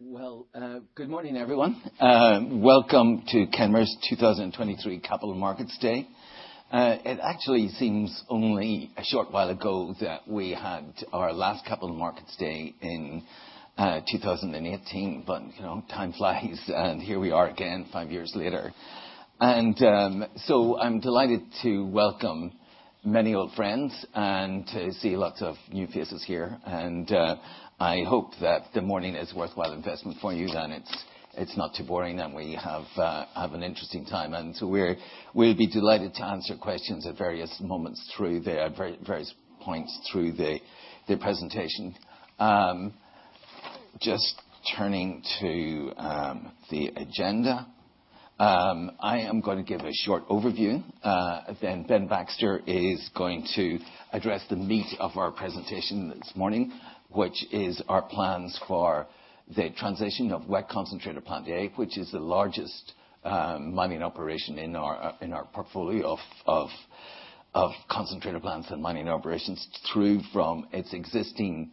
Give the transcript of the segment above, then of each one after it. Well, good morning, everyone. Welcome to Kenmare's 2023 Capital Markets Day. It actually seems only a short while ago that we had our last Capital Markets Day in 2018. You know, time flies, and here we are again, five years later. I'm delighted to welcome many old friends and to see lots of new faces here. I hope that the morning is a worthwhile investment for you, and it's not too boring, and we have an interesting time. We'll be delighted to answer questions at various points through the presentation. Just turning to the agenda, I am gonna give a short overview. Then Ben Baxter is going to address the meat of our presentation this morning, which is our plans for the transition of Wet Concentrator Plant A, which is the largest mining operation in our portfolio of concentrator plants and mining operations through from its existing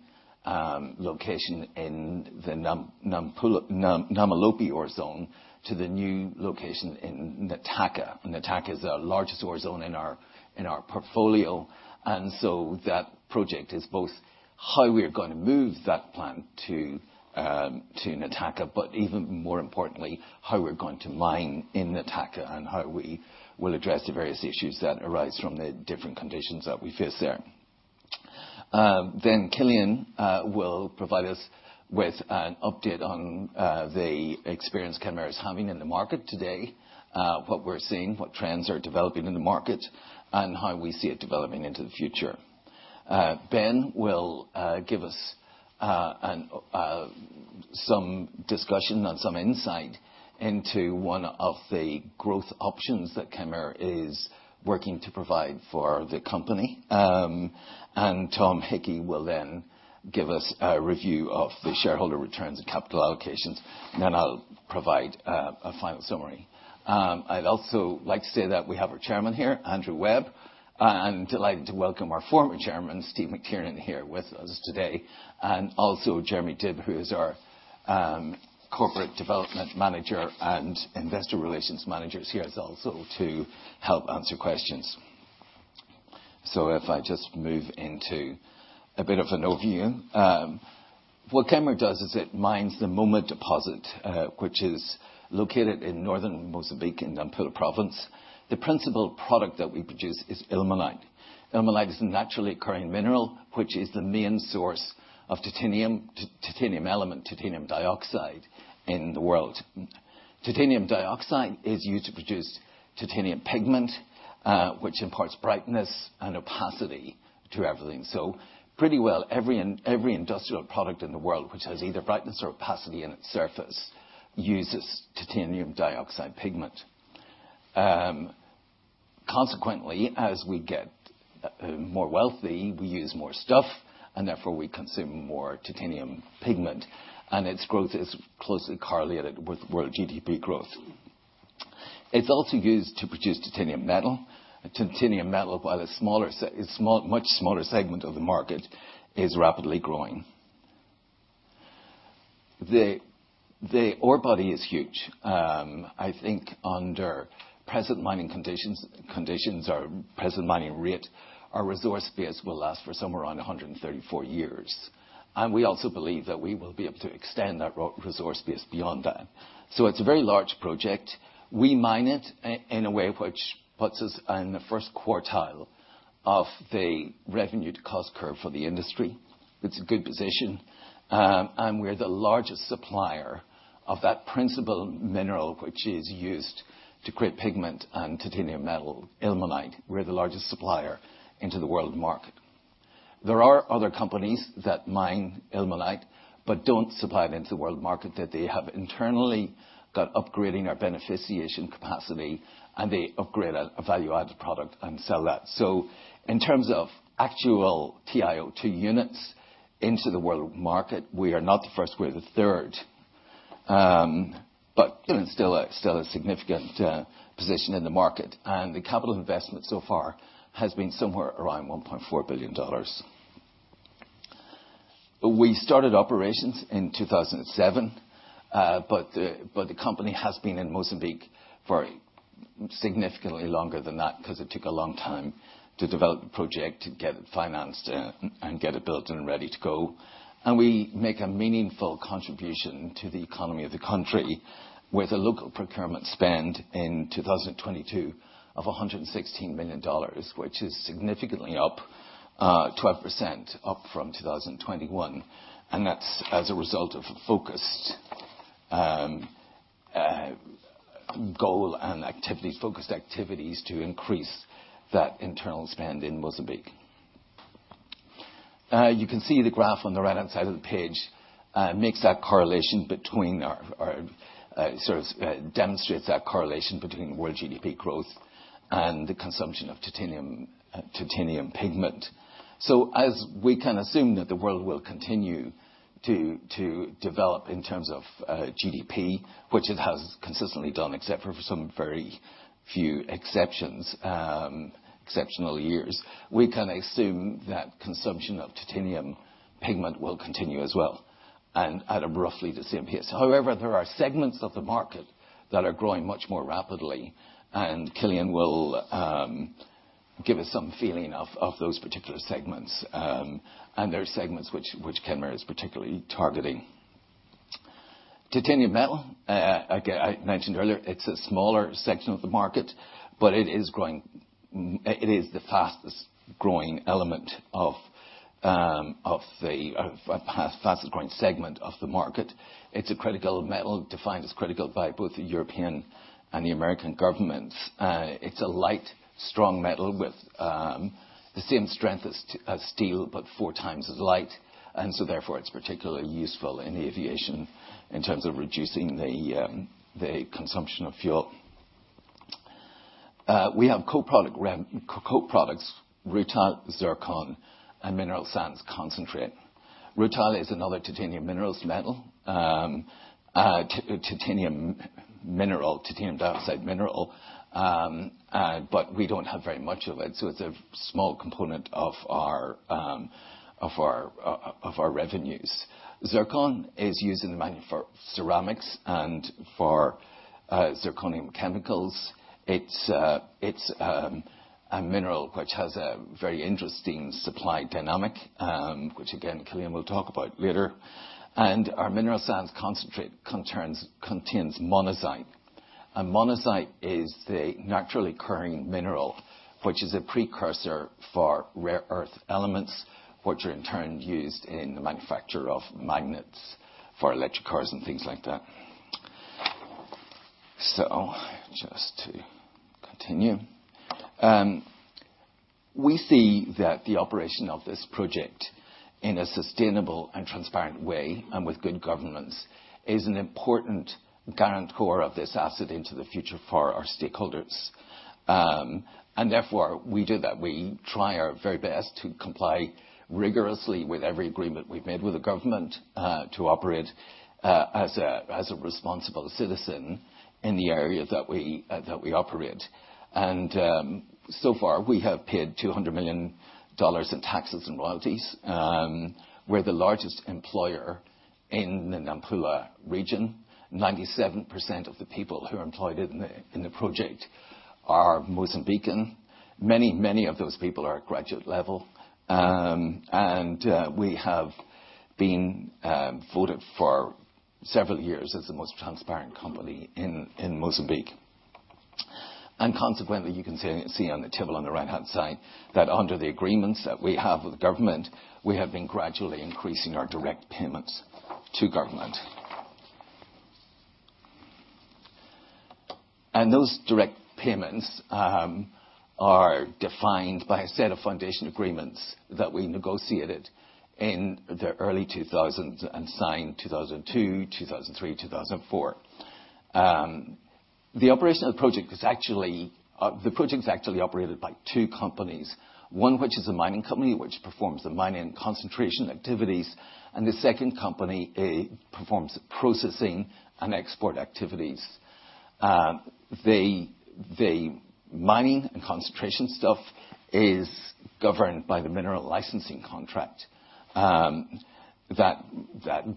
location in the Namalope ore zone to the new location in Nataka. Nataka is the largest ore zone in our portfolio. That project is both how we're gonna move that plant to Nataka, but even more importantly, how we're going to mine in Nataka and how we will address the various issues that arise from the different conditions that we faceCillian there. CillianBen will provide us with an update on the experience Kenmare is having in the market today, what we're seeing, what trends are developing in the market, and how we see it developing into the future. Ben will give us some discussion and some insight into one of the growth options that Kenmare is working to provide for the company. Tom Hickey will give us a review of the shareholder returns and capital allocations. I'll provide a final summary. I'd also like to say that we have our chairman here, Andrew Webb, and delighted to welcome our former chairman, Steven McTiernan, here with us today, and also Jeremy Dibb, who is our corporate development manager and investor relations manager is here also to help answer questions. If I just move into a bit of an overview. What Kenmare does is it mines the Moma deposit, which is located in northern Mozambique in Nampula province. The principal product that we produce is ilmenite. Ilmenite is a naturally occurring mineral, which is the main source of titanium element, titanium dioxide in the world. Titanium dioxide is used to produce titanium pigment, which imparts brightness and opacity to everything. Pretty well every industrial product in the world which has either brightness or opacity in its surface uses titanium dioxide pigment. Consequently, as we get more wealthy, we use more stuff, and therefore we consume more titanium pigment, and its growth is closely correlated with world GDP growth. It's also used to produce titanium metal. Titanium metal, while a small, much smaller segment of the market, is rapidly growing. The ore body is huge. I think under present mining conditions or present mining rate, our resource base will last for somewhere around 134 years, and we also believe that we will be able to extend that resource base beyond that. It's a very large project. We mine it in a way which puts us in the first quartile of the revenue to cost curve for the industry. It's a good position. We're the largest supplier of that principal mineral, which is used to create pigment and titanium metal, ilmenite. We're the largest supplier into the world market. There are other companies that mine ilmenite but don't supply it into the world market, that they have internally got upgrading our beneficiation capacity, and they upgrade a value-added product and sell that. In terms of actual TiO2 units into the world market, we are not the first, we're the third. But still a significant position in the market. The capital investment so far has been somewhere around $1.4 billion. We started operations in 2007, but the company has been in Mozambique for significantly longer than that because it took a long time to develop the project, to get it financed, and get it built and ready to go. We make a meaningful contribution to the economy of the country with a local procurement spend in 2022 of $116 million, which is significantly up, 12% up from 2021. That's as a result of a focused goal and activities, focused activities to increase that internal spend in Mozambique. You can see the graph on the right-hand side of the page. Makes that correlation between our, sort of, demonstrates that correlation between world GDP growth and the consumption of titanium pigment. As we can assume that the world will continue to develop in terms of GDP, which it has consistently done except for some very few exceptions, exceptional years, we can assume that consumption of titanium pigment will continue as well and at a roughly the same pace. However, there are segments of the market that are growing much more rapidly, and Cillian will give us some feeling of those particular segments. And there are segments which Kenmare is particularly targeting. Titanium metal, like I mentioned earlier, it's a smaller section of the market, but it is growing. It is the fastest-growing element of the fastest growing segment of the market. It's a critical metal, defined as critical by both the European and the American governments. It's a light, strong metal with the same strength as steel, but 4x times as light. Therefore, it's particularly useful in aviation in terms of reducing the consumption of fuel. We have co-products, rutile, zircon, and mineral sands concentrate. Rutile is another titanium minerals metal, titanium mineral, titanium dioxide mineral, but we don't have very much of it, so it's a small component of our revenues. Zircon is used in ceramics and for zirconium chemicals. It's a mineral which has a very interesting supply dynamic, which again, Cillian will talk about later. Our mineral sands concentrate contains monazite. Monazite is the naturally occurring mineral, which is a precursor for rare earth elements, which are in turn used in the manufacture of magnets for electric cars and things like that. Just to continue. We see that the operation of this project in a sustainable and transparent way and with good governance is an important guarantor of this asset into the future for our stakeholders. Therefore, we do that. We try our very best to comply rigorously with every agreement we've made with the government to operate as a responsible citizen in the area that we operate. So far, we have paid $200 million in taxes and royalties. We're the largest employer in the Nampula region. 97% of the people who are employed in the project are Mozambican. Many of those people are at graduate level. We have been voted for several years as the most transparent company in Mozambique. Consequently, you can see on the table on the right-hand side that under the agreements that we have with the government, we have been gradually increasing our direct payments to government. Those direct payments are defined by a set of foundation agreements that we negotiated in the early 2000s and signed 2002, 2003, 2004. The project is actually operated by two companies, one which is a mining company, which performs the mining concentration activities, and the second company, it performs processing and export activities. The mining and concentration stuff is governed by the Mineral Licensing Contract that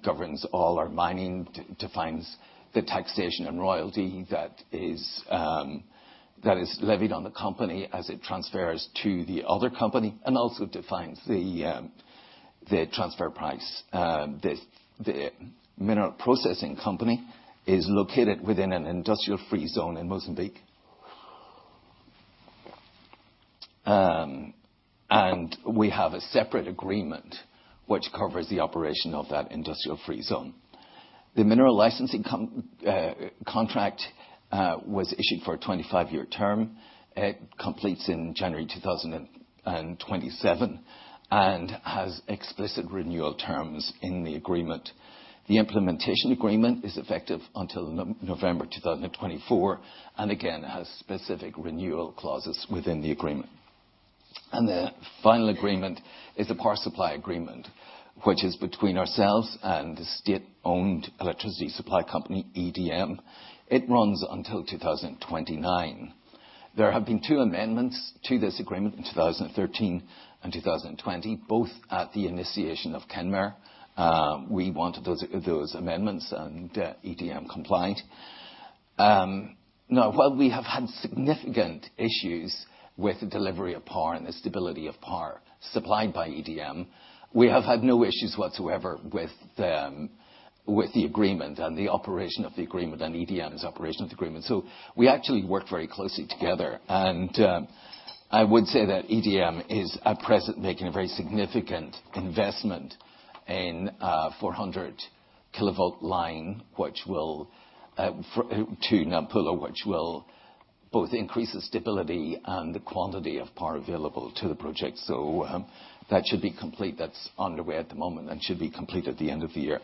governs all our mining, defines the taxation and royalty that is levied on the company as it transfers to the other company, and also defines the transfer price. The mineral processing company is located within an Industrial Free Zone in Mozambique. We have a separate agreement which covers the operation of that Industrial Free Zone. The Mineral Licensing Contract was issued for a 25-year term. It completes in January 2027, and has explicit renewal terms in the agreement. The Implementation Agreement is effective until November 2024, and again, has specific renewal clauses within the agreement. The final agreement is the Power Supply Agreement, which is between ourselves and the state-owned electricity supply company, EDM. It runs until 2029. There have been two amendments to this agreement in 2013 and 2020, both at the initiation of Kenmare. We wanted those amendments, and EDM compliant. Now while we have had significant issues with the delivery of power and the stability of power supplied by EDM, we have had no issues whatsoever with them, with the agreement and the operation of the agreement and EDM's operation of the agreement. We actually work very closely together. I would say that EDM is at present making a very significant investment in a 400-kilovolt line, which will to Nampula which will both increase the stability and the quantity of power available to the project. That should be complete. That's underway at the moment and should be complete at the end of the year.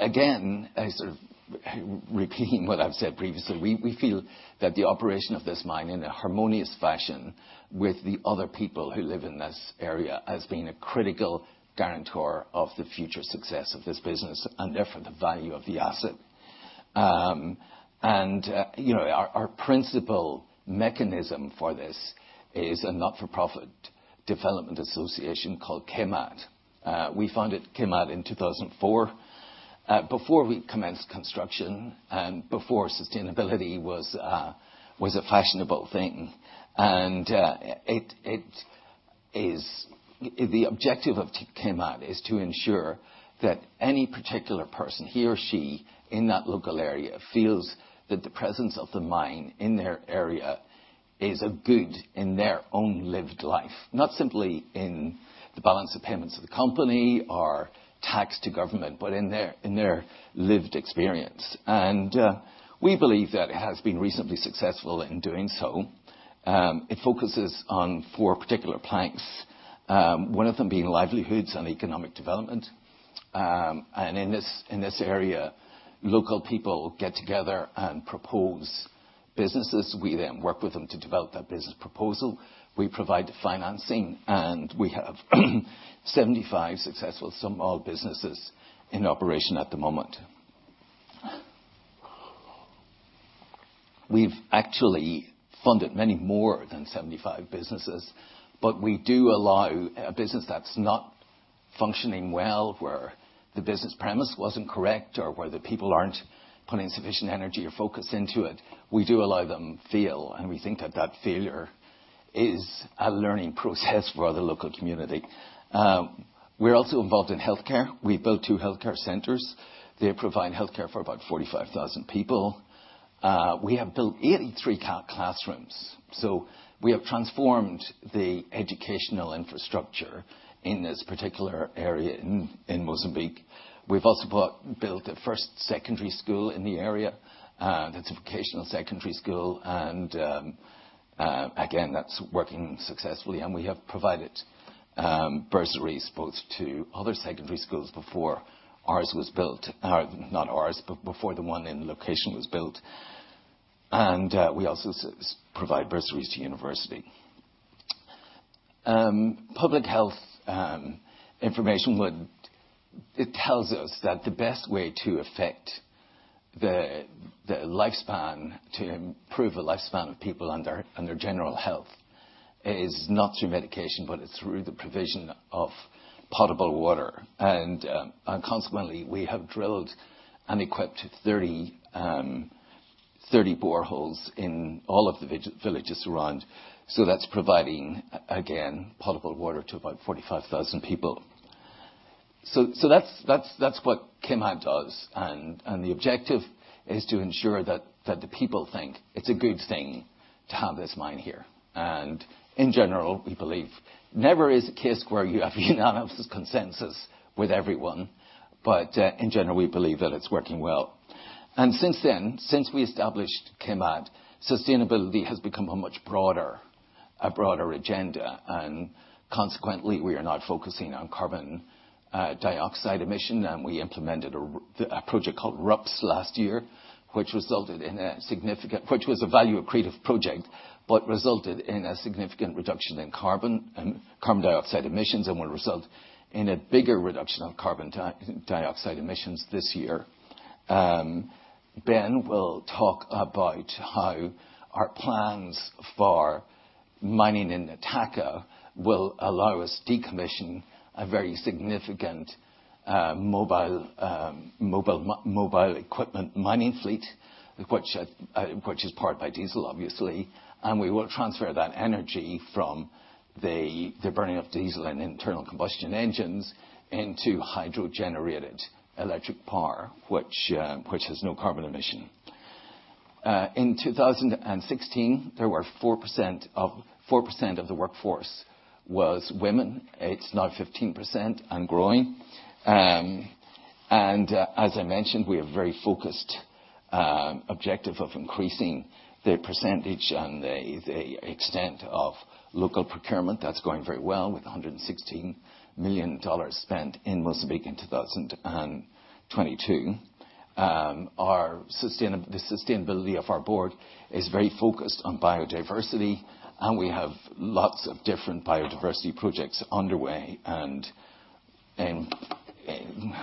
Again, I sort of repeating what I've said previously. We feel that the operation of this mine in a harmonious fashion with the other people who live in this area as being a critical guarantor of the future success of this business, and therefore the value of the asset. You know, our principal mechanism for this is a not-for-profit development association called KMAD. We founded KMAD in 2004, before we commenced construction and before sustainability was a fashionable thing. The objective of KMAD is to ensure that any particular person, he or she, in that local area feels that the presence of the mine in their area is a good in their own lived life. Not simply in the balance of payments of the company or tax to government, but in their, in their lived experience. We believe that it has been reasonably successful in doing so. It focuses on four particular planks, one of them being livelihoods and economic development. In this area, local people get together and propose businesses. We then work with them to develop that business proposal. We provide financing. We have 75 successful small businesses in operation at the moment. We've actually funded many more than 75 businesses, we do allow a business that's not functioning well, where the business premise wasn't correct, or where the people aren't putting sufficient energy or focus into it. We do allow them fail, we think that that failure is a learning process for the local community. We're also involved in healthcare. We built two healthcare centers. They provide healthcare for about 45,000 people. We have built 83 classrooms, we have transformed the educational infrastructure in this particular area in Mozambique. We've also built the first secondary school in the area, that's a vocational secondary school and again, that's working successfully. We have provided bursaries both to other secondary schools before ours was built. Not ours, but before the one in location was built. we also provide bursaries to university. Public health information would. It tells us that the best way to affect the lifespan, to improve the lifespan of people and their general health is not through medication, but it's through the provision of potable water. consequently, we have drilled and equipped 30 boreholes in all of the villages around. that's providing, again, potable water to about 45,000 people. that's what KMAD does. the objective is to ensure that the people think it's a good thing to have this mine here. in general, we believe never is a case where you have unanimous consensus with everyone. in general, we believe that it's working well. Since then, since we established KMAD, sustainability has become a much broader, a broader agenda. Consequently, we are now focusing on carbon dioxide emission, and we implemented a project called RUPS last year, which was a value-accretive project, but resulted in a significant reduction in carbon dioxide emissions, and will result in a bigger reduction of carbon dioxide emissions this year. Ben will talk about how our plans for mining in Nataka will allow us decommission a very significant mobile equipment mining fleet, which is powered by diesel, obviously. We will transfer that energy from the burning of diesel and internal combustion engines into hydro-generated electric power, which has no carbon emission. In 2016, there were 4% of the workforce was women. It's now 15% and growing. As I mentioned, we are very focused objective of increasing the percentage and the extent of local procurement. That's going very well with $116 million spent in Mozambique in 2022. The sustainability of our board is very focused on biodiversity, and we have lots of different biodiversity projects underway and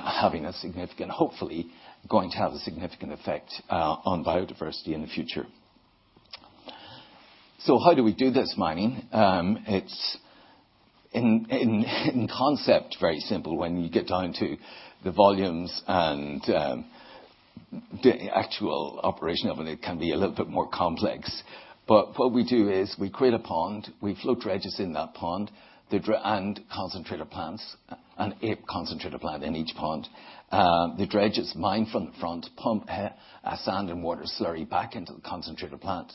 having a significant, hopefully, going to have a significant effect on biodiversity in the future. How do we do this mining? It's in concept, very simple when you get down to the volumes. The actual operation of it can be a little bit more complex. What we do is we create a pond, we float dredges in that pond and concentrator plants, an ape concentrator plant in each pond. The dredges mine from the front, pump sand and water slurry back into the concentrator plants,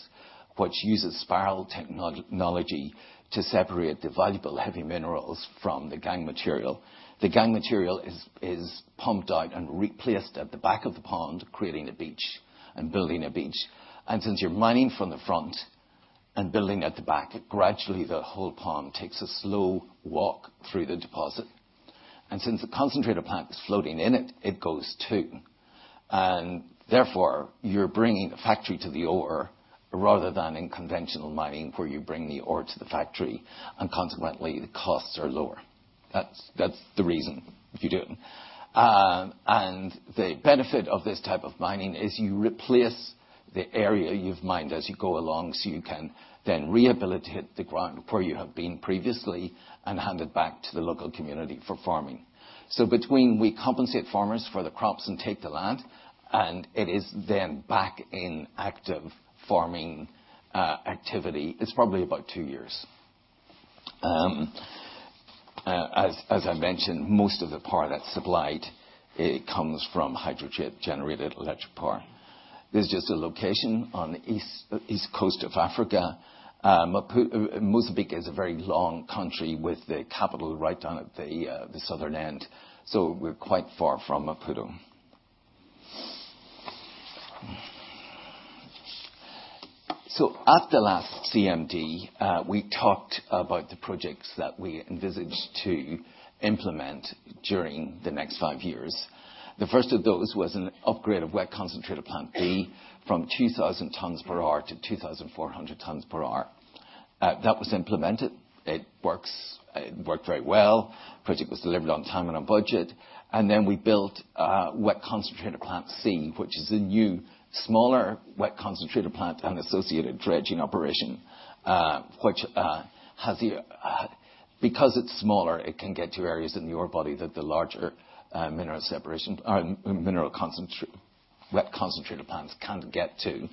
which uses spiral technology to separate the valuable heavy minerals from the gangue material. The gangue material is pumped out and replaced at the back of the pond, creating a beach and building a beach. Since you're mining from the front and building at the back, gradually the whole pond takes a slow walk through the deposit. Since the concentrator plant is floating in it goes too. Therefore, you're bringing the factory to the ore, rather than in conventional mining, where you bring the ore to the factory, and consequently, the costs are lower. That's the reason you do it. The benefit of this type of mining is you replace the area you've mined as you go along, so you can then rehabilitate the ground where you have been previously and hand it back to the local community for farming. Between we compensate farmers for the crops and take the land, and it is then back in active farming activity, it's probably about two years. As I mentioned, most of the power that's supplied, it comes from hydro-generated electric power. This is just a location on the east coast of Africa. Mozambique is a very long country with the capital right down at the southern end. We're quite far from Maputo. At the last CMD, we talked about the projects that we envisaged to implement during the next five years. The first of those was an upgrade of Wet Concentrator Plant B from 2,000 tons per hour to 2,400 tons per hour. That was implemented. It works, it worked very well. Project was delivered on time and on budget. Then we built Wet Concentrator Plant C, which is a new, smaller wet concentrator plant and associated dredging operation, which has the... Because it's smaller, it can get to areas in the ore body that the larger wet concentrator plants can't get to.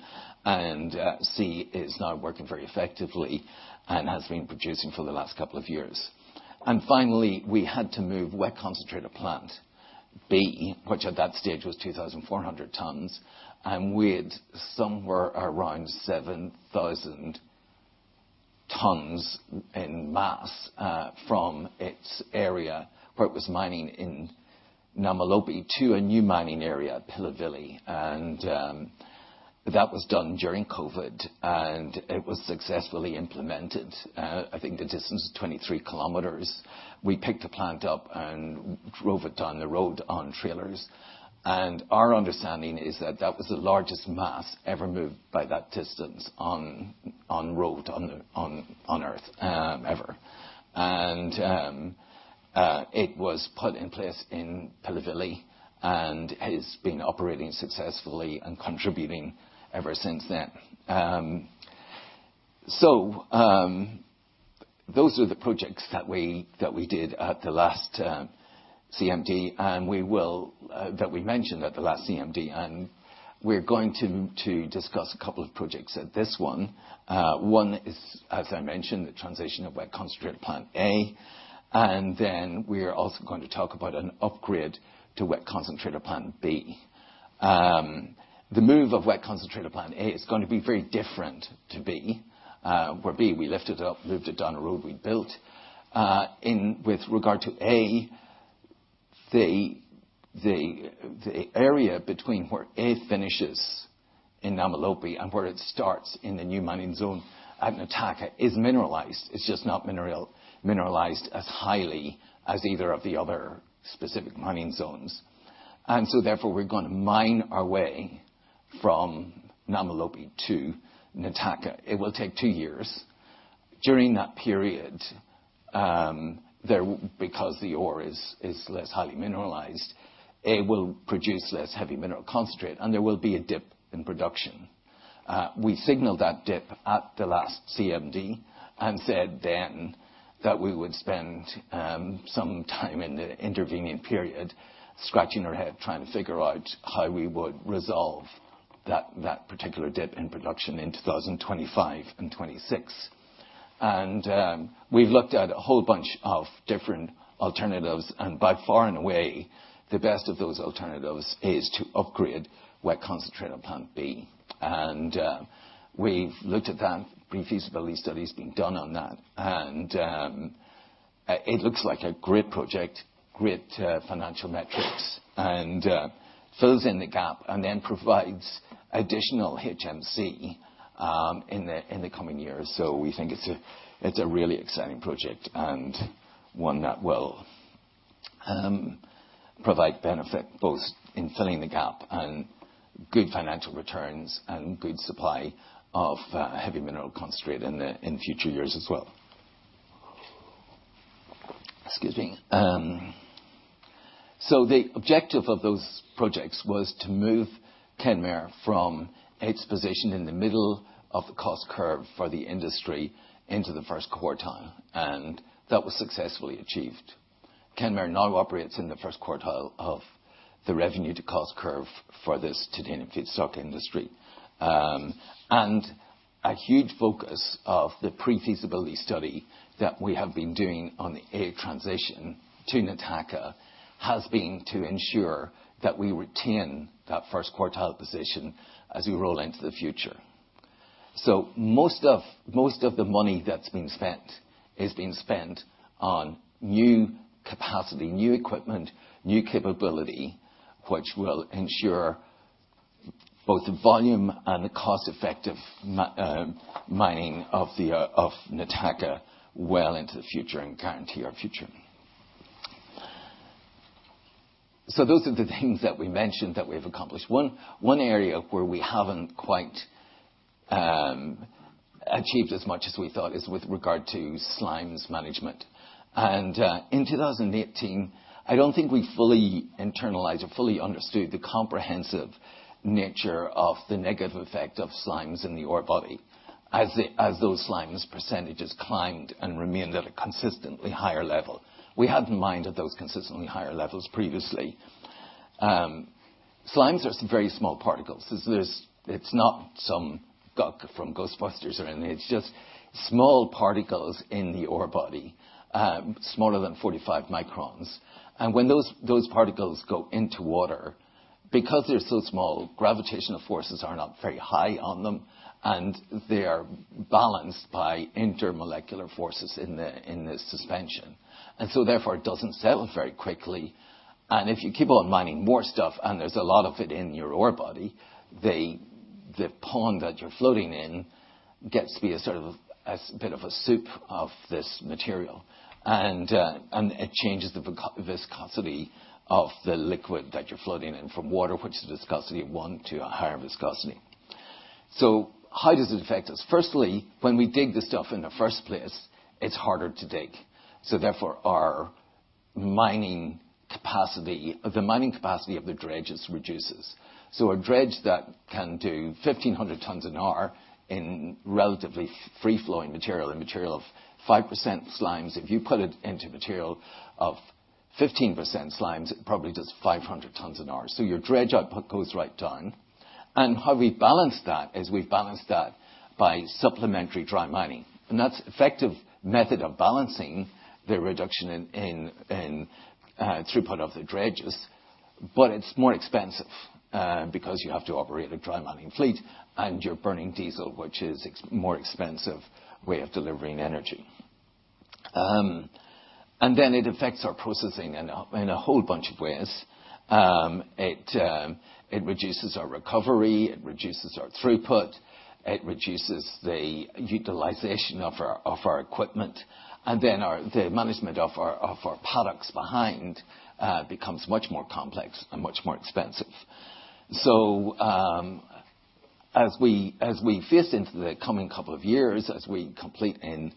C is now working very effectively and has been producing for the last couple of years. Finally, we had to move Wet Concentrator Plant B, which at that stage was 2,400 tons, and with somewhere around 7,000 tons in mass, from its area where it was mining in Namalope to a new mining area, Pilivili. That was done during COVID, and it was successfully implemented. I think the distance is 23 km. We picked the plant up and drove it down the road on trailers. Our understanding is that that was the largest mass ever moved by that distance on road, on Earth, ever. It was put in place in Pilivili and has been operating successfully and contributing ever since then. Those are the projects that we did at the last CMD, and we will that we mentioned at the last CMD. We're going to discuss a couple of projects at this one. One is, as I mentioned, the transition of Wet Concentrator Plant A. We're also going to talk about an upgrade to Wet Concentrator Plant B. The move of Wet Concentrator Plant A is going to be very different to B. Where B, we lifted it up, moved it down a road we built. In with regard to A, the area between where A finishes in Namalope and where it starts in the new mining zone at Nataka is mineralized. It's just not mineralized as highly as either of the other specific mining zones. Therefore, we're going to mine our way from Namalope to Nataka. It will take two years. During that period, because the ore is less highly mineralized, A will produce less heavy mineral concentrate, and there will be a dip in production. We signaled that dip at the last CMD and said then that we would spend some time in the intervening period scratching our head, trying to figure out how we would resolve that particular dip in production in 2025 and 2026. We've looked at a whole bunch of different alternatives, and by far and away, the best of those alternatives is to upgrade Wet Concentrator Plant B. We've looked at that. Pre-feasibility study's been done on that. It looks like a great project, great financial metrics, and fills in the gap and then provides additional HMC in the coming years. We think it's a, it's a really exciting project and one that will provide benefit both in filling the gap and good financial returns and good supply of heavy mineral concentrate in the, in future years as well. Excuse me. The objective of those projects was to move Kenmare from its position in the middle of the cost curve for the industry into the first quartile, and that was successfully achieved. Kenmare now operates in the first quartile of the revenue to cost curve for this titanium feedstock industry. A huge focus of the pre-feasibility study that we have been doing on the A transition to Nataka has been to ensure that we retain that first quartile position as we roll into the future. Most of the money that's been spent has been spent on new capacity, new equipment, new capability, which will ensure both the volume and the cost-effective mining of Nataka well into the future and guarantee our future. Those are the things that we mentioned that we've accomplished. One area where we haven't quite achieved as much as we thought is with regard to slimes management. In 2018, I don't think we fully internalized or fully understood the comprehensive nature of the negative effect of slimes in the ore body as those slimes percentages climbed and remained at a consistently higher level. We had mined at those consistently higher levels previously. Slimes are some very small particles. There's it's not some guck from Ghostbusters or anything. It's just small particles in the ore body, smaller than 45 microns. When those particles go into water, because they're so small, gravitational forces are not very high on them, and they are balanced by intermolecular forces in the suspension. Therefore, it doesn't settle very quickly. If you keep on mining more stuff and there's a lot of it in your ore body, the pond that you're floating in gets to be a sort of, a bit of a soup of this material. It changes the viscosity of the liquid that you're floating in from water, which is a viscosity of one to a higher viscosity. How does it affect us? Firstly, when we dig the stuff in the first place, it's harder to dig. Therefore, the mining capacity of the dredges reduces. A dredge that can do 1,500 tons an hour in relatively free flowing material and material of 5% slimes, if you put it into material of 15% slimes, it probably does 500 tons an hour. How we balance that is we balance that by supplementary dry mining. That's effective method of balancing the reduction in throughput of the dredges. It's more expensive because you have to operate a dry mining fleet, and you're burning diesel, which is more expensive way of delivering energy. It affects our processing in a whole bunch of ways. It reduces our recovery, it reduces our throughput, it reduces the utilization of our equipment. The management of our products behind becomes much more complex and much more expensive. As we face into the coming couple of years, as we complete in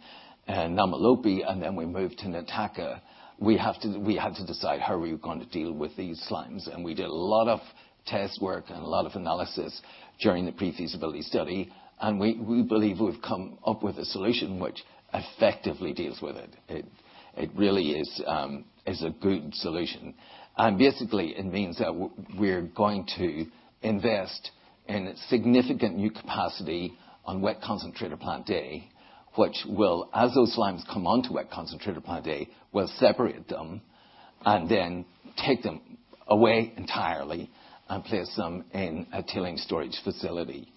Namalope, and then we move to Nataka, we have to decide how we're going to deal with these slimes. We did a lot of test work and a lot of analysis during the pre-feasibility study, and we believe we've come up with a solution which effectively deals with it. It really is a good solution. Basically it means that we're going to invest in significant new capacity on Wet Concentrator Plant A, which will, as those slimes come onto Wet Concentrator Plant A, will separate them and then take them away entirely and place them in a tailings storage facility.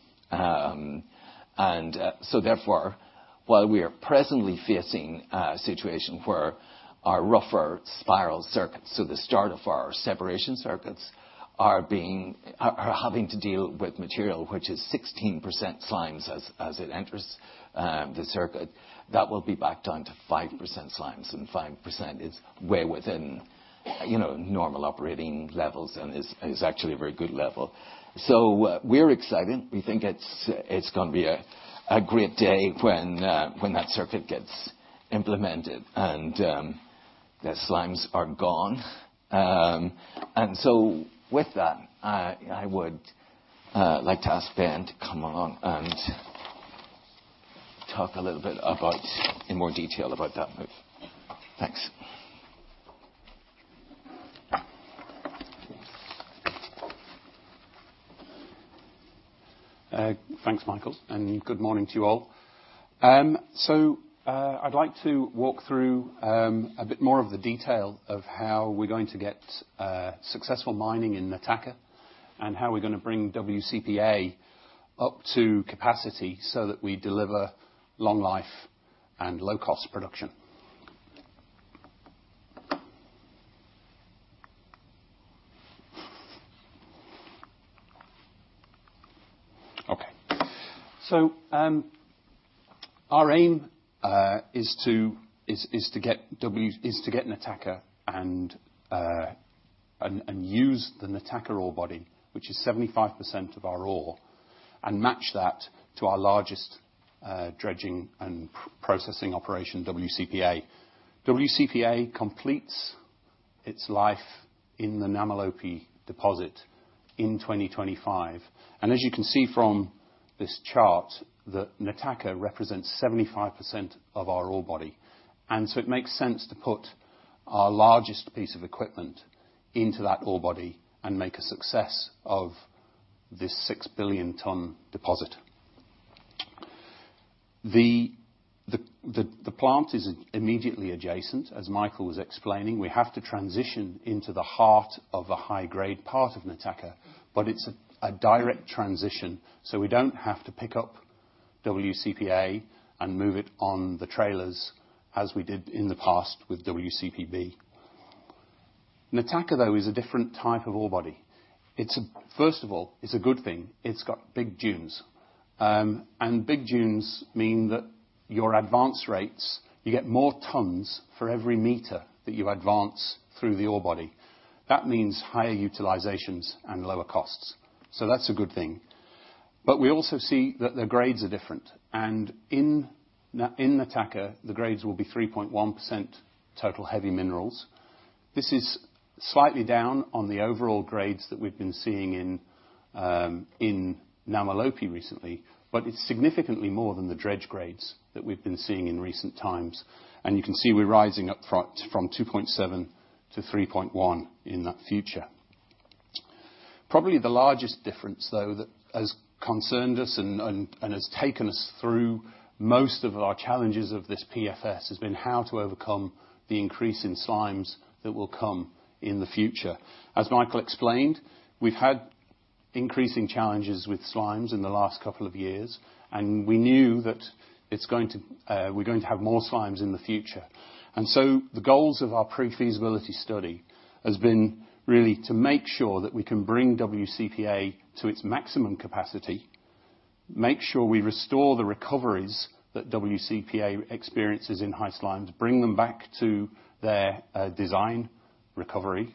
Therefore, while we are presently facing a situation where our rougher spiral circuits, so the start of our separation circuits are having to deal with material which is 16% slimes as it enters the circuit, that will be backed down to 5% slimes, and 5% is way within, you know, normal operating levels and is actually a very good level. We're excited. We think it's gonna be a great day when that circuit gets implemented and the slimes are gone. With that, I would like to ask Ben to come along and talk a little bit about, in more detail about that move. Thanks. Thanks, Michael, and good morning to you all. I'd like to walk through a bit more of the detail of how we're going to get successful mining in Nataka and how we're gonna bring WCPA up to capacity so that we deliver long life and low cost production. Our aim is to get Nataka and use the Nataka ore body, which is 75% of our ore, and match that to our largest dredging and processing operation, WCPA. WCPA completes its life in the Namalope deposit in 2025. As you can see from this chart that Nataka represents 75% of our ore body. It makes sense to put our largest piece of equipment into that ore body and make a success of this 6 billion ton deposit. The plant is immediately adjacent, as Michael was explaining. We have to transition into the heart of the high grade part of Nataka, but it's a direct transition, so we don't have to pick up WCPA and move it on the trailers as we did in the past with WCPB. Nataka, though, is a different type of ore body. First of all, it's a good thing. It's got big dunes. Big dunes mean that your advance rates, you get more tons for every meter that you advance through the ore body. That means higher utilizations and lower costs. That's a good thing. We also see that the grades are different. In Nataka, the grades will be 3.1% total heavy minerals. This is slightly down on the overall grades that we've been seeing in Namalope recently. It's significantly more than the dredge grades that we've been seeing in recent times. You can see we're rising up front from 2.7%-3.1% in that future. Probably the largest difference, though, that has concerned us and has taken us through most of our challenges of this PFS has been how to overcome the increase in slimes that will come in the future. As Michael explained, we've had increasing challenges with slimes in the last couple of years, and we knew that we're going to have more slimes in the future. The goals of our pre-feasibility study has been really to make sure that we can bring WCPA to its maximum capacity, make sure we restore the recoveries that WCPA experiences in high slimes, bring them back to their design recovery.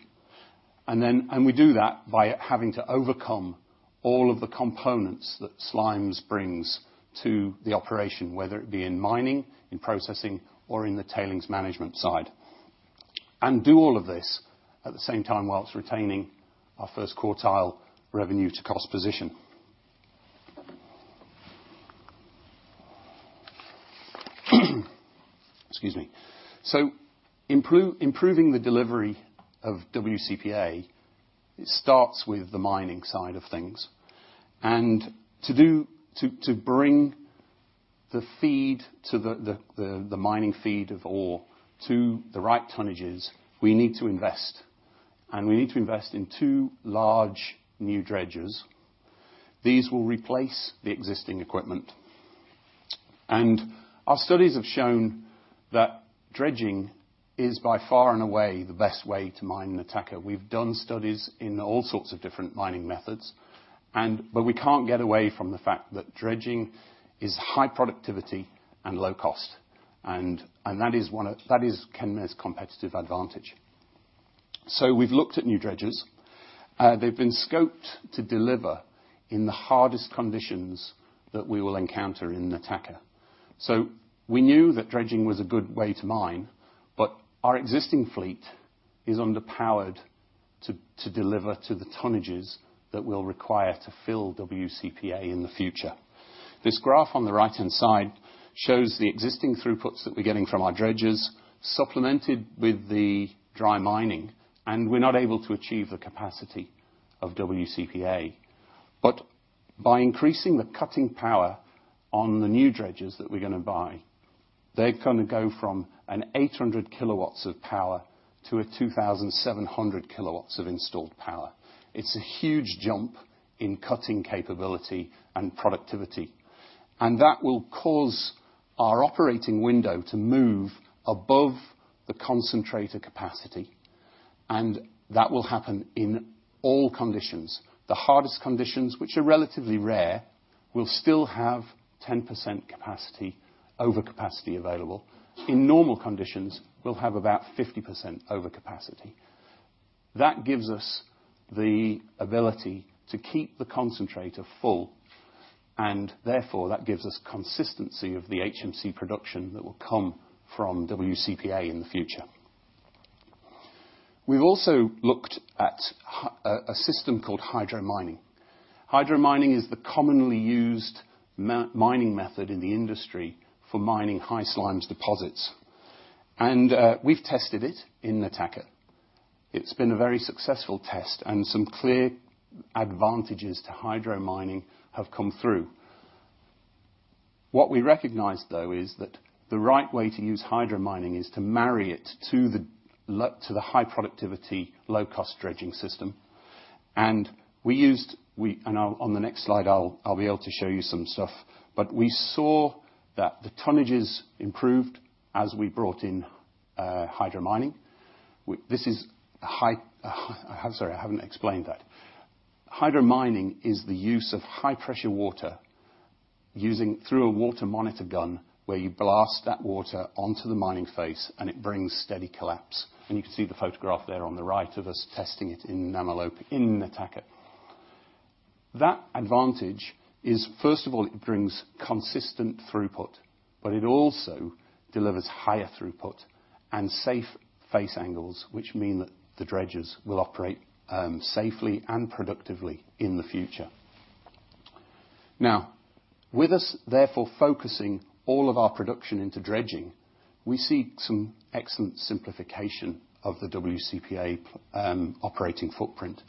We do that by having to overcome all of the components that slimes brings to the operation, whether it be in mining, in processing, or in the tailings management side. Do all of this at the same time, whilst retaining our first quartile revenue to cost position. Excuse me. Improving the delivery of WCPA, it starts with the mining side of things. To bring the feed to the mining feed of ore to the right tonnages, we need to invest, and we need to invest in two large new dredges. These will replace the existing equipment. Our studies have shown that dredging is by far and away the best way to mine Nataka. We've done studies in all sorts of different mining methods but we can't get away from the fact that dredging is high productivity and low cost, and that is Kenmare's competitive advantage. We've looked at new dredges. They've been scoped to deliver in the hardest conditions that we will encounter in Nataka. We knew that dredging was a good way to mine, but our existing fleet is underpowered to deliver to the tonnages that we'll require to fill WCPA in the future. This graph on the right-hand side shows the existing throughputs that we're getting from our dredges, supplemented with the dry mining, and we're not able to achieve the capacity of WCPA. By increasing the cutting power on the new dredges that we're gonna buy, they're gonna go from 800 kilowatts of power to 2,700 kilowatts of installed power. It's a huge jump in cutting capability and productivity. That will cause our operating window to move above the concentrator capacity, and that will happen in all conditions. The hardest conditions, which are relatively rare, will still have 10% capacity, over capacity available. In normal conditions, we'll have about 50% over capacity. That gives us the ability to keep the concentrator full, and therefore, that gives us consistency of the HMC production that will come from WCPA in the future. We've also looked at a system called hydromining. Hydromining is the commonly used mining method in the industry for mining high slimes deposits. We've tested it in Nataka. It's been a very successful test. Some clear advantages to hydromining have come through. What we recognize, though, is that the right way to use hydromining is to marry it to the high productivity, low cost dredging system. On the next slide, I'll be able to show you some stuff. We saw that the tonnages improved as we brought in hydromining. This is high... I'm sorry, I haven't explained that. Hydromining is the use of high pressure water through a water monitor gun, where you blast that water onto the mining face, and it brings steady collapse. You can see the photograph there on the right of us testing it in Namalope, in Nataka. That advantage is, first of all, it brings consistent throughput. It also delivers higher throughput and safe face angles, which mean that the dredges will operate safely and productively in the future. With us therefore focusing all of our production into dredging, we see some excellent simplification of the WCPA operating footprint.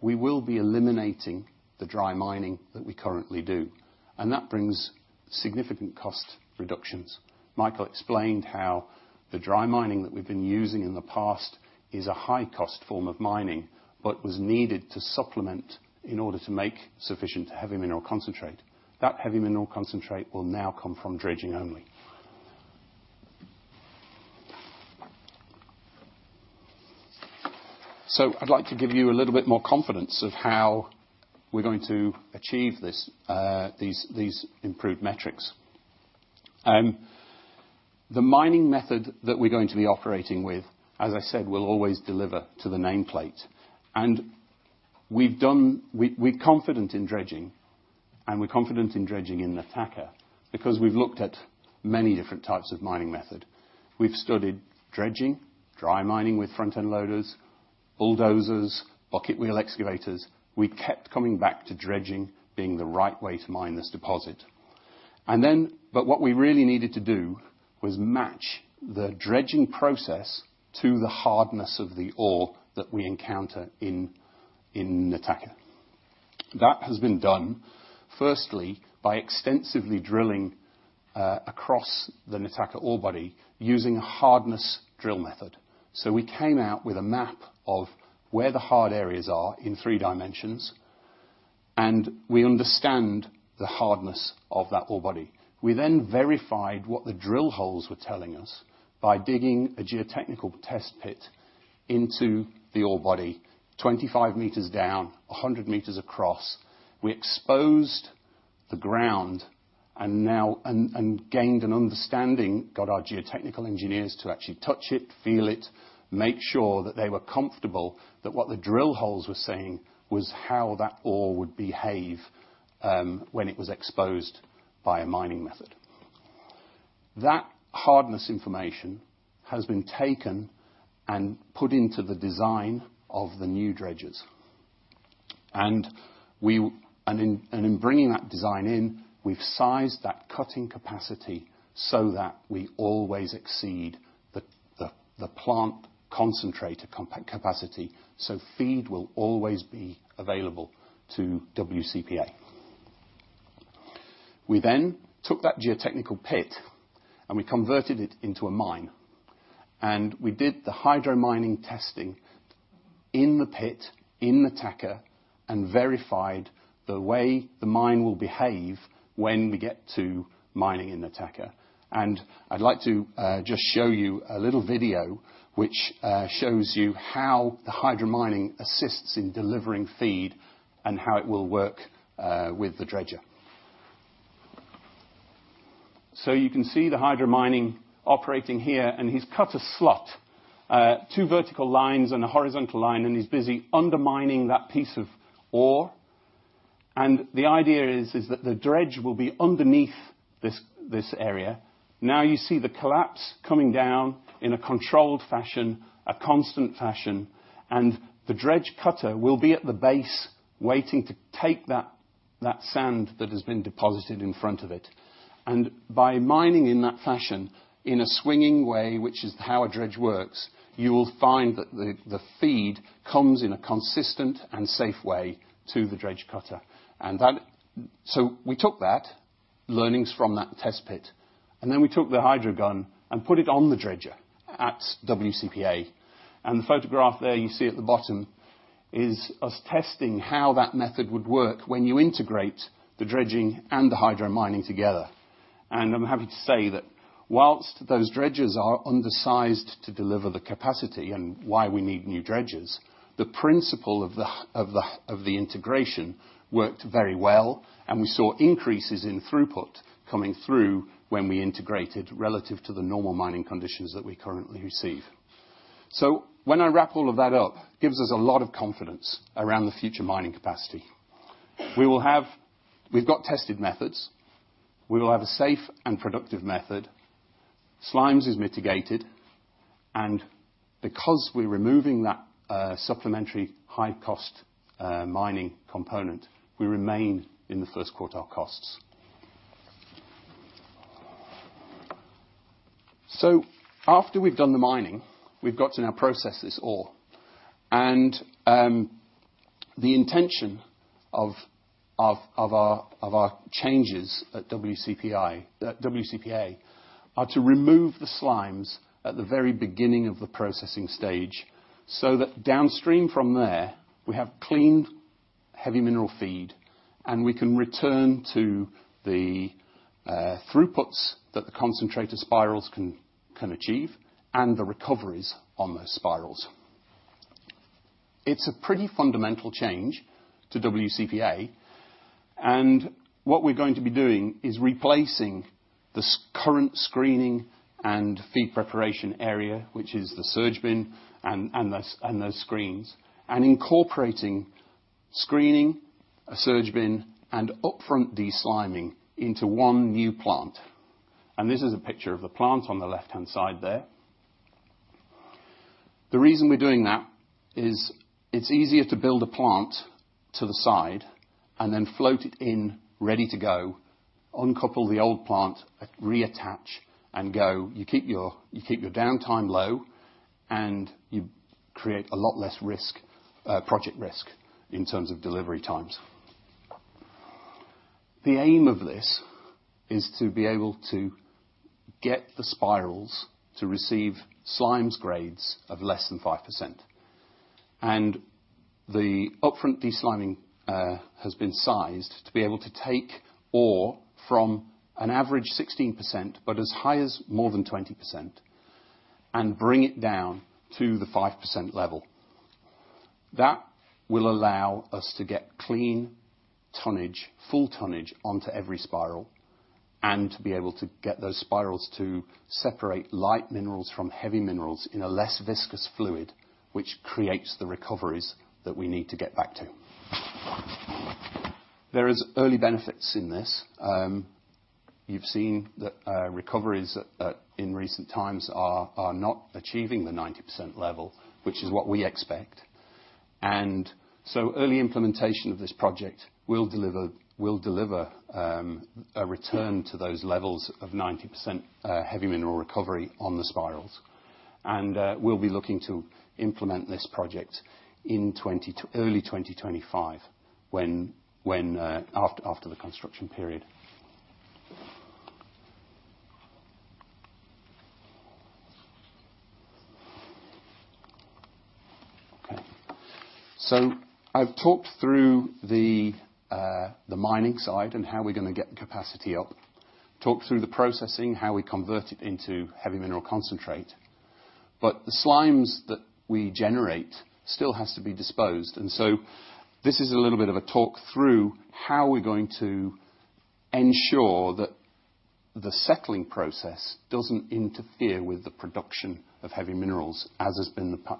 We will be eliminating the dry mining that we currently do, and that brings significant cost reductions. Michael explained how the dry mining that we've been using in the past is a high-cost form of mining, but was needed to supplement in order to make sufficient heavy mineral concentrate. That heavy mineral concentrate will now come from dredging only. I'd like to give you a little bit more confidence of how we're going to achieve these improved metrics. The mining method that we're going to be operating with, as I said, will always deliver to the nameplate. We're confident in dredging, and we're confident in dredging in Nataka because we've looked at many different types of mining method. We've studied dredging, dry mining with front-end loaders, bulldozers, bucket wheel excavators. We kept coming back to dredging being the right way to mine this deposit. What we really needed to do was match the dredging process to the hardness of the ore that we encounter in Nataka. That has been done, firstly, by extensively drilling across the Nataka ore body using a hardness drill method. We came out with a map of where the hard areas are in three dimensions, and we understand the hardness of that ore body. We verified what the drill holes were telling us by digging a geotechnical test pit into the ore body, 25 meters down, 100 meters across. We exposed the ground and gained an understanding, got our geotechnical engineers to actually touch it, feel it, make sure that they were comfortable that what the drill holes were saying was how that ore would behave, when it was exposed by a mining method. That hardness information has been taken and put into the design of the new dredges. In bringing that design in, we've sized that cutting capacity so that we always exceed the, the plant concentrator capacity, so feed will always be available to WCPA. We took that geotechnical pit, and we converted it into a mine. We did the hydromining testing in the pit, in Nataka, and verified the way the mine will behave when we get to mining in Nataka. I'd like to just show you a little video which shows you how the hydromining assists in delivering feed and how it will work with the dredger. You can see the hydromining operating here, and he's cut a slot, 2 vertical lines and a horizontal line, and he's busy undermining that piece of ore. The idea is that the dredge will be underneath this area. Now you see the collapse coming down in a controlled fashion, a constant fashion, and the dredge cutter will be at the base waiting to take that sand that has been deposited in front of it. By mining in that fashion, in a swinging way, which is how a dredge works, you will find that the feed comes in a consistent and safe way to the dredge cutter. We took that, learnings from that test pit, and then we took the hydro gun and put it on the dredger at WCPA. The photograph there you see at the bottom is us testing how that method would work when you integrate the dredging and the hydromining together. I'm happy to say that whilst those dredges are undersized to deliver the capacity and why we need new dredges, the principle of the integration worked very well, and we saw increases in throughput coming through when we integrated relative to the normal mining conditions that we currently receive. When I wrap all of that up, gives us a lot of confidence around the future mining capacity. We've got tested methods. We will have a safe and productive method. Slimes is mitigated. Because we're removing that, supplementary high-cost, mining component, we remain in the first quartile costs. After we've done the mining, we've got to now process this ore. The intention of our changes at WCPA are to remove the slimes at the very beginning of the processing stage, so that downstream from there we have cleaned heavy mineral feed, and we can return to the throughputs that the concentrator spirals can achieve and the recoveries on those spirals. It's a pretty fundamental change to WCPA. What we're going to be doing is replacing this current screening and feed preparation area, which is the surge bin and those screens, and incorporating screening, a surge bin and upfront desliming into one new plant. This is a picture of the plant on the left-hand side there. The reason we're doing that is it's easier to build a plant to the side and then float it in ready to go, uncouple the old plant, reattach and go. You keep your downtime low, and you create a lot less risk, project risk in terms of delivery times. The aim of this is to be able to get the spirals to receive slimes grades of less than 5%. The upfront desliming has been sized to be able to take ore from an average 16%, but as high as more than 20%, and bring it down to the 5% level. That will allow us to get clean tonnage, full tonnage onto every spiral, and to be able to get those spirals to separate light minerals from heavy minerals in a less viscous fluid, which creates the recoveries that we need to get back to. There is early benefits in this. You've seen that recoveries at in recent times are not achieving the 90% level, which is what we expect. Early implementation of this project will deliver a return to those levels of 90% heavy mineral recovery on the spirals. We'll be looking to implement this project in early 2025 when after the construction period. Okay. I've talked through the mining side and how we're gonna get the capacity up. Talked through the processing, how we convert it into heavy mineral concentrate. The slimes that we generate still has to be disposed. This is a little bit of a talk through how we're going to ensure that the settling process doesn't interfere with the production of heavy minerals as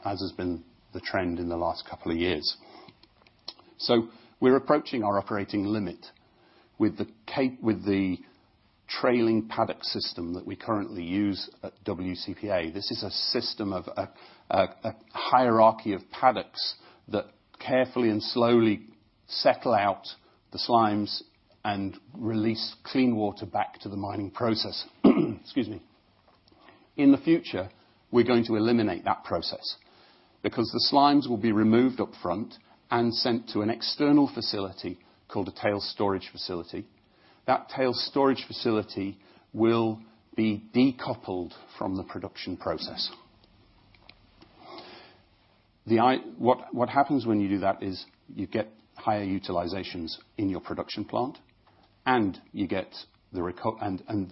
has been the trend in the last couple of years. We're approaching our operating limit with the trailing paddock system that we currently use at WCPA. This is a system of a hierarchy of paddocks that carefully and slowly settle out the slimes and release clean water back to the mining process. Excuse me. In the future, we're going to eliminate that process because the slimes will be removed up front and sent to an external facility called a tailings storage facility. That tailings storage facility will be decoupled from the production process. What happens when you do that is you get higher utilizations in your production plant, and you get the recoveries, and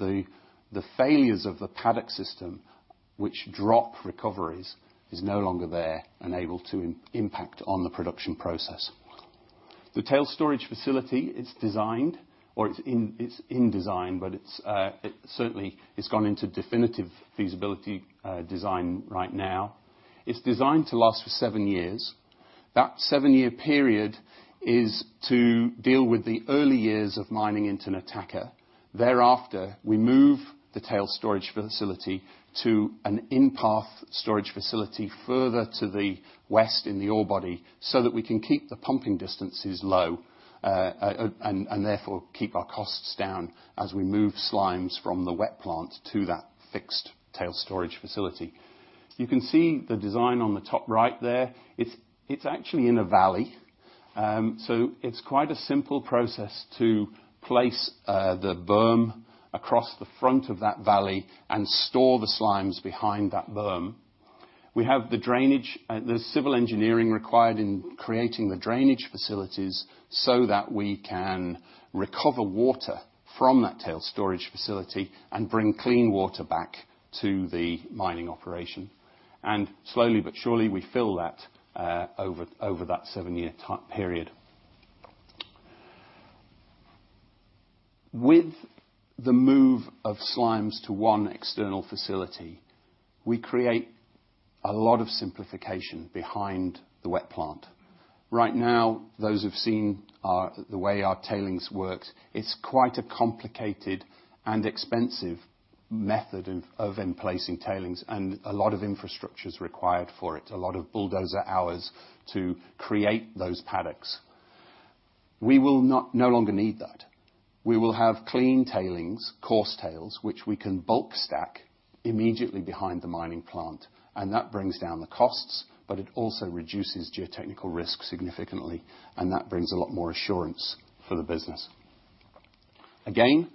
the failures of the paddock system, which drop recoveries, is no longer there and able to impact on the production process. The tailings storage facility, it's designed, or it's in design, but it certainly has gone into definitive feasibility design right now. It's designed to last for seven years. That seven-year period is to deal with the early years of mining into Nataka. Thereafter, we move the tailings storage facility to an in-path storage facility further to the west in the ore body so that we can keep the pumping distances low and therefore, keep our costs down as we move slimes from the wet plant to that fixed tailings storage facility. You can see the design on the top right there. It's actually in a valley. It's quite a simple process to place the berm across the front of that valley and store the slimes behind that berm. We have the drainage, the civil engineering required in creating the drainage facilities so that we can recover water from that tailings storage facility and bring clean water back to the mining operation. Slowly but surely, we fill that over that seven-year period. With the move of slimes to 1 external facility, we create a lot of simplification behind the wet plant. Right now, those who've seen our, the way our tailings works, it's quite a complicated and expensive method of emplacing tailings and a lot of infrastructure is required for it, a lot of bulldozer hours to create those paddocks. We will not, no longer need that. We will have clean tailings, coarse tails, which we can bulk stack immediately behind the mining plant, and that brings down the costs, but it also reduces geotechnical risk significantly, and that brings a lot more assurance for the business. Again,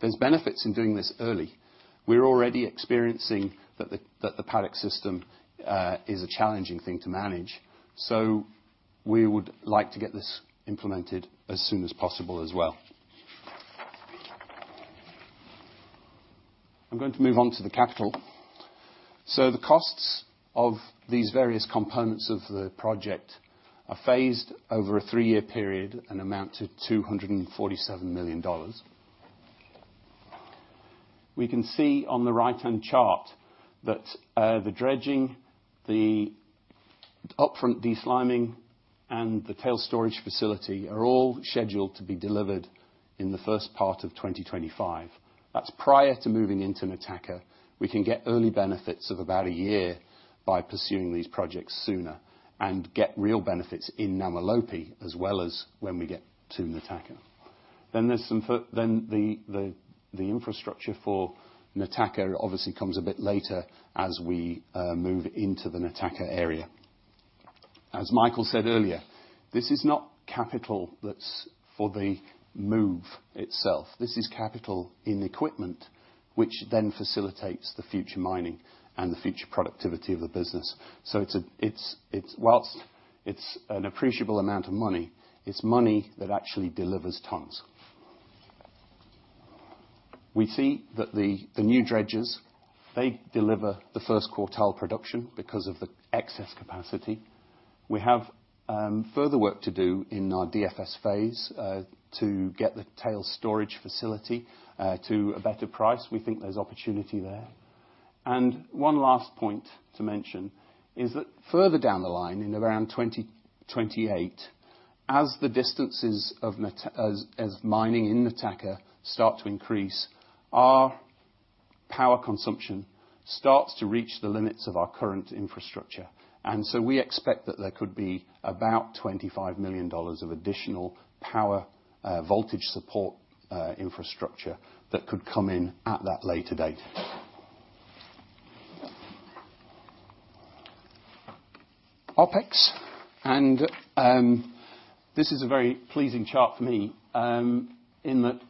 there's benefits in doing this early. We're already experiencing that the paddock system is a challenging thing to manage. We would like to get this implemented as soon as possible as well. I'm going to move on to the capital. The costs of these various components of the project are phased over a three-year period and amount to $247 million. We can see on the right-hand chart that the dredging, the upfront desliming, and the tailings storage facility are all scheduled to be delivered in the first part of 2025. That's prior to moving into Nataka. We can get early benefits of about a year by pursuing these projects sooner and get real benefits in Namalope as well as when we get to Nataka. There's the infrastructure for Nataka obviously comes a bit later as we move into the Nataka area. As Michael said earlier, this is not capital that's for the move itself. It's a, it's whilst it's an appreciable amount of money, it's money that actually delivers tons. We see that the new dredges, they deliver the first quartile production because of the excess capacity. We have further work to do in our DFS phase to get the tailings storage facility to a better price. We think there's opportunity there. And one last point to mention is that further down the line, in around 2028, as the distances of mining in Nataka start to increase, our power consumption starts to reach the limits of our current infrastructure. We expect that there could be about $25 million of additional power, voltage support, infrastructure that could come in at that later date. OpEx, this is a very pleasing chart for me, in that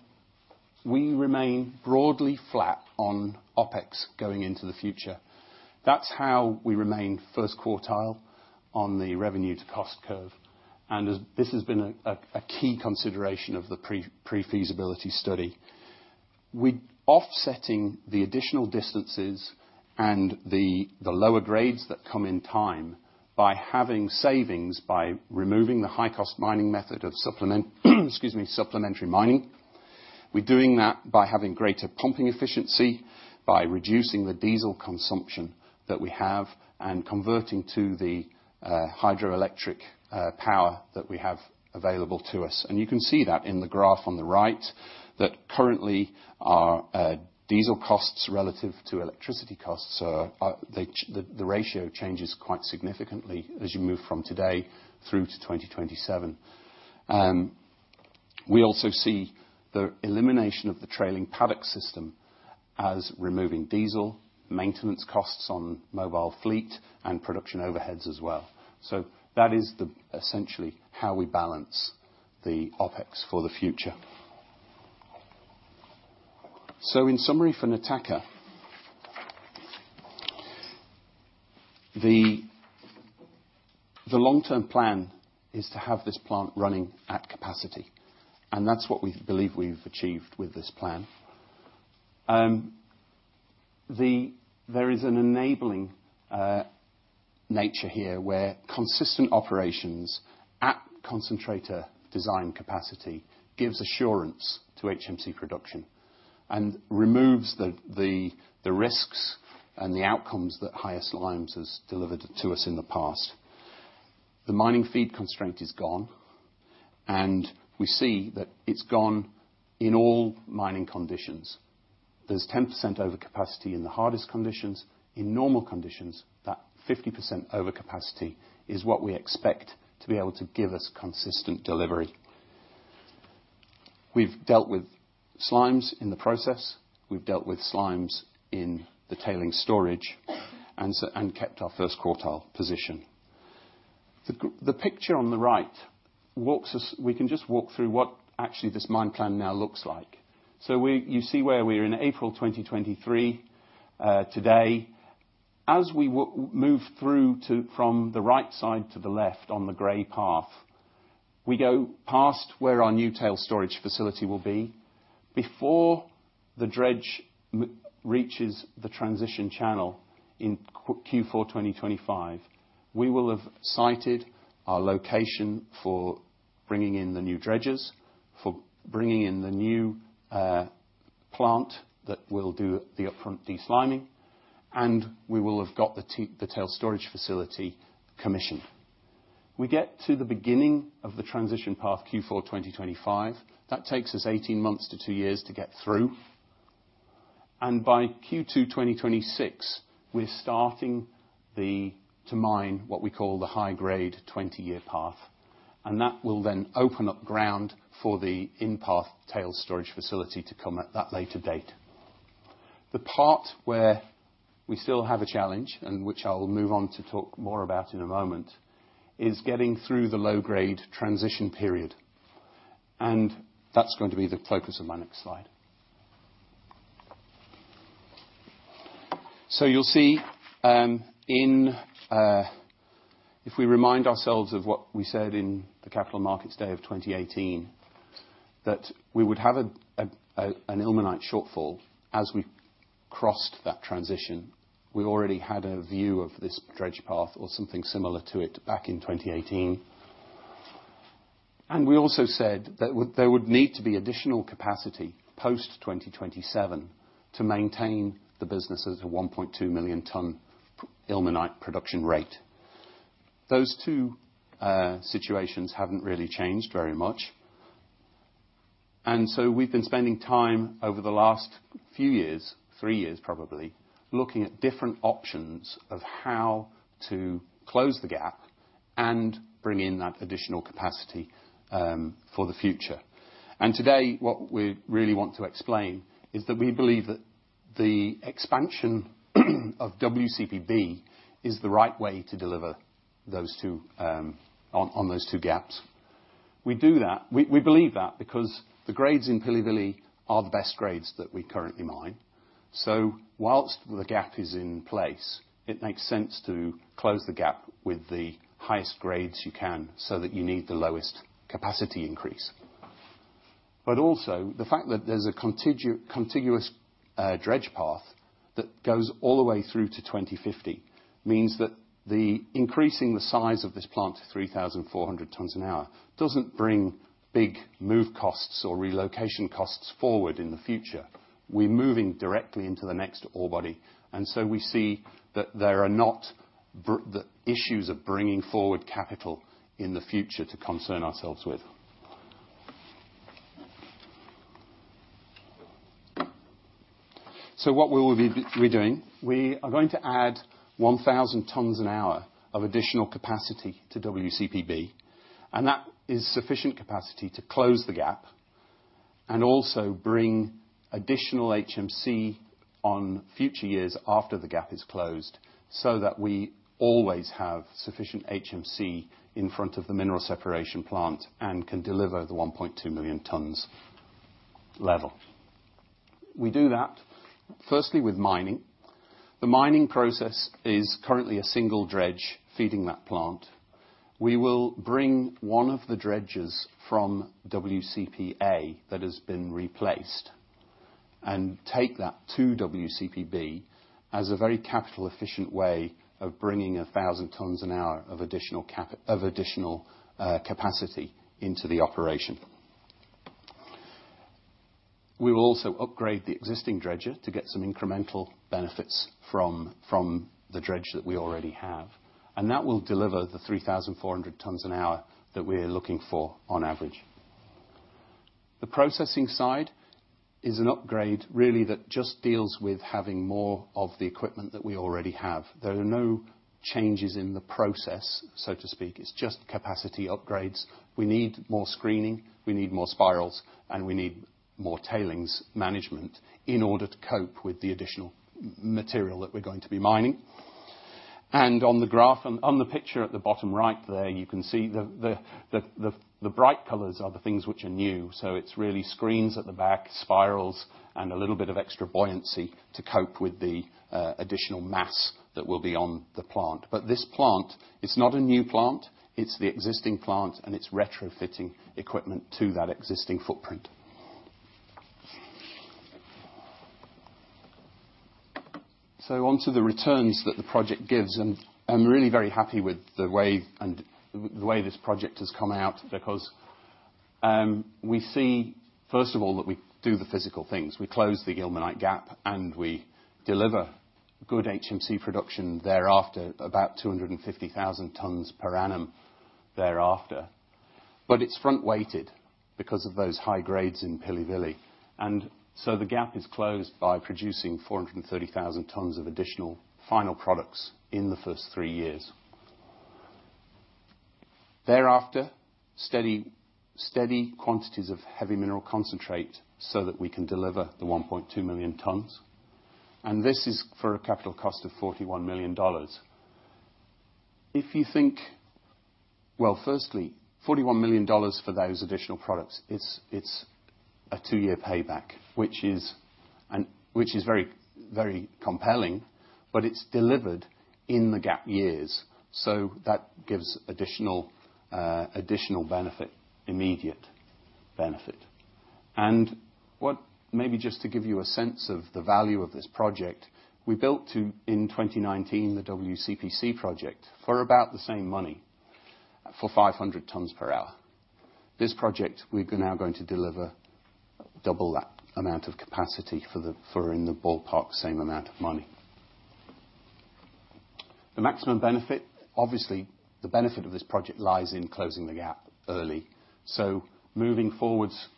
we remain broadly flat on OpEx going into the future. That's how we remain first quartile on the revenue to cost curve. This has been a key consideration of the pre-feasibility study. We offsetting the additional distances and the lower grades that come in time by having savings, by removing the high-cost mining method of supplementary mining. We're doing that by having greater pumping efficiency, by reducing the diesel consumption that we have, and converting to the hydroelectric power that we have available to us. You can see that in the graph on the right, that currently our diesel costs relative to electricity costs are, the ratio changes quite significantly as you move from today through to 2027. We also see the elimination of the trailing paddock system as removing diesel, maintenance costs on mobile fleet and production overheads as well. That is essentially how we balance the OpEx for the future. In summary, for Nataka, the long-term plan is to have this plant running at capacity, and that's what we believe we've achieved with this plan. There is an enabling nature here where consistent operations at concentrator design capacity gives assurance to HMC production and removes the risks and the outcomes that higher slimes has delivered to us in the past. The mining feed constraint is gone. We see that it's gone in all mining conditions. There's 10% overcapacity in the hardest conditions. In normal conditions, that 50% overcapacity is what we expect to be able to give us consistent delivery. We've dealt with slimes in the process. We've dealt with slimes in the tailings storage and kept our first quartile position. The picture on the right, we can just walk through what actually this mine plan now looks like. You see where we are in April 2023 today. As we move through to, from the right side to the left on the gray path, we go past where our new tailings storage facility will be. Before the dredge reaches the transition channel in Q4 2025, we will have sited our location for bringing in the new dredges, for bringing in the new plant that will do the upfront desliming, and we will have got the tailings storage facility commissioned. We get to the beginning of the transition path, Q4 2025. That takes us 18 months to two years to get through. By Q2 2026, we're starting to mine what we call the high-grade 20-year path. That will then open up ground for the in-path storage facility to come at that later date. The part where we still have a challenge, and which I'll move on to talk more about in a moment, is getting through the low-grade transition period, and that's going to be the focus of my next slide. You'll see, if we remind ourselves of what we said in the Capital Markets Day of 2018, that we would have an ilmenite shortfall as we crossed that transition. We already had a view of this dredge path or something similar to it back in 2018. We also said that there would need to be additional capacity post 2027 to maintain the business as a 1.2 million ton ilmenite production rate. Those two situations haven't really changed very much. We've been spending time over the last few years, three years probably, looking at different options of how to close the gap and bring in that additional capacity for the future. Today, what we really want to explain is that we believe that the expansion of WCPB is the right way to deliver those two on those two gaps. We believe that because the grades in Pilivili are the best grades that we currently mine. Whilst the gap is in place, it makes sense to close the gap with the highest grades you can so that you need the lowest capacity increase. Also the fact that there's a contiguous dredge path that goes all the way through to 2050 means that the increasing the size of this plant to 3,400 tons an hour doesn't bring big move costs or relocation costs forward in the future. We're moving directly into the next ore body. We see that there are not the issues of bringing forward capital in the future to concern ourselves with. What we will be doing, we are going to add 1,000 tons an hour of additional capacity to WCPB, and that is sufficient capacity to close the gap and also bring additional HMC on future years after the gap is closed, so that we always have sufficient HMC in front of the mineral separation plant and can deliver the 1.2 million tons level. We do that firstly with mining. The mining process is currently a single dredge feeding that plant. We will bring one of the dredges from WCPA that has been replaced and take that to WCPB as a very capital efficient way of bringing 1,000 tons an hour of additional of additional capacity into the operation. We will also upgrade the existing dredger to get some incremental benefits from the dredge that we already have. That will deliver the 3,400 tons an hour that we're looking for on average. The processing side is an upgrade really that just deals with having more of the equipment that we already have. There are no changes in the process, so to speak. It's just capacity upgrades. We need more screening, we need more spirals, and we need more tailings management in order to cope with the additional material that we're going to be mining. On the graph, on the picture at the bottom right there, you can see the bright colors are the things which are new. It's really screens at the back, spirals, and a little bit of extra buoyancy to cope with the additional mass that will be on the plant. This plant is not a new plant. It's the existing plant, and it's retrofitting equipment to that existing footprint. Onto the returns that the project gives, and I'm really very happy with the way this project has come out because we see first of all that we do the physical things. We close the ilmenite gap, and we deliver good HMC production thereafter, about 250,000 tons per annum thereafter. It's front-weighted because of those high grades in Pilivili. The gap is closed by producing 430,000 tons of additional final products in the first three years. Thereafter, steady quantities of heavy mineral concentrate so that we can deliver the 1.2 million tons. This is for a capital cost of $41 million. If you think, well, firstly, $41 million for those additional products, it's a two-year payback, which is very compelling, but it's delivered in the gap years. That gives additional benefit, immediate benefit. Maybe just to give you a sense of the value of this project, we built to, in 2019, the WCPC project for about the same money, for 500 tons per hour. This project, we're now going to deliver double that amount of capacity for in the ballpark same amount of money. The maximum benefit, obviously, the benefit of this project lies in closing the gap early. Moving forwards,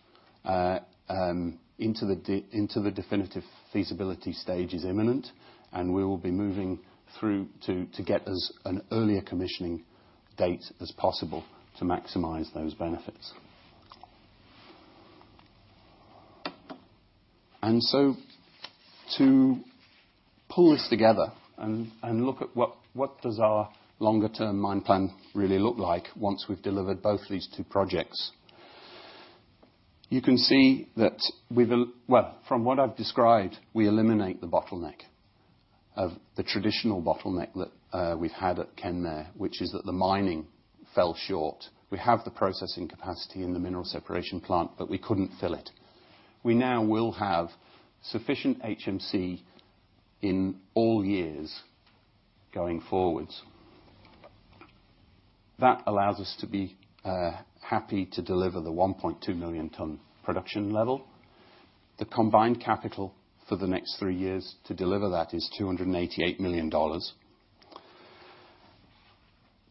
into the definitive feasibility stage is imminent. We will be moving through to get as an earlier commissioning date as possible to maximize those benefits. To pull this together and look at what does our longer term mine plan really look like once we've delivered both these two projects? You can see that we've well, from what I've described, we eliminate the bottleneck of the traditional bottleneck that we've had at Kenmare, which is that the mining fell short. We have the processing capacity in the mineral separation plant, but we couldn't fill it. We now will have sufficient HMC in all years going forwards. That allows us to be happy to deliver the 1.2 million ton production level. The combined capital for the next three years to deliver that is $288 million.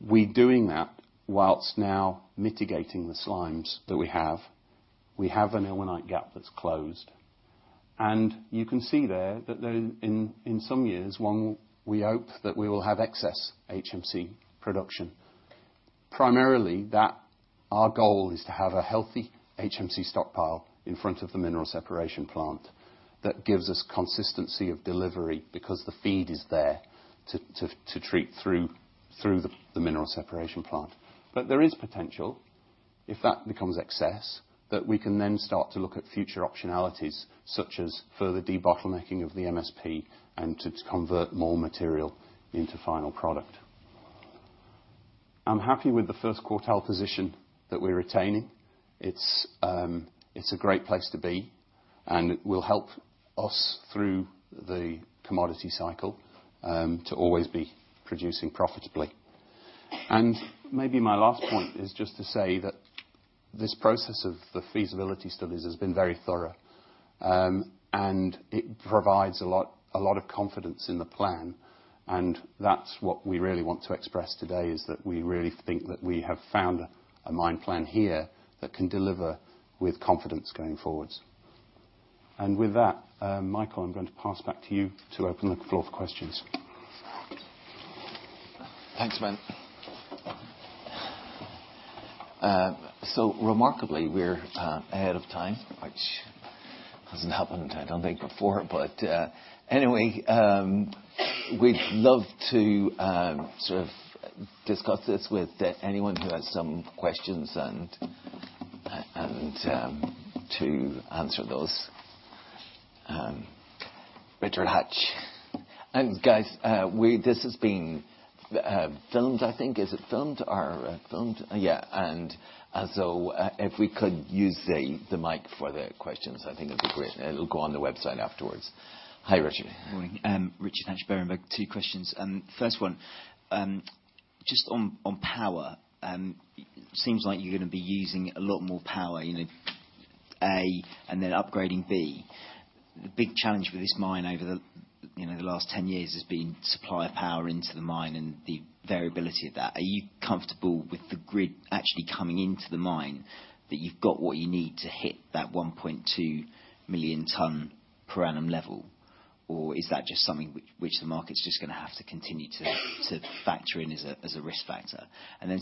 We're doing that whilst now mitigating the slimes that we have. We have an ilmenite gap that's closed. You can see there that in some years, we hope that we will have excess HMC production. Primarily, our goal is to have a healthy HMC stockpile in front of the mineral separation plant that gives us consistency of delivery because the feed is there to treat through the mineral separation plant. There is potential, if that becomes excess, that we can then start to look at future optionalities, such as further debottlenecking of the MSP and to convert more material into final product. I'm happy with the first quartile position that we're retaining. It's, it's a great place to be, and it will help us through the commodity cycle to always be producing profitably. Maybe my last point is just to say that this process of the feasibility studies has been very thorough. It provides a lot of confidence in the plan, and that's what we really want to express today, is that we really think that we have found a mine plan here that can deliver with confidence going forwards. With that, Michael, I'm going to pass back to you to open the floor for questions. Thanks, Ben. Remarkably, we're ahead of time, which hasn't happened, I don't think, before. Anyway, we'd love to sort of discuss this with anyone who has some questions and to answer those. Richard Hatch. Guys, this is being filmed, I think. Is it filmed or filmed? Yeah. As so, if we could use the mic for the questions, I think it'd be great. It'll go on the website afterwards? Hi, Richard. Morning. Richard Hatch, Berenberg. Two questions. First one, just on power, seems like you're gonna be using a lot more power, you know, A, and then upgrading, B. The big challenge with this mine over the, you know, the last 10 years has been supply of power into the mine and the variability of that. Are you comfortable with the grid actually coming into the mine, that you've got what you need to hit that 1.2 million ton per annum level? Or is that just something which the market's just gonna have to continue to factor in as a, as a risk factor?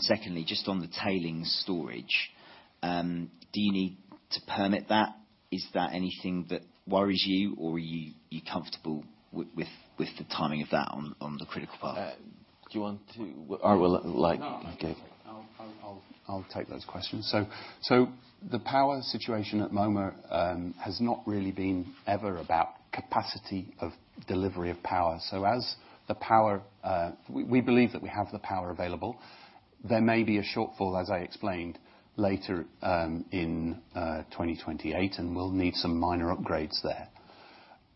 Secondly, just on the tailings storage, do you need to permit that? Is that anything that worries you, or are you comfortable with, with the timing of that on the critical path? Do you want to... No. Okay. I'll take those questions. The power situation at Moma has not really been ever about capacity of delivery of power. As the power, we believe that we have the power available. There may be a shortfall, as I explained, later, in 2028, and we'll need some minor upgrades there.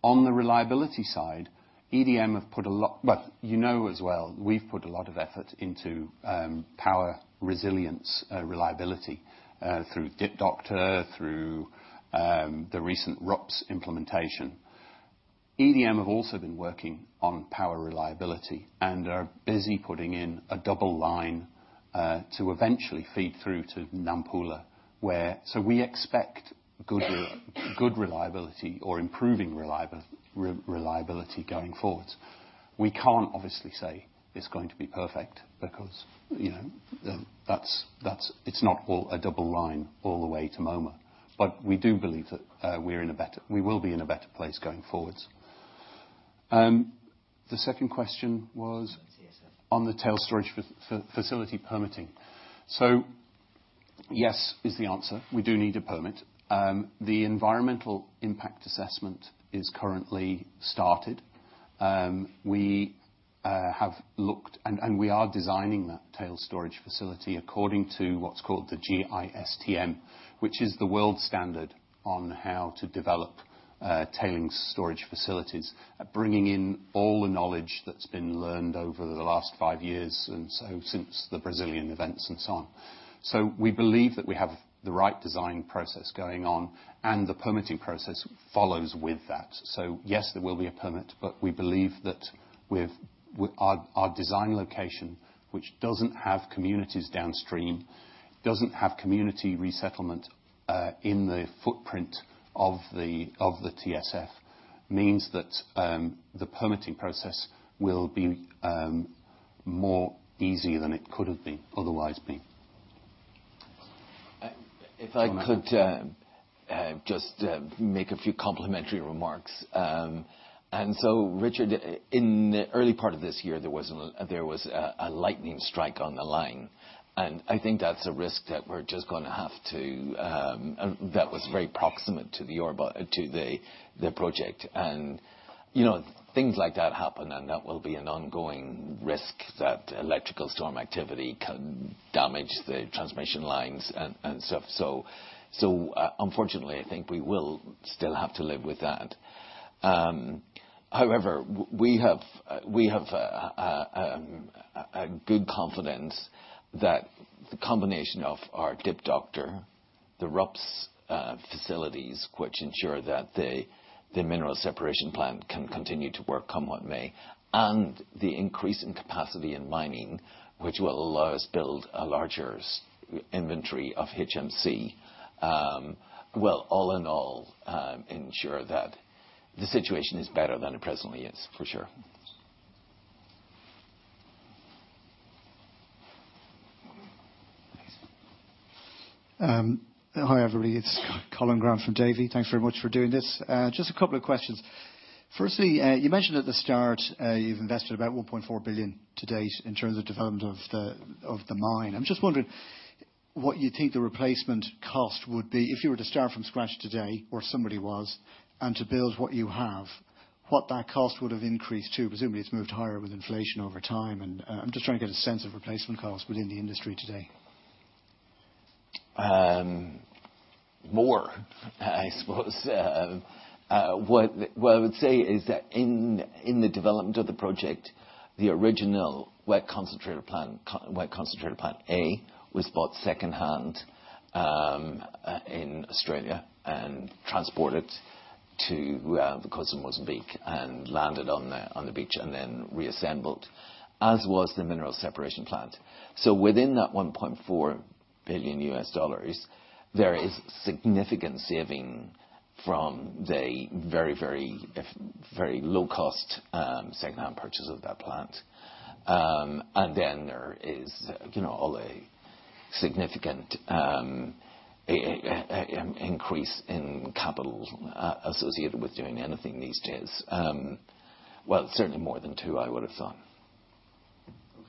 On the reliability side, EDM have put a lot of effort into power resilience, reliability, through Dip Doctor, through the recent RUPS implementation. EDM have also been working on power reliability and are busy putting in a double line to eventually feed through to Nampula. We expect good reliability or improving reliability going forward. We can't obviously say it's going to be perfect because, you know, it's not all a double line all the way to Moma. We do believe that, we will be in a better place going forward. The second question was. On TSF. On the Tail Storage Facility permitting. Yes is the answer. We do need a permit. The environmental impact assessment is currently started. We have looked and we are designing that tailings storage facility according to what's called the GISTM, which is the world standard on how to develop tailings storage facilities, bringing in all the knowledge that's been learned over the last five years since the Brazilian events. We believe that we have the right design process going on, and the permitting process follows with that. Yes, there will be a permit, but we believe that with our design location, which doesn't have communities downstream, doesn't have community resettlement in the footprint of the TSF, means that the permitting process will be more easier than it could've otherwise been. If I could- Do you wanna- Just make a few complimentary remarks. Richard, in the early part of this year, there was a lightning strike on the line, and I think that's a risk that we're just gonna have to, that was very proximate to the project. You know, things like that happen, and that will be an ongoing risk that electrical storm activity can damage the transmission lines and stuff. Unfortunately, I think we will still have to live with that. However, we have a good confidence that the combination of our Dip Doctor, the RUPS facilities which ensure that the mineral separation plant can continue to work, come what may, and the increase in capacity in mining, which will allow us build a larger inventory of HMC, will all in all ensure that the situation is better than it presently is, for sure. Thanks. Hi everybody, it's Colin Grant from Davy. Thanks very much for doing this. Just a couple of questions. Firstly, you mentioned at the start, you've invested about $1.4 billion to date in terms of development of the, of the mine. I'm just wondering what you think the replacement cost would be if you were to start from scratch today, or somebody was, and to build what you have, what that cost would have increased to. Presumably, it's moved higher with inflation over time, and, I'm just trying to get a sense of replacement cost within the industry today. More, I suppose. What I would say is that in the development of the project, the original Wet Concentrator Plant A was bought secondhand in Australia and transported to the coast of Mozambique and landed on the beach and then reassembled, as was the Mineral Separation Plant. Within that $1.4 billion, there is significant saving from the very low cost secondhand purchase of that plant. There is, you know, all a significant increase in capital associated with doing anything these days. Well, certainly more than two, I would've thought.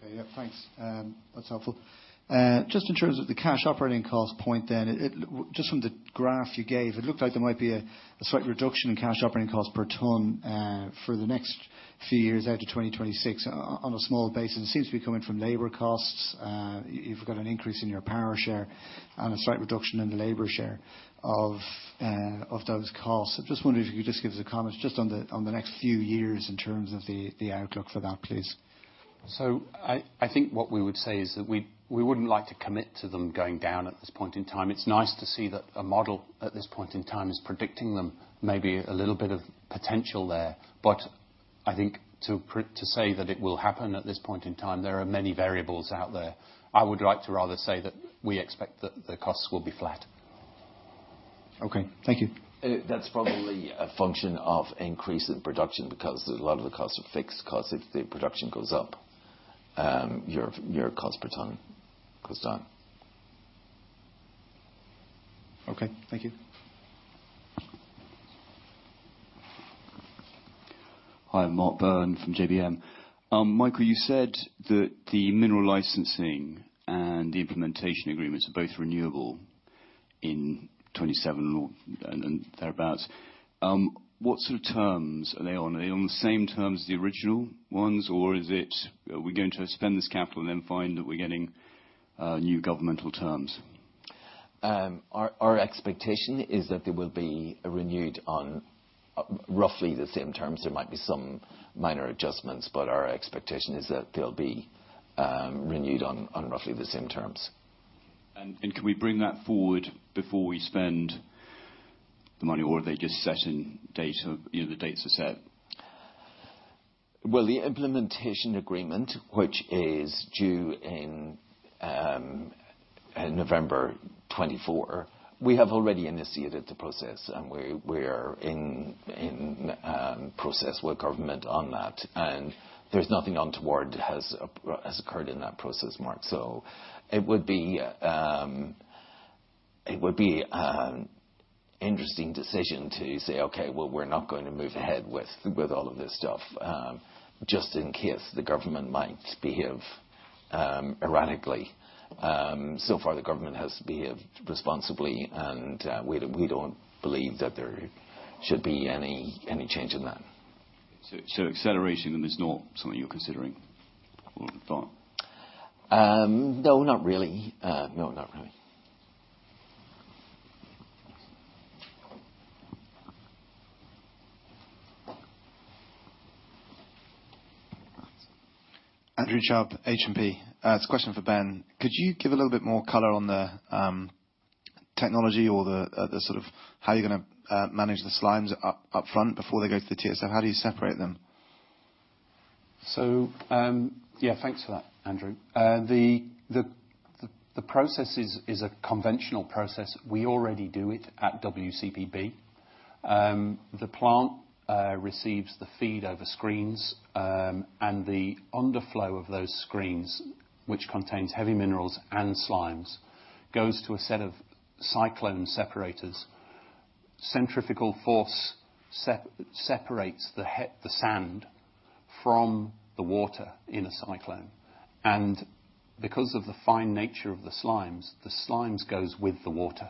Okay. Yeah, thanks. That's helpful. Just in terms of the cash operating cost point then, just from the graph you gave, it looked like there might be a slight reduction in cash operating costs per ton for the next few years out to 2026 on a small basis. It seems to be coming from labor costs. You've got an increase in your power share and a slight reduction in the labor share of those costs. Just wondering if you could just give us a comment just on the next few years in terms of the outlook for that, please. I think what we would say is that we wouldn't like to commit to them going down at this point in time. It's nice to see that a model at this point in time is predicting them, maybe a little bit of potential there. I think to say that it will happen at this point in time, there are many variables out there. I would like to rather say that we expect that the costs will be flat. Okay. Thank you. That's probably a function of increase in production because a lot of the costs are fixed costs. If the production goes up, your cost per ton goes down. Okay. Thank you. Hi, I'm Mart Byrne from JBM. Michael, you said that the Mineral Licensing and the Implementation Agreements are both renewable in 2027 or thereabouts. What sort of terms are they on? Are they on the same terms as the original ones, or are we going to spend this capital and then find that we're getting new governmental terms? Our expectation is that they will be renewed on roughly the same terms. There might be some minor adjustments. Our expectation is that they'll be renewed on roughly the same terms. Can we bring that forward before we spend the money, or are they just set in dates of, you know, the dates are set? Well, the Implementation Agreement, which is due in November 2024, we have already initiated the process, and we're in process with government on that. There's nothing untoward has occurred in that process, Mart. It would be an interesting decision to say, "Okay, well, we're not going to move ahead with all of this stuff, just in case the government might behave erratically." So far, the government has behaved responsibly, and we don't believe that there should be any change in that. Accelerating them is not something you're considering or at the moment? No, not really. No, not really. Thanks. Andrew Chubb, H&P. It's a question for Ben. Could you give a little bit more color on the technology or the sort of how you're gonna manage the slimes up front before they go to the TSF? How do you separate them? Yeah, thanks for that, Andrew. The process is a conventional process. We already do it at WCPB. The plant receives the feed over screens, and the underflow of those screens, which contains heavy minerals and slimes, goes to a set of cyclone separators. Centrifugal force separates the sand from the water in a cyclone. Because of the fine nature of the slimes, the slimes goes with the water.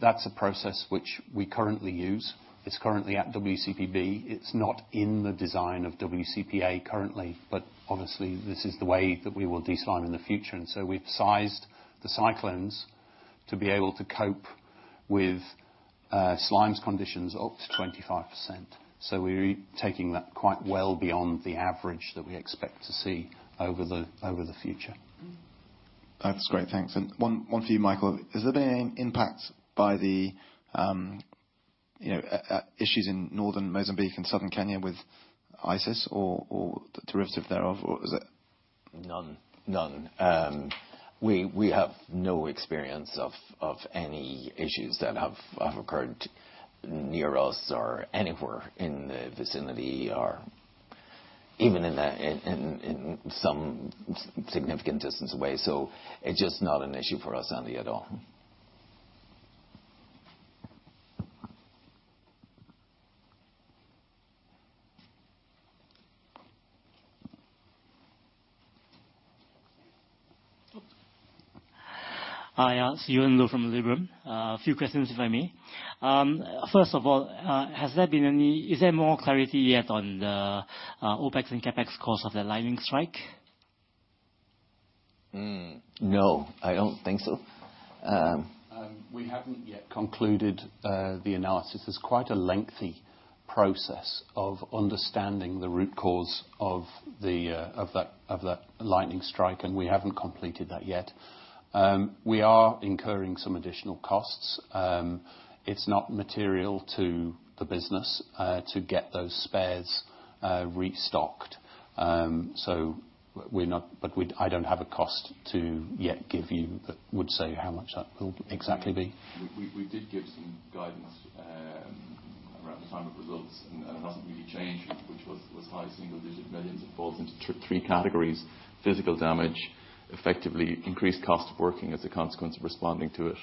That's a process which we currently use. It's currently at WCPB. It's not in the design of WCPA currently, but honestly, this is the way that we will deslime in the future. We've sized the cyclones to be able to cope with slime conditions up to 25%. We're taking that quite well beyond the average that we expect to see over the future. That's great. Thanks. One for you, Michael. Has there been an impact by the issues in northern Mozambique and southern Tanzania with ISIS or derivative thereof? None. None. We have no experience of any issues that have occurred near us or anywhere in the vicinity or even in some significant distance away. It's just not an issue for us, Andy, at all. Hi, [inaudible] from Liberum. A few questions, if I may. First of all, is there more clarity yet on the OpEx and CapEx cost of the lightning strike? No, I don't think so. We haven't yet concluded the analysis. It's quite a lengthy process of understanding the root cause of that lightning strike. We haven't completed that yet. We are incurring some additional costs. It's not material to the business to get those spares restocked. I don't have a cost to yet give you that would say how much that will exactly be. We did give some guidance around the time of results. It hasn't really changed, which was high single digit millions. It falls into three categories: physical damage, effectively increased cost of working as a consequence of responding to it,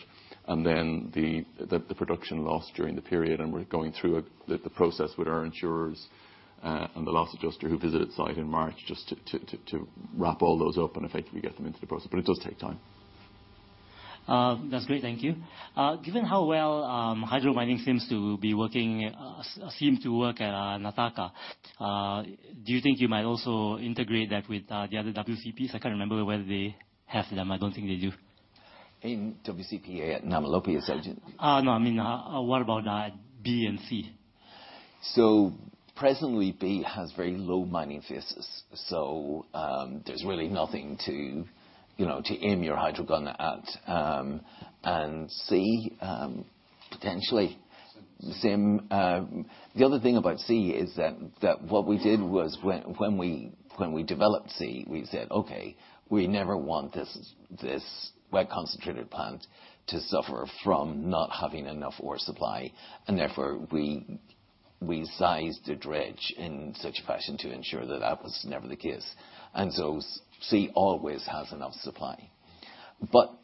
and then the production loss during the period. We're going through the process with our insurers and the loss adjuster who visited site in March just to wrap all those up and effectively get them into the process. It does take time. That's great, thank you. Given how well hydromining seems to be working, seem to work at Nataka, do you think you might also integrate that with the other WCPs? I can't remember whether they have them. I don't think they do. In WCP at Namalope, you said? No. I mean, what about B and C? Presently, WCPB has very low mining phases. There's really nothing to, you know, to aim your hydro gun at. WCPC, potentially. The other thing about WCPC is that what we did was when we developed WCPC, we said, "Okay, we never want this Wet Concentrator Plant to suffer from not having enough ore supply." We sized the dredge in such a fashion to ensure that that was never the case. WCPC always has enough supply.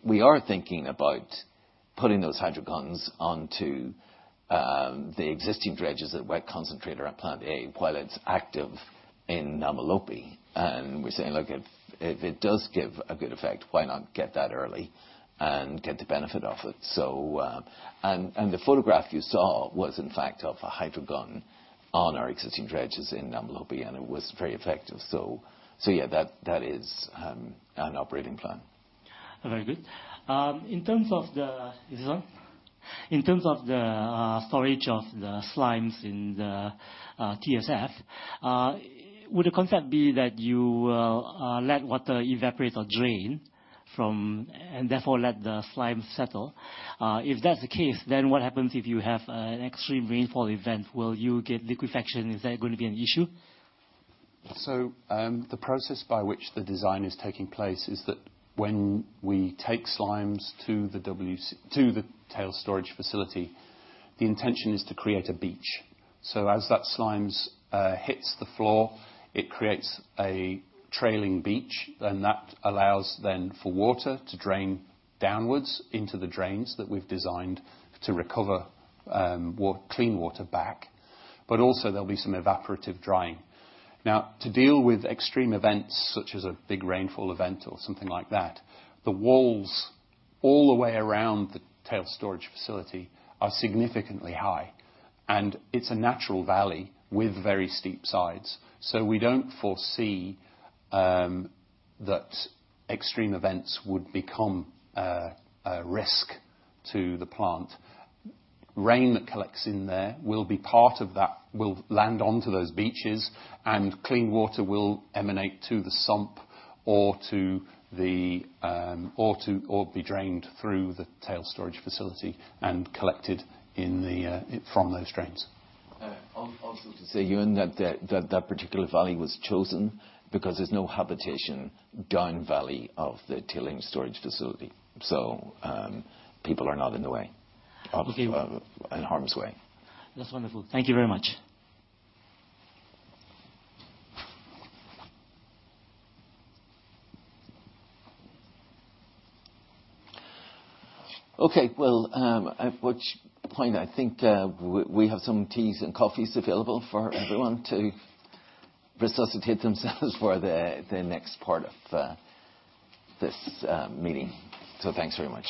We are thinking about putting those hydro guns onto the existing dredges at Wet Concentrator Plant A while it's active in Namalope. We're saying, look, if it does give a good effect, why not get that early and get the benefit of it? The photograph you saw was in fact of a hydro gun on our existing dredges in Namalope, and it was very effective. Yeah, that is an operating plan. Very good. Is this on? In terms of the storage of the slimes in the TSF, would the concept be that you let water evaporate or drain from, and therefore let the slime settle? If that's the case, then what happens if you have an extreme rainfall event? Will you get liquefaction? Is that going to be an issue? The process by which the design is taking place is that when we take slimes to the tailings storage facility, the intention is to create a beach. As that slimes hits the floor, it creates a trailing beach, and that allows for water to drain downwards into the drains that we've designed to recover clean water back. Also there'll be some evaporative drying. To deal with extreme events, such as a big rainfall event or something like that, the walls all the way around the tailings storage facility are significantly high, and it's a natural valley with very steep sides. We don't foresee that extreme events would become a risk to the plant. Rain that collects in there will be part of that, will land onto those beaches, and clean water will emanate to the sump or to the, or be drained through the tailings storage facility and collected in the, from those drains. To say, Ewan, that particular valley was chosen because there's no habitation down valley of the tailings storage facility. People are not in the way. Okay. In harm's way. That's wonderful. Thank you very much. Well, at which point I think, we have some teas and coffees available for everyone to resuscitate themselves for the next part of this meeting. Thanks very much.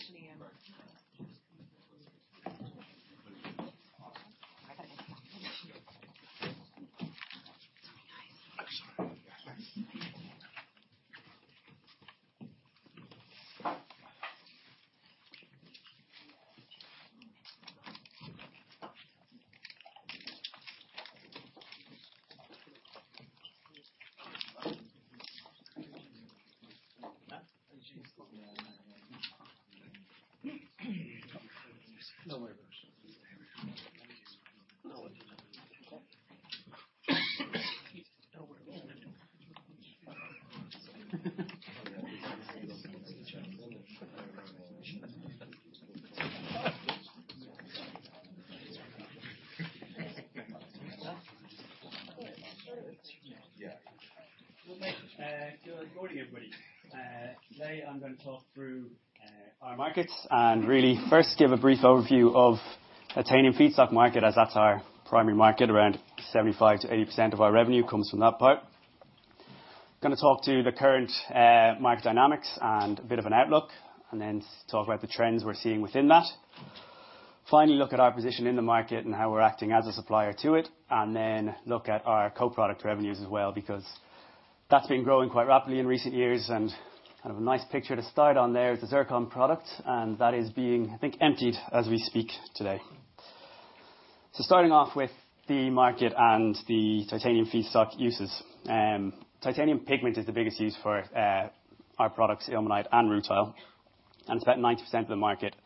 I'm actually,... Good morning, everybody. Today I'm gonna talk through our markets and really first give a brief overview of titanium feedstock market as that's our primary market. Around 75%-80% of our revenue comes from that part. Gonna talk to the current market dynamics and a bit of an outlook, and then talk about the trends we're seeing within that. Finally, look at our position in the market and how we're acting as a supplier to it, and then look at our co-product revenues as well, because that's been growing quite rapidly in recent years and have a nice picture to start on there is the zircon product and that is being, I think, emptied as we speak today. Starting off with the market and the titanium feedstock uses. Titanium pigment is the biggest use for our products, ilmenite and rutile, and it's about 90% of the market.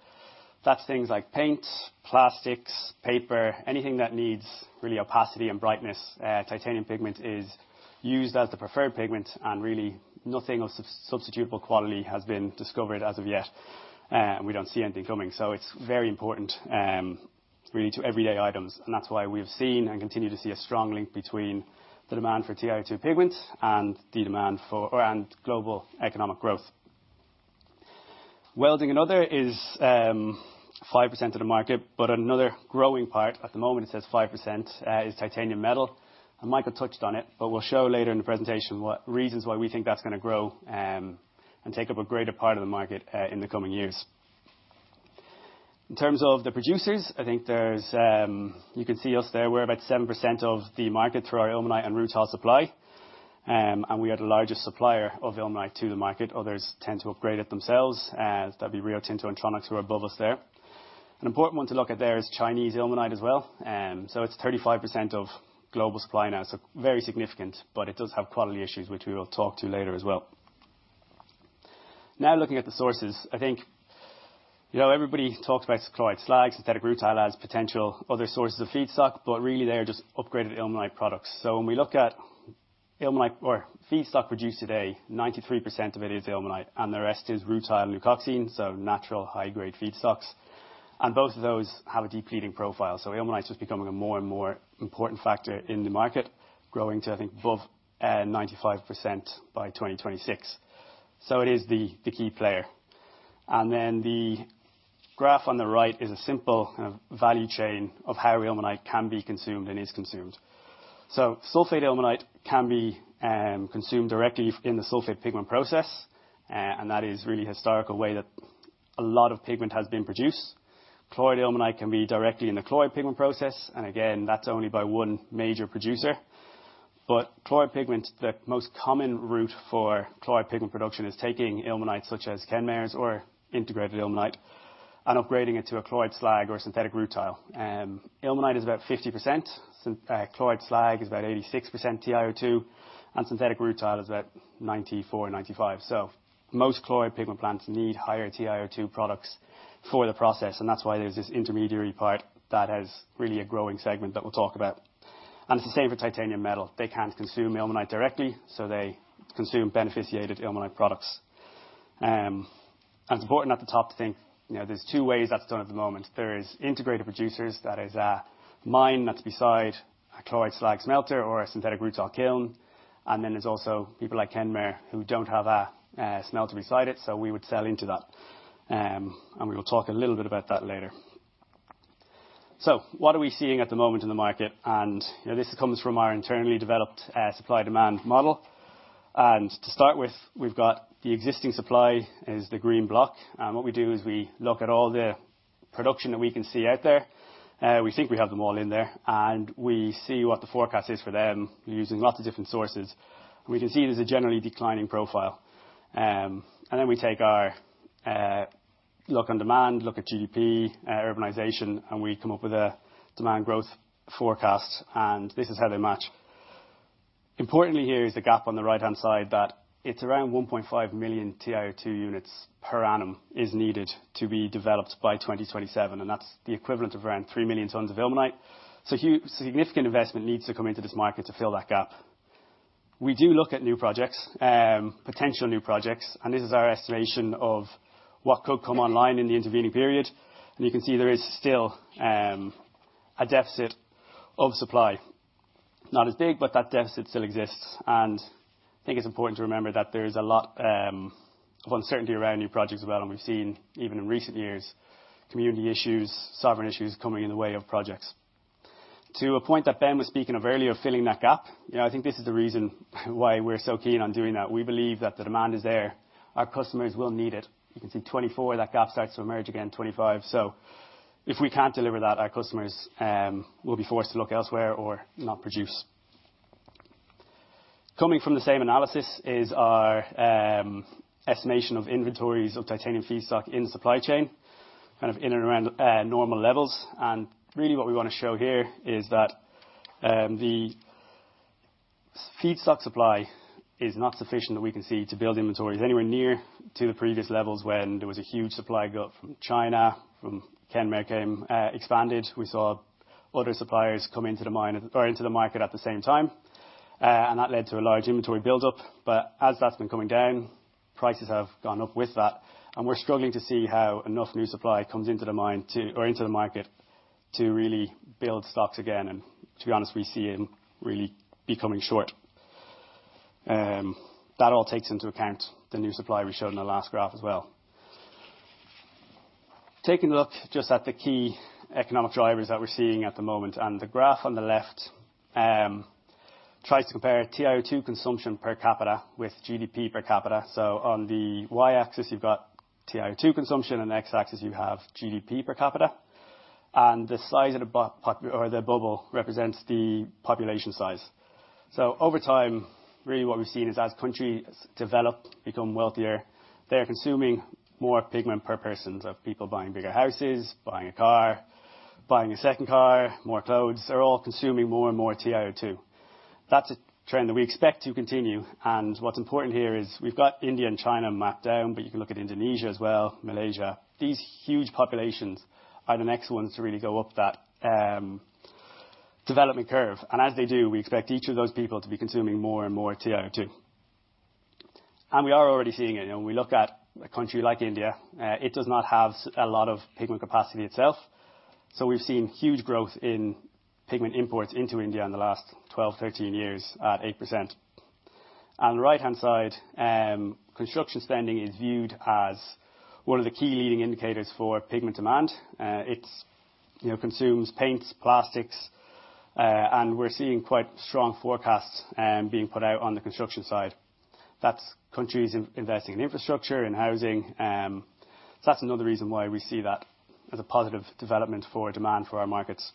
That's things like paint, plastics, paper, anything that needs really opacity and brightness. Titanium pigment is used as the preferred pigment, and really nothing of sub-substitutable quality has been discovered as of yet. We don't see anything coming. It's very important, really to everyday items, and that's why we've seen and continue to see a strong link between the demand for TiO2 pigment and the demand for... and global economic growth. Welding and other is 5% of the market, but another growing part, at the moment it says 5%, is titanium metal. Michael touched on it, but we'll show later in the presentation what reasons why we think that's gonna grow and take up a greater part of the market in the coming years. In terms of the producers, I think there's, you can see us there. We're about 7% of the market through our ilmenite and rutile supply. And we are the largest supplier of ilmenite to the market. Others tend to upgrade it themselves, that'd be Rio Tinto and Tronox who are above us there. An important one to look at there is Chinese ilmenite as well. So it's 35% of global supply now, so very significant, but it does have quality issues, which we will talk to later as well. Looking at the sources, I think, you know, everybody talks about chloride slags, synthetic rutile as potential other sources of feedstock, but really they are just upgraded ilmenite products. When we look at ilmenite or feedstock produced today, 93% of it is ilmenite, and the rest is rutile and leucoxene, so natural high-grade feedstocks. Both of those have a depleting profile. Ilmenite is becoming a more and more important factor in the market, growing to, I think, above 95% by 2026. It is the key player. The graph on the right is a simple value chain of how ilmenite can be consumed and is consumed. Sulfate ilmenite can be consumed directly in the sulfate pigment process. That is really historical way that a lot of pigment has been produced. Chloride ilmenite can be directly in the chloride pigment process, that's only by 1 major producer. Chloride pigment, the most common route for chloride pigment production is taking ilmenite such as Kenmare's or integrated ilmenite and upgrading it to a chloride slag or a synthetic rutile. Ilmenite is about 50%, chloride slag is about 86% TiO2, and synthetic rutile is about 94% and 95%. Most chloride pigment plants need higher TiO2 products for the process, and that's why there's this intermediary part that has really a growing segment that we'll talk about. It's the same for titanium metal. They can't consume ilmenite directly, so they consume beneficiated ilmenite products. It's important at the top to think, you know, there's two ways that's done at the moment. There is integrated producers, that is a mine that's beside a chloride slag smelter or a synthetic rutile kiln. There's also people like Kenmare who don't have a smelter beside it, so we would sell into that. We will talk a little bit about that later. What are we seeing at the moment in the market? You know, this comes from our internally developed supply demand model. To start with, we've got the existing supply is the green block. What we do is we look at all the production that we can see out there. We think we have them all in there, and we see what the forecast is for them using lots of different sources. We can see there's a generally declining profile. We take our look on demand, look at GDP, urbanization, and we come up with a demand growth forecast, and this is how they match. Importantly, here is the gap on the right-hand side that it's around 1.5 million TiO2 units per annum is needed to be developed by 2027, and that's the equivalent of around 3 million tons of ilmenite. Significant investment needs to come into this market to fill that gap. We do look at new projects, potential new projects, and this is our estimation of what could come online in the intervening period. You can see there is still a deficit of supply. Not as big, that deficit still exists. I think it's important to remember that there is a lot of uncertainty around new projects as well, and we've seen even in recent years, community issues, sovereign issues coming in the way of projects. To a point that Ben was speaking of earlier, filling that gap, you know, I think this is the reason why we're so keen on doing that. We believe that the demand is there. Our customers will need it. You can see 2024, that gap starts to emerge again, 2025. If we can't deliver that, our customers will be forced to look elsewhere or not produce. Coming from the same analysis is our estimation of inventories of titanium feedstock in supply chain, kind of in and around normal levels. Really what we wanna show here is that the feedstock supply is not sufficient that we can see to build inventories anywhere near to the previous levels when there was a huge supply got from China, from Kenmare came, expanded. We saw other suppliers come into the market at the same time, and that led to a large inventory buildup. As that's been coming down, prices have gone up with that and we're struggling to see how enough new supply comes into the market to really build stocks again. To be honest, we see them really becoming short. That all takes into account the new supply we showed in the last graph as well. Taking a look just at the key economic drivers that we're seeing at the moment, the graph on the left tries to compare TiO2 consumption per capita with GDP per capita. On the y-axis, you've got TiO2 consumption, on the x-axis, you have GDP per capita. The size of the bubble represents the population size. Over time, really what we've seen is as countries develop, become wealthier, they are consuming more pigment per person. People buying bigger houses, buying a car, buying a second car, more clothes, they're all consuming more and more TiO2. That's a trend that we expect to continue, and what's important here is we've got India and China mapped down, but you can look at Indonesia as well, Malaysia. These huge populations are the next ones to really go up that development curve. As they do, we expect each of those people to be consuming more and more TiO2. We are already seeing it. You know, when we look at a country like India, it does not have a lot of pigment capacity itself. We've seen huge growth in pigment imports into India in the last 12, 13 years at 8%. On the right-hand side, construction spending is viewed as one of the key leading indicators for pigment demand. It's, you know, consumes paints, plastics, and we're seeing quite strong forecasts being put out on the construction side. That's countries investing in infrastructure, in housing. That's another reason why we see that as a positive development for demand for our markets.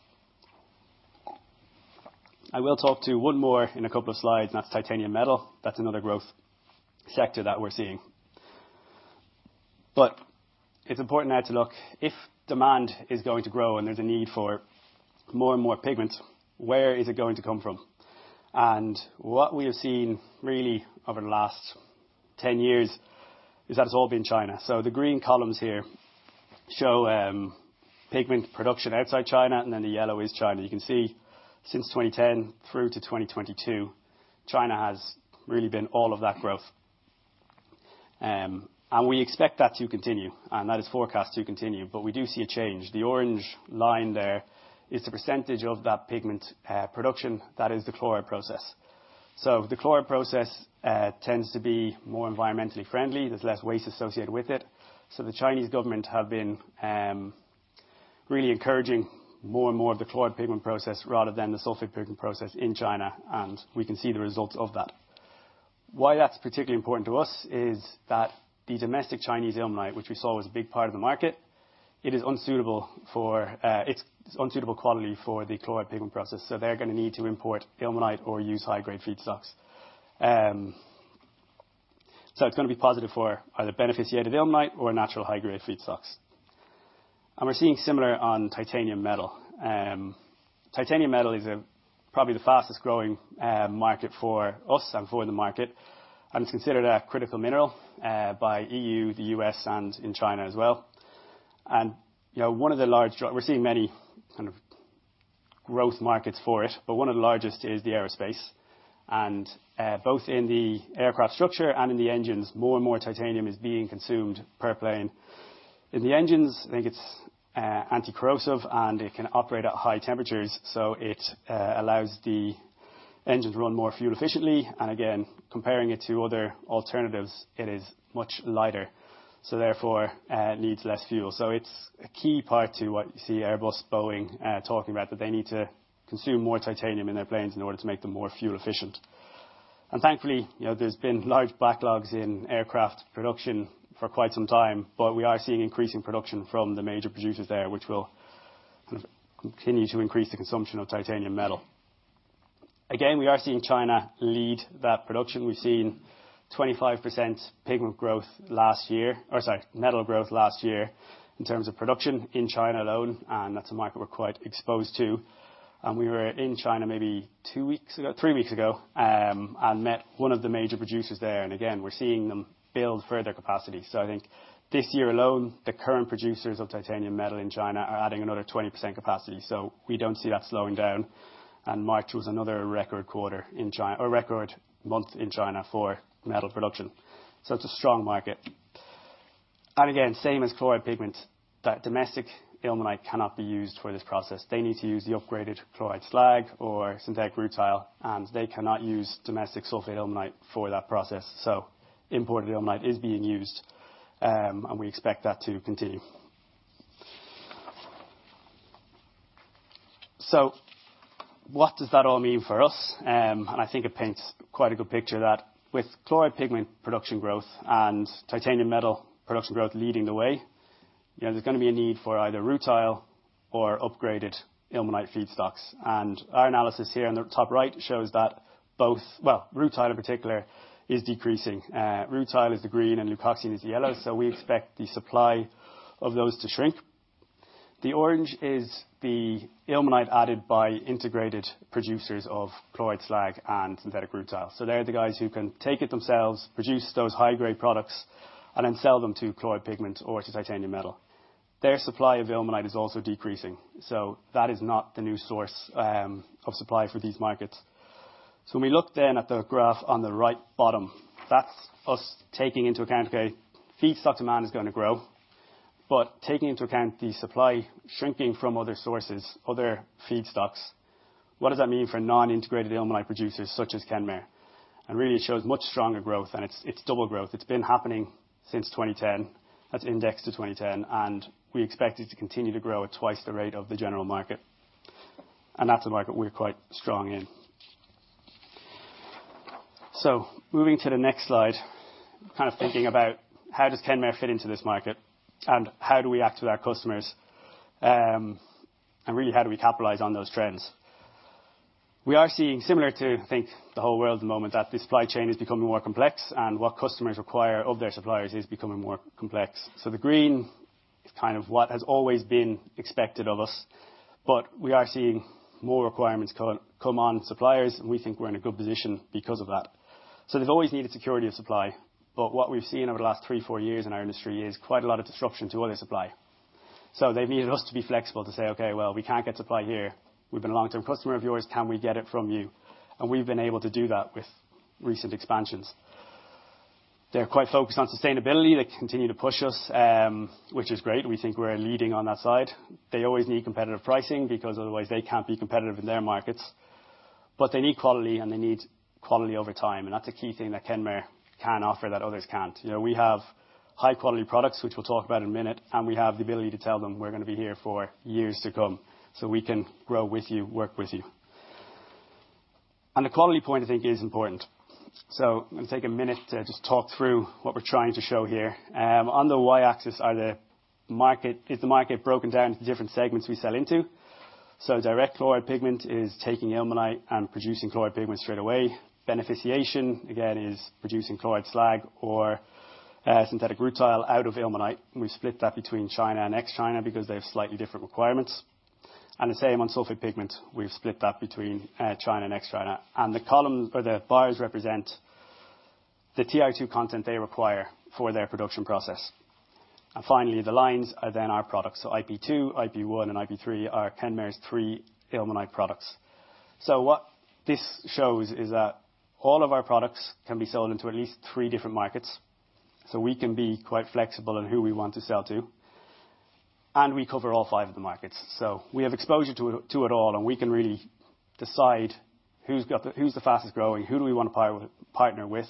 I will talk to you one more in a couple of slides, and that's titanium metal. That's another growth sector that we're seeing. It's important now to look, if demand is going to grow and there's a need for more and more pigment, where is it going to come from? What we have seen really over the last 10 years is that it's all been China. The green columns here show pigment production outside China, and then the yellow is China. You can see since 2010 through to 2022, China has really been all of that growth. We expect that to continue, and that is forecast to continue. We do see a change. The orange line there is the percentage of that pigment production that is the chloride process. The chloride process tends to be more environmentally friendly. There's less waste associated with it. The Chinese government have been really encouraging more and more of the chloride pigment process rather than the sulfate pigment process in China, and we can see the results of that. Why that's particularly important to us is that the domestic Chinese ilmenite, which we saw was a big part of the market, it is unsuitable for, it's unsuitable quality for the chloride pigment process. They're gonna need to import ilmenite or use high-grade feedstocks. It's gonna be positive for either beneficiated ilmenite or natural high-grade feedstocks. We're seeing similar on titanium metal. Titanium metal is probably the fastest growing market for us and for the market and is considered a critical mineral by E.U., the U.S., and in China as well. you know, one of the large-- we're seeing many kind of growth markets for it, but one of the largest is the aerospace. both in the aircraft structure and in the engines, more and more titanium is being consumed per plane. In the engines, I think it's anticorrosive, and it can operate at high temperatures, so it allows the engine to run more fuel efficiently. again, comparing it to other alternatives, it is much lighter, so therefore, needs less fuel. it's a key part to what you see Airbus, Boeing, talking about, that they need to consume more titanium in their planes in order to make them more fuel efficient. thankfully, you know, there's been large backlogs in aircraft production for quite some time. We are seeing increasing production from the major producers there, which will kind of continue to increase the consumption of titanium metal. We are seeing China lead that production. We've seen 25% pigment growth last year, or sorry, metal growth last year in terms of production in China alone, and that's a market we're quite exposed to. We were in China maybe two weeks ago, three weeks ago, and met one of the major producers there. Again, we're seeing them build further capacity. I think this year alone, the current producers of titanium metal in China are adding another 20% capacity, so we don't see that slowing down. March was another record quarter in China, or record month in China for metal production. It's a strong market. Again, same as chloride pigment, that domestic ilmenite cannot be used for this process. They need to use the upgraded chloride slag or synthetic rutile, and they cannot use domestic sulfate ilmenite for that process. Imported ilmenite is being used, and we expect that to continue. What does that all mean for us? I think it paints quite a good picture that with chloride pigment production growth and titanium metal production growth leading the way, you know, there's gonna be a need for either rutile or upgraded ilmenite feedstocks. Our analysis here on the top right shows that both... Well, rutile in particular is decreasing. Rutile is the green, and leucoxene is the yellow. We expect the supply of those to shrink. The orange is the ilmenite added by integrated producers of chloride slag and synthetic rutile. They are the guys who can take it themselves, produce those high-grade products, and then sell them to chloride pigment or to titanium metal. Their supply of ilmenite is also decreasing, that is not the new source of supply for these markets. When we look at the graph on the right bottom, that's us taking into account, okay, feedstock demand is going to grow. Taking into account the supply shrinking from other sources, other feedstocks, what does that mean for non-integrated ilmenite producers such as Kenmare? Really, it shows much stronger growth, and it's double growth. It's been happening since 2010. That's indexed to 2010, we expect it to continue to grow at twice the rate of the general market. That's a market we're quite strong in. Moving to the next slide, kind of thinking about how does Kenmare fit into this market, and how do we act with our customers? Really, how do we capitalize on those trends? We are seeing similar to, I think, the whole world at the moment, that the supply chain is becoming more complex and what customers require of their suppliers is becoming more complex. The green is kind of what has always been expected of us. We are seeing more requirements come on suppliers, and we think we're in a good position because of that. They've always needed security of supply, but what we've seen over the last three, four years in our industry is quite a lot of disruption to oil supply. They've needed us to be flexible to say, "Okay, well, we can't get supply here. We've been a long-term customer of yours. Can we get it from you?" We've been able to do that with recent expansions. They're quite focused on sustainability. They continue to push us, which is great. We think we're leading on that side. They always need competitive pricing because otherwise they can't be competitive in their markets. They need quality, and they need quality over time, and that's a key thing that Kenmare can offer that others can't. You know, we have high-quality products, which we'll talk about in a minute, and we have the ability to tell them we're gonna be here for years to come, so we can grow with you, work with you. The quality point I think is important. I'm gonna take a minute to just talk through what we're trying to show here. On the y-axis is the market broken down into different segments we sell into. Direct chloride pigment is taking ilmenite and producing chloride pigment straight away. Beneficiation, again, is producing chloride slag or synthetic rutile out of ilmenite, and we've split that between China and ex-China because they have slightly different requirements. The same on sulfate pigment, we've split that between China and ex-China. The column or the bars represent the TiO2 content they require for their production process. Finally, the lines are then our products. IP2, IP1, and IP3 are Kenmare's three ilmenite products. What this shows is that all of our products can be sold into at least 3 different markets. We can be quite flexible in who we want to sell to, and we cover all 5 of the markets. We have exposure to it all, and we can really decide who's the fastest-growing, who do we wanna partner with,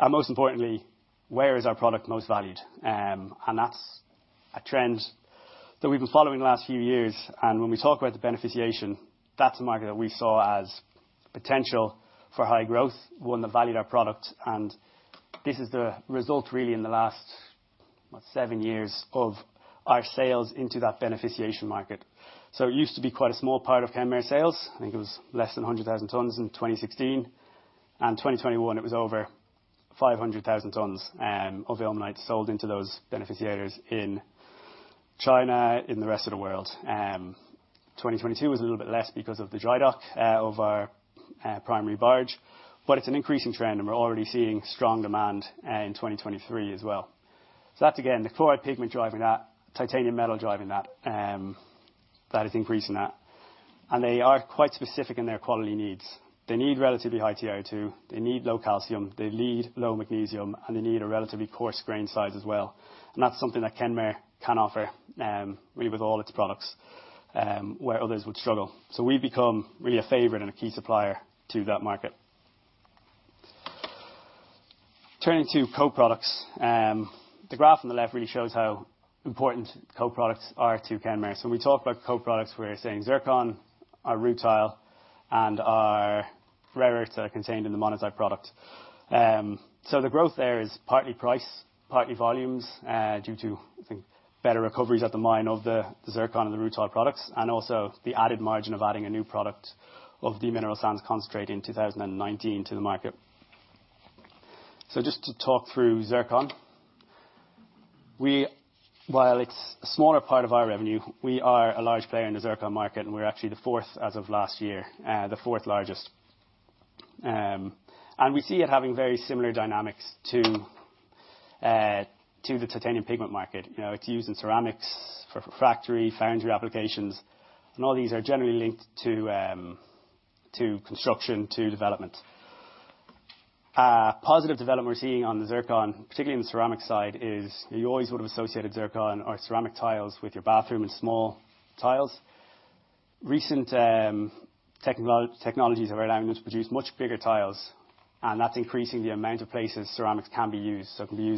and most importantly, where is our product most valued? That's a trend that we've been following the last few years. When we talk about the beneficiation, that's the market that we saw as potential for high growth, one that valued our product, and this is the result really in the last, what, seven years of our sales into that beneficiation market. It used to be quite a small part of Kenmare sales. I think it was less than 100,000 tons in 2016. In 2021, it was over 500,000 tons of ilmenite sold into those beneficiators in China, in the rest of the world. 2022 was a little bit less because of the dry dock of our primary barge, it's an increasing trend, and we're already seeing strong demand in 2023 as well. That's again, the chloride pigment driving that, titanium metal driving that is increasing that. They are quite specific in their quality needs. They need relatively high TiO2, they need low calcium, they need low magnesium, and they need a relatively coarse grain size as well. That's something that Kenmare can offer really with all its products where others would struggle. We've become really a favorite and a key supplier to that market. Turning to co-products, the graph on the left really shows how important co-products are to Kenmare. When we talk about co-products, we're saying zircon, our rutile, and our rare earths that are contained in the monazite product. The growth there is partly price, partly volumes, due to, I think, better recoveries at the mine of the zircon and the rutile products, and also the added margin of adding a new product of the mineral sands concentrate in 2019 to the market. Just to talk through zircon. While it's a smaller part of our revenue, we are a large player in the zircon market, and we're actually the fourth as of last year, the fourth largest. We see it having very similar dynamics to the titanium pigment market. You know, it's used in ceramics for factory, foundry applications, and all these are generally linked to construction, to development. A positive development we're seeing on the zircon, particularly on the ceramic side, is you always would have associated zircon or ceramic tiles with your bathroom and small tiles. Recent technologies are allowing them to produce much bigger tiles, and that's increasing the amount of places ceramics can be used. It can be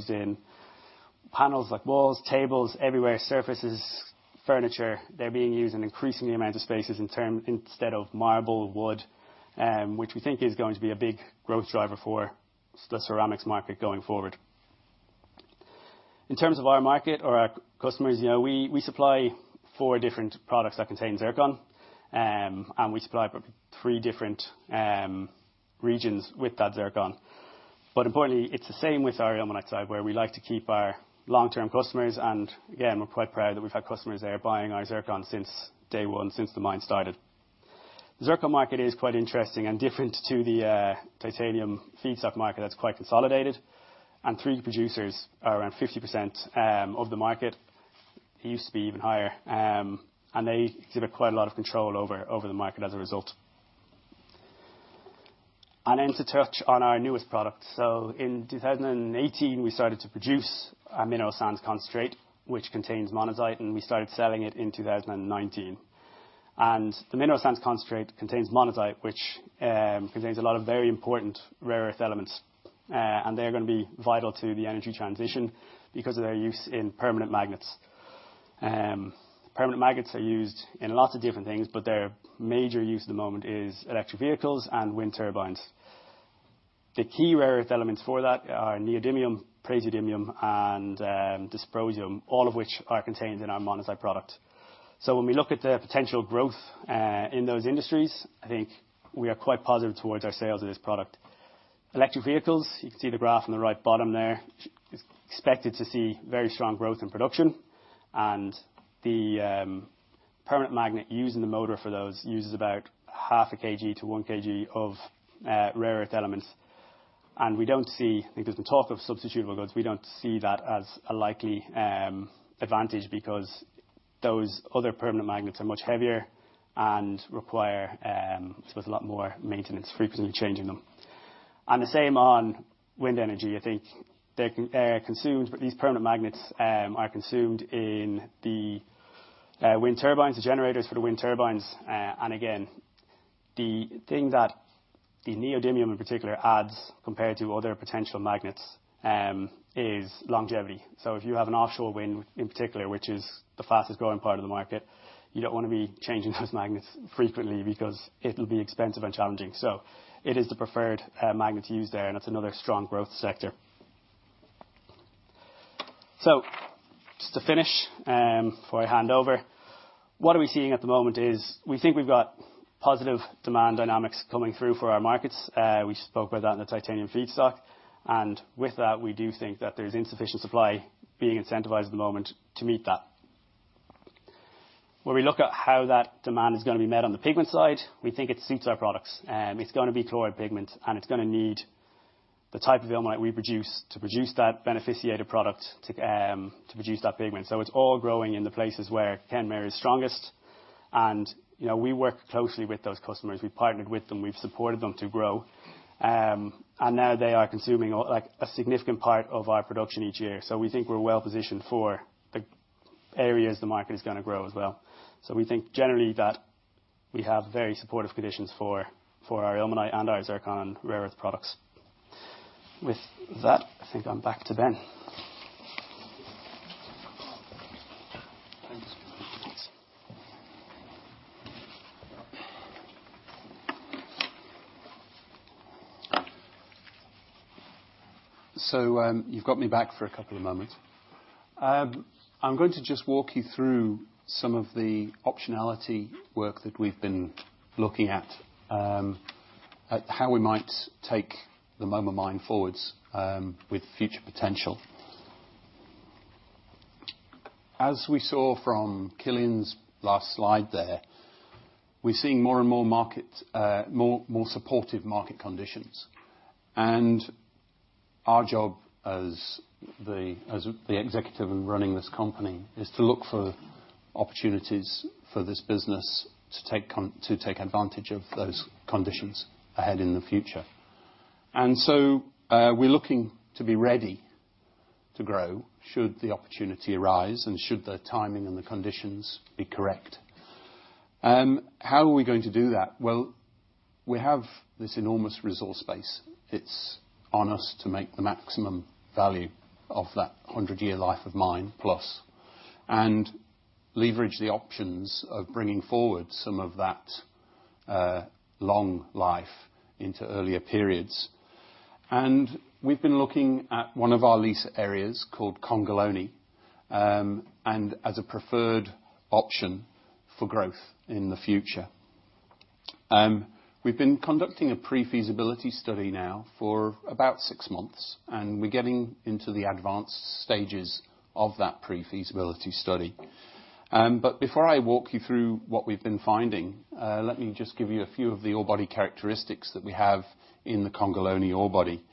used in panels like walls, tables, everywhere, surfaces, furniture. They're being used in increasing the amount of spaces instead of marble, wood, which we think is going to be a big growth driver for the ceramics market going forward. In terms of our market or our customers, you know, we supply four different products that contain zircon, and we supply about three different regions with that zircon. Importantly, it's the same with our ilmenite side, where we like to keep our long-term customers and, again, we're quite proud that we've had customers there buying our zircon since day one, since the mine started. The zircon market is quite interesting and different to the titanium feedstock market that's quite consolidated, and three producers are around 50% of the market. It used to be even higher, and they exhibit quite a lot of control over the market as a result. Then to touch on our newest product. In 2018, we started to produce a mineral sands concentrate, which contains monazite, and we started selling it in 2019. The mineral sands concentrate contains monazite, which contains a lot of very important rare earth elements, and they're gonna be vital to the energy transition because of their use in permanent magnets. Permanent magnets are used in lots of different things, but their major use at the moment is electric vehicles and wind turbines. The key rare earth elements for that are neodymium, praseodymium, and dysprosium, all of which are contained in our monazite product. When we look at the potential growth in those industries, I think we are quite positive towards our sales of this product. Electric vehicles, you can see the graph on the right bottom there, expecting to see very strong growth in production. The permanent magnet used in the motor for those uses about half a kg to 1 kg of rare earth elements. We don't see, because when you talk of substitutable goods, we don't see that as a likely advantage because those other permanent magnets are much heavier and require, so it's a lot more maintenance, frequently changing them. The same on wind energy. I think they're consumed, but these permanent magnets are consumed in the wind turbines, the generators for the wind turbines. Again, the thing that the neodymium in particular adds compared to other potential magnets is longevity. If you have an offshore wind in particular, which is the fastest-growing part of the market, you don't wanna be changing those magnets frequently because it'll be expensive and challenging. It is the preferred magnet to use there, that's another strong growth sector. Just to finish, before I hand over, what are we seeing at the moment is we think we've got positive demand dynamics coming through for our markets. We spoke about that in the titanium feedstock. With that, we do think that there's insufficient supply being incentivized at the moment to meet that. When we look at how that demand is gonna be met on the pigment side, we think it suits our products. It's gonna be chloride pigment, and it's gonna need the type of ilmenite we produce to produce that beneficiated product, to produce that pigment. It's all growing in the places where Kenmare is strongest. You know, we work closely with those customers. We've partnered with them, we've supported them to grow. Now they are consuming a, like a significant part of our production each year. We think we're well positioned for the areas the market is gonna grow as well. We think generally that we have very supportive conditions for our ilmenite and our zircon and rare earth products. With that, I think I'm back to Ben. Thanks. Thanks. You've got me back for a couple of moments. I'm going to just walk you through some of the optionality work that we've been looking at how we might take the Moma Mine forwards, with future potential. As we saw from Cillian's last slide there, we're seeing more and more markets, more supportive market conditions. Our job as the executive running this company is to look for opportunities for this business to take advantage of those conditions ahead in the future. We're looking to be ready to grow should the opportunity arise and should the timing and the conditions be correct. How are we going to do that? Well, we have this enormous resource base. It's on us to make the maximum value of that 100-year life of mine plus. Leverage the options of bringing forward some of that long life into earlier periods. We've been looking at one of our lease areas called Congolone, and as a preferred option for growth in the future. We've been conducting a pre-feasibility study now for about six months, and we're getting into the advanced stages of that pre-feasibility study. Before I walk you through what we've been finding, let me just give you a few of the ore body characteristics that we have in the Congolone ore body.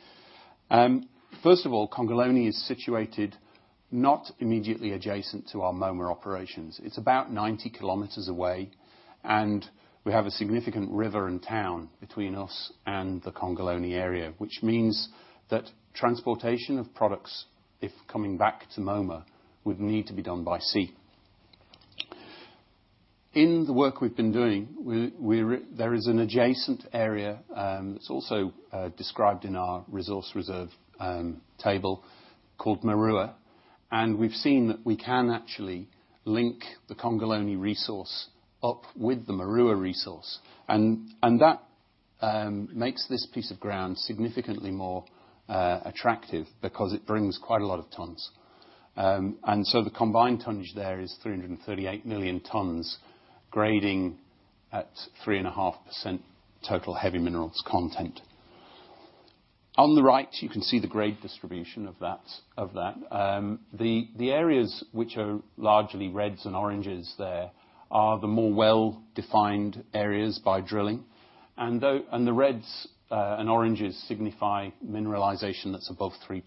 First of all, Congolone is situated not immediately adjacent to our Moma operations. It's about 90 km away. We have a significant river and town between us and the Congolone area, which means that transportation of products, if coming back to Moma, would need to be done by sea. In the work we've been doing, there is an adjacent area that's also described in our resource reserve table called Marrua. We've seen that we can actually link the Congolone resource up with the Marrua resource. That makes this piece of ground significantly more attractive because it brings quite a lot of tons. The combined tonnage there is 338 million tons, grading at 3.5% total heavy minerals content. On the right, you can see the grade distribution of that. The areas which are largely reds and oranges there are the more well-defined areas by drilling. The reds and oranges signify mineralization that's above 3%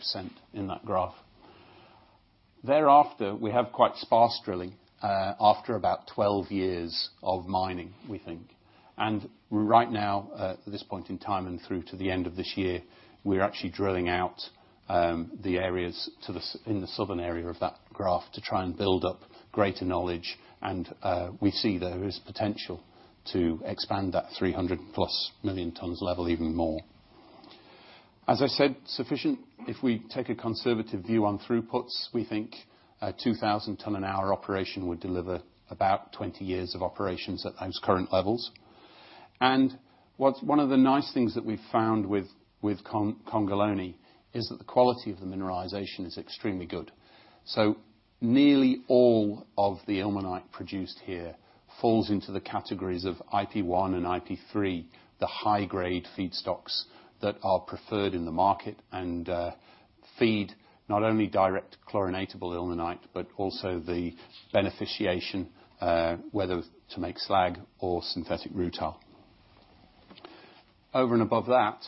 in that graph. Thereafter, we have quite sparse drilling after about 12 years of mining, we think. Right now, at this point in time and through to the end of this year, we're actually drilling out the areas in the southern area of that graph to try and build up greater knowledge. We see there is potential to expand that 300+ million tons level even more. As I said, sufficient. If we take a conservative view on throughputs, we think a 2,000 ton an hour operation would deliver about 20 years of operations at those current levels. One of the nice things that we've found with Congolone is that the quality of the mineralization is extremely good. Nearly all of the ilmenite produced here falls into the categories of IP1 and IP3, the high-grade feedstocks that are preferred in the market and feed not only direct chlorinatable ilmenite but also the beneficiation, whether to make slag or synthetic rutile. Over and above that,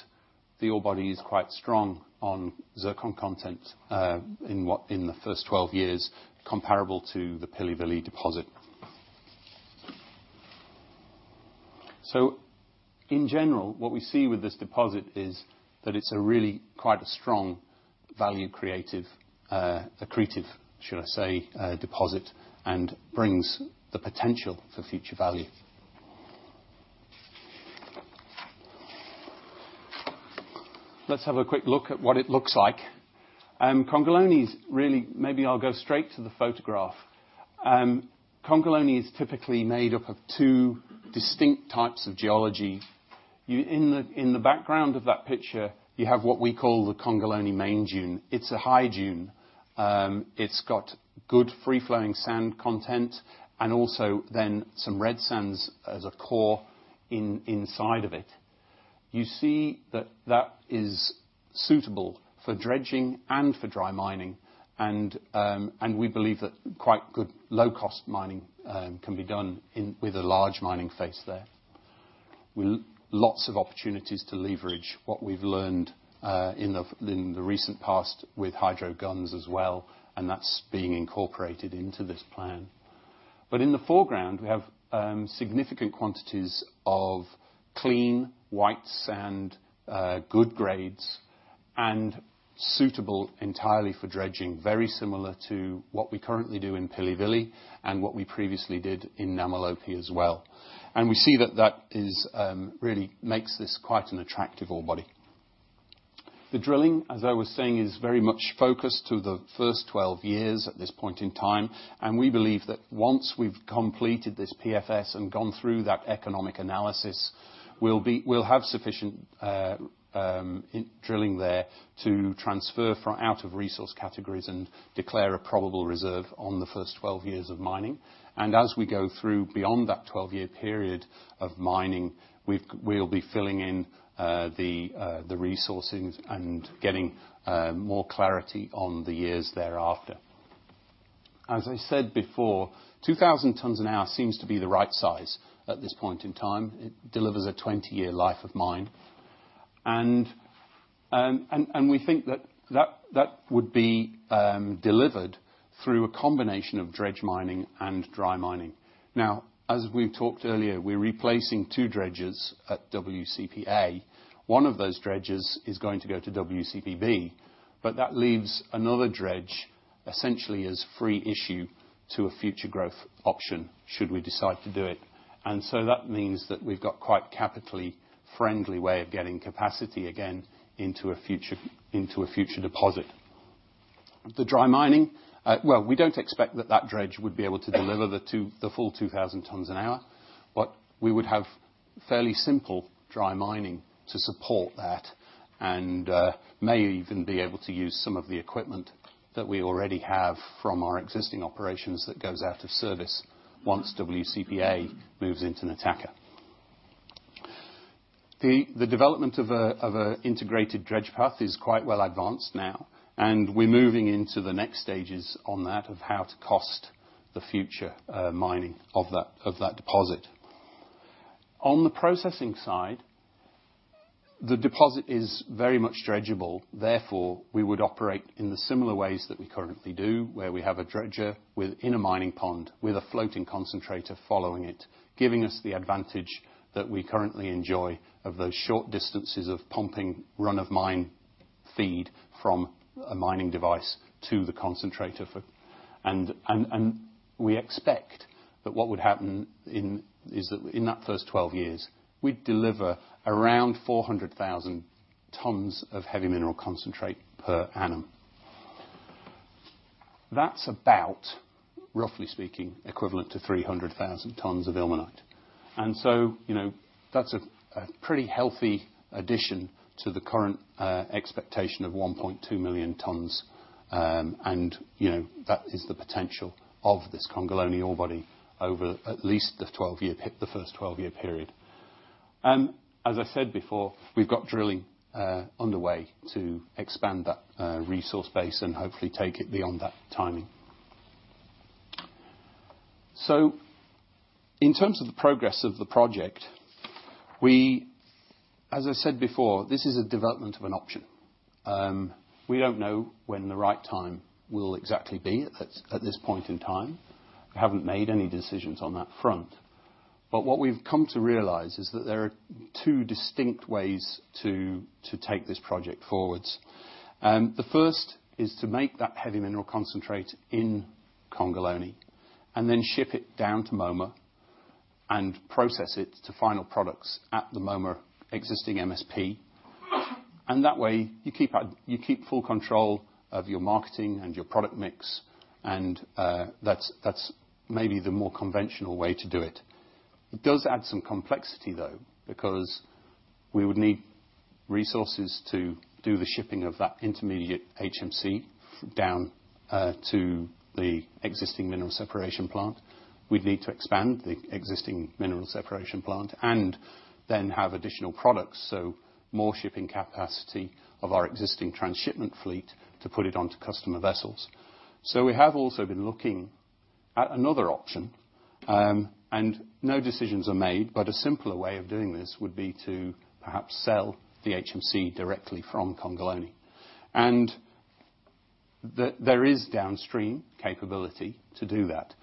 the ore body is quite strong on zircon content in the first 12 years comparable to the Pilivili deposit. In general, what we see with this deposit is that it's a really quite a strong value creative, accretive, should I say, deposit, and brings the potential for future value. Let's have a quick look at what it looks like. Congolone is really... Maybe I'll go straight to the photograph. Congolone is typically made up of two distinct types of geology. In the background of that picture, you have what we call the Congolone main dune. It's a high dune. It's got good free-flowing sand content and also then some red sands as a core inside of it. You see that that is suitable for dredging and for dry mining, and we believe that quite good low-cost mining can be done with a large mining face there. Lots of opportunities to leverage what we've learned in the recent past with hydro guns as well, and that's being incorporated into this plan. In the foreground, we have significant quantities of clean, white sand, good grades, and suitable entirely for dredging, very similar to what we currently do in Pilivili and what we previously did in Namalope as well. We see that that is really makes this quite an attractive ore body. The drilling, as I was saying, is very much focused through the first 12 years at this point in time. We believe that once we've completed this PFS and gone through that economic analysis, we'll have sufficient drilling there to transfer from out of resource categories and declare a Probable Reserve on the first 12 years of mining. As we go through beyond that 12-year period of mining, we'll be filling in the resourcing and getting more clarity on the years thereafter. As I said before, 2,000 tons an hour seems to be the right size at this point in time. It delivers a 20-year life of mine. We think that that would be delivered through a combination of dredge mining and dry mining. Now, as we've talked earlier, we're replacing two dredges at WCPA. One of those dredges is going to go to WCPB, but that leaves another dredge essentially as free issue to a future growth option should we decide to do it. That means that we've got quite capitally friendly way of getting capacity again into a future, into a future deposit. The dry mining, well, we don't expect that that dredge would be able to deliver the full 2,000 tons an hour. We would have fairly simple dry mining to support that, and may even be able to use some of the equipment that we already have from our existing operations that goes out of service once WCP A moves into Nataka. The development of a integrated dredge path is quite well advanced now, and we're moving into the next stages on that of how to cost the future mining of that deposit. On the processing side, the deposit is very much dredgeable. Therefore, we would operate in the similar ways that we currently do, where we have a dredger within a mining pond with a floating concentrator following it, giving us the advantage that we currently enjoy of those short distances of pumping run-of-mine feed from a mining device to the concentrator for... We expect that what would happen in that first 12 years, we'd deliver around 400,000 tons of heavy mineral concentrate per annum. That's about, roughly speaking, equivalent to 300,000 tons of ilmenite. You know, that's a pretty healthy addition to the current expectation of 1.2 million tons. You know, that is the potential of this Congolone ore body over at least the first 12-year period. As I said before, we've got drilling underway to expand that resource base and hopefully take it beyond that timing. In terms of the progress of the project, as I said before, this is a development of an option. We don't know when the right time will exactly be at this point in time. We haven't made any decisions on that front. What we've come to realize is that there are two distinct ways to take this project forwards. The first is to make that heavy mineral concentrate in Congolone and then ship it down to Moma and process it to final products at the Moma existing MSP. That way, you keep full control of your marketing and your product mix. That's maybe the more conventional way to do it. It does add some complexity, though, because we would need resources to do the shipping of that intermediate HMC down to the existing mineral separation plant. We'd need to expand the existing mineral separation plant and then have additional products, so more shipping capacity of our existing transshipment fleet to put it onto customer vessels. We have also been lookingAnother option, and no decisions are made, but a simpler way of doing this would be to perhaps sell the HMC directly from Congolone. There is downstream capability to do that.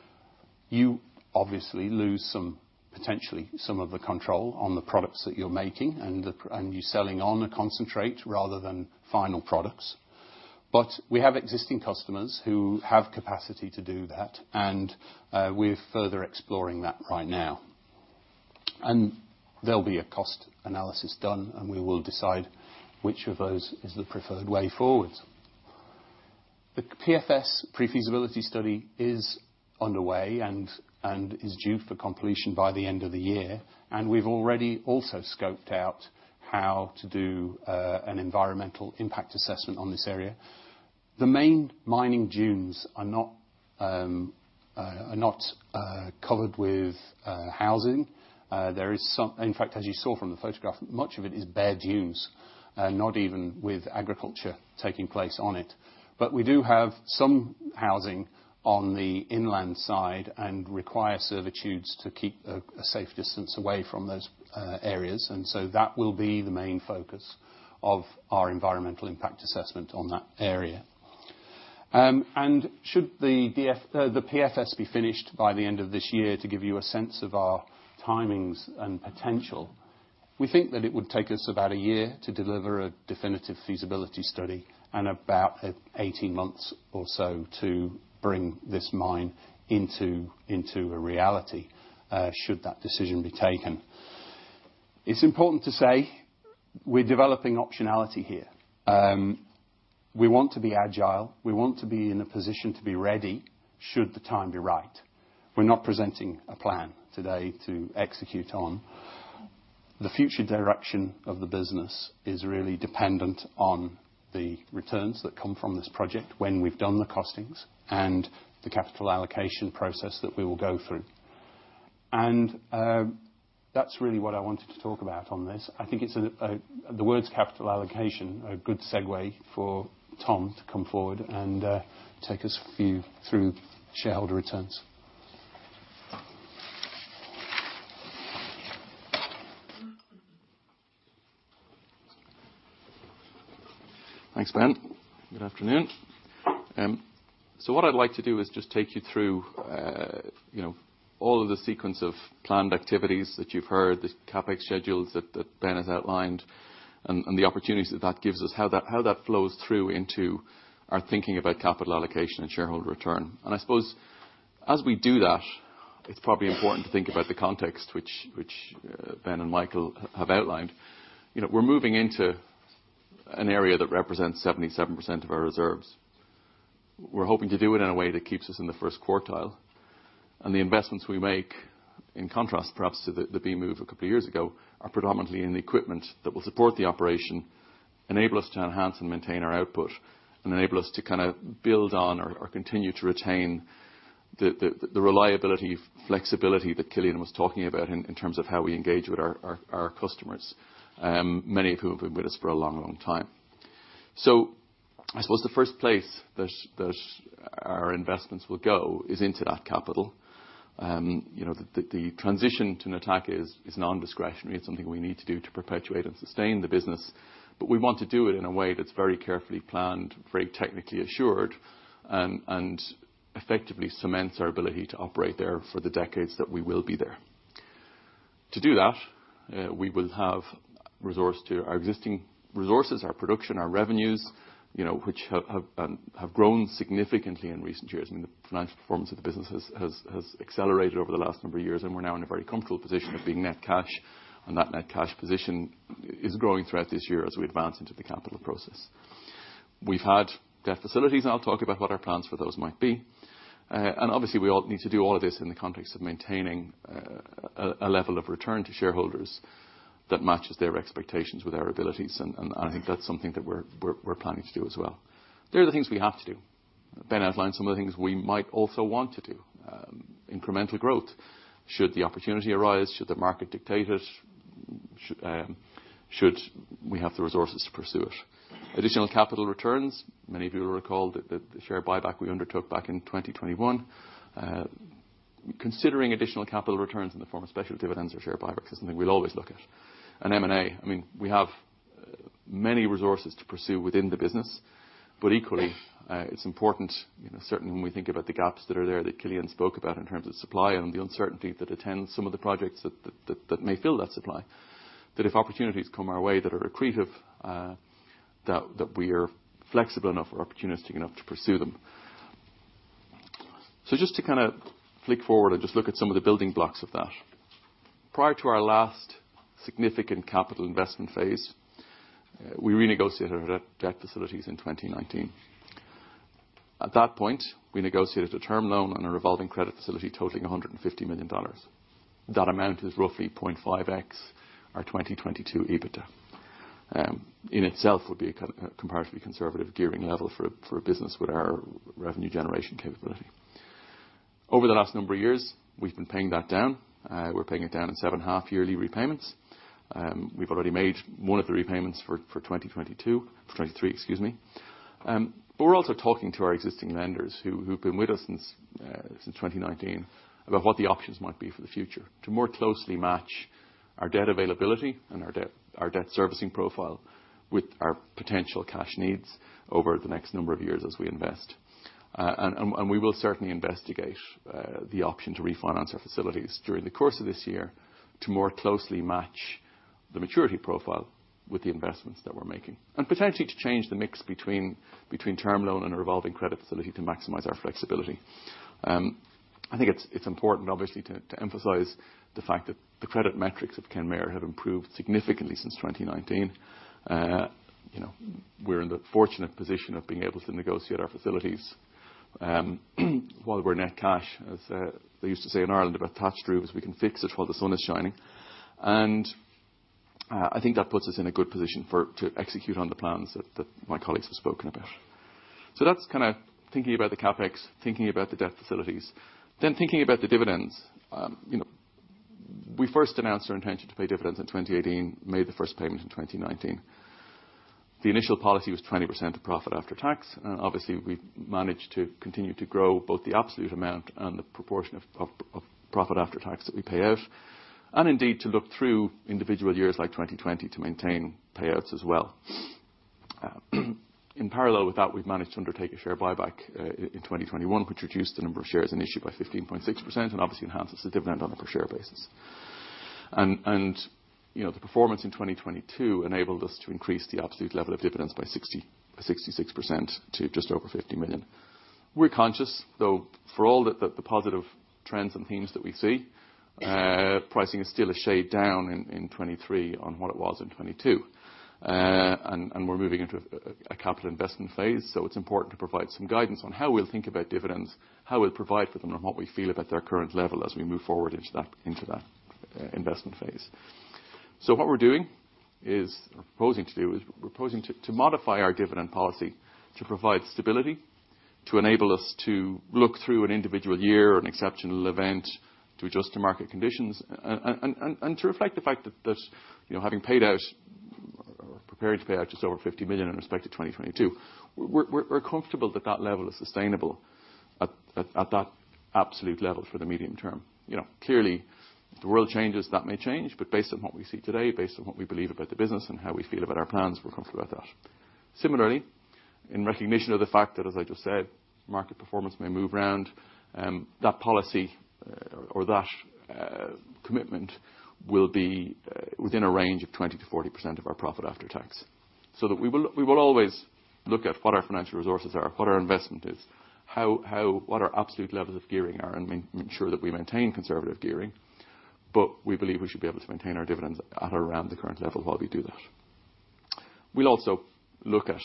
You obviously lose some... potentially some of the control on the products that you're making and the, and you're selling on a concentrate rather than final products. We have existing customers who have capacity to do that, and we're further exploring that right now. There'll be a cost analysis done, and we will decide which of those is the preferred way forward. The PFS, pre-feasibility study, is underway and is due for completion by the end of the year. We've already also scoped out how to do an environmental impact assessment on this area. The main mining dunes are not covered with housing. In fact, as you saw from the photograph, much of it is bare dunes, not even with agriculture taking place on it. We do have some housing on the inland side and require servitudes to keep a safe distance away from those areas. That will be the main focus of our environmental impact assessment on that area. Should the PFS be finished by the end of this year to give you a sense of our timings and potential, we think that it would take us about a year to deliver a definitive feasibility study and about 18 months or so to bring this mine into a reality, should that decision be taken. It's important to say we're developing optionality here. We want to be agile. We want to be in a position to be ready should the time be right. We're not presenting a plan today to execute on. The future direction of the business is really dependent on the returns that come from this project when we've done the costings and the capital allocation process that we will go through. That's really what I wanted to talk about on this. I think it's the words capital allocation are a good segue for Tom to come forward and take us through shareholder returns. Thanks, Ben. Good afternoon. What I'd like to do is just take you through, you know, all of the sequence of planned activities that you've heard, the CapEx schedules that Ben has outlined, and the opportunities that gives us, how that flows through into our thinking about capital allocation and shareholder return. I suppose, as we do that, it's probably important to think about the context which Ben and Michael have outlined. You know, we're moving into an area that represents 77% of our reserves. We're hoping to do it in a way that keeps us in the first quartile. The investments we make, in contrast perhaps to the B move a couple years ago, are predominantly in equipment that will support the operation, enable us to enhance and maintain our output, and enable us to kind of build on or continue to retain the reliability, flexibility that Cillian was talking about in terms of how we engage with our customers, many of who have been with us for a long, long time. I suppose the first place that our investments will go is into that capital. You know, the transition to Nataka is nondiscretionary. It's something we need to do to perpetuate and sustain the business, we want to do it in a way that's very carefully planned, very technically assured, and effectively cements our ability to operate there for the decades that we will be there. To do that, we will have resource to our existing resources, our production, our revenues, you know, which have grown significantly in recent years. I mean, the financial performance of the business has accelerated over the last number of years, we're now in a very comfortable position of being net cash, and that net cash position is growing throughout this year as we advance into the capital process. We've had debt facilities, and I'll talk about what our plans for those might be. Obviously, we all need to do all of this in the context of maintaining a level of return to shareholders that matches their expectations with our abilities. I think that's something that we're planning to do as well. They're the things we have to do. Ben outlined some of the things we might also want to do. Incremental growth should the opportunity arise, should the market dictate it, should we have the resources to pursue it. Additional capital returns, many of you will recall the share buyback we undertook back in 2021. Considering additional capital returns in the form of special dividends or share buybacks is something we'll always look at. M&A, I mean, we have many resources to pursue within the business, but equally, it's important, you know, certainly when we think about the gaps that are there that Cillian spoke about in terms of supply and the uncertainty that attends some of the projects that may fill that supply, that if opportunities come our way that are accretive, that we are flexible enough or opportunistic enough to pursue them. Just to kind of flick forward and just look at some of the building blocks of that. Prior to our last significant capital investment phase, we renegotiated our debt facilities in 2019. At that point, we negotiated a term loan and a revolving credit facility totaling $150 million. That amount is roughly 0.5x our 2022 EBITDA. In itself would be a comparatively conservative gearing level for a business with our revenue generation capability. Over the last number of years, we've been paying that down. We're paying it down in sevenh half yearly repayments. We've already made one of the repayments for 2023, excuse me. We're also talking to our existing lenders who've been with us since 2019, about what the options might be for the future to more closely match our debt availability and our debt servicing profile with our potential cash needs over the next number of years as we invest. We will certainly investigate the option to refinance our facilities during the course of this year to more closely match the maturity profile with the investments that we're making, and potentially to change the mix between term loan and a revolving credit facility to maximize our flexibility. I think it's important obviously, to emphasize the fact that the credit metrics of Kenmare have improved significantly since 2019. You know, we're in the fortunate position of being able to negotiate our facilities while we're net cash. As they used to say in Ireland about thatched roofs, we can fix it while the sun is shining. I think that puts us in a good position for, to execute on the plans that my colleagues have spoken about. That's kinda thinking about the CapEx, thinking about the debt facilities. Thinking about the dividends. you know, we first announced our intention to pay dividends in 2018, made the first payment in 2019. The initial policy was 20% of profit after tax. Obviously, we managed to continue to grow both the absolute amount and the proportion of profit after tax that we pay out, and indeed, to look through individual years like 2020 to maintain payouts as well. In parallel with that, we've managed to undertake a share buyback, in 2021, which reduced the number of shares in issue by 15.6% and obviously enhances the dividend on a per share basis. You know, the performance in 2022 enabled us to increase the absolute level of dividends by 66% to just over $50 million. We're conscious though, for all the positive trends and themes that we see, pricing is still a shade down in 2023 on what it was in 2022. We're moving into a capital investment phase, so it's important to provide some guidance on how we'll think about dividends, how we'll provide for them, and what we feel about their current level as we move forward into that investment phase. What we're doing is, or proposing to do is we're proposing to modify our dividend policy to provide stability, to enable us to look through an individual year or an exceptional event, to adjust to market conditions and to reflect the fact that, you know, having paid out or preparing to pay out just over $50 million in respect to 2022, we're comfortable that that level is sustainable at that absolute level for the medium term. You know, clearly the world changes, that may change, but based on what we see today, based on what we believe about the business and how we feel about our plans, we're comfortable with that. Similarly, in recognition of the fact that, as I just said, market performance may move around, that policy or that commitment will be within a range of 20%-40% of our profit after tax. We will always look at what our financial resources are, what our investment is, how what our absolute levels of gearing are, and make sure that we maintain conservative gearing, but we believe we should be able to maintain our dividends at around the current level while we do that. We'll also look at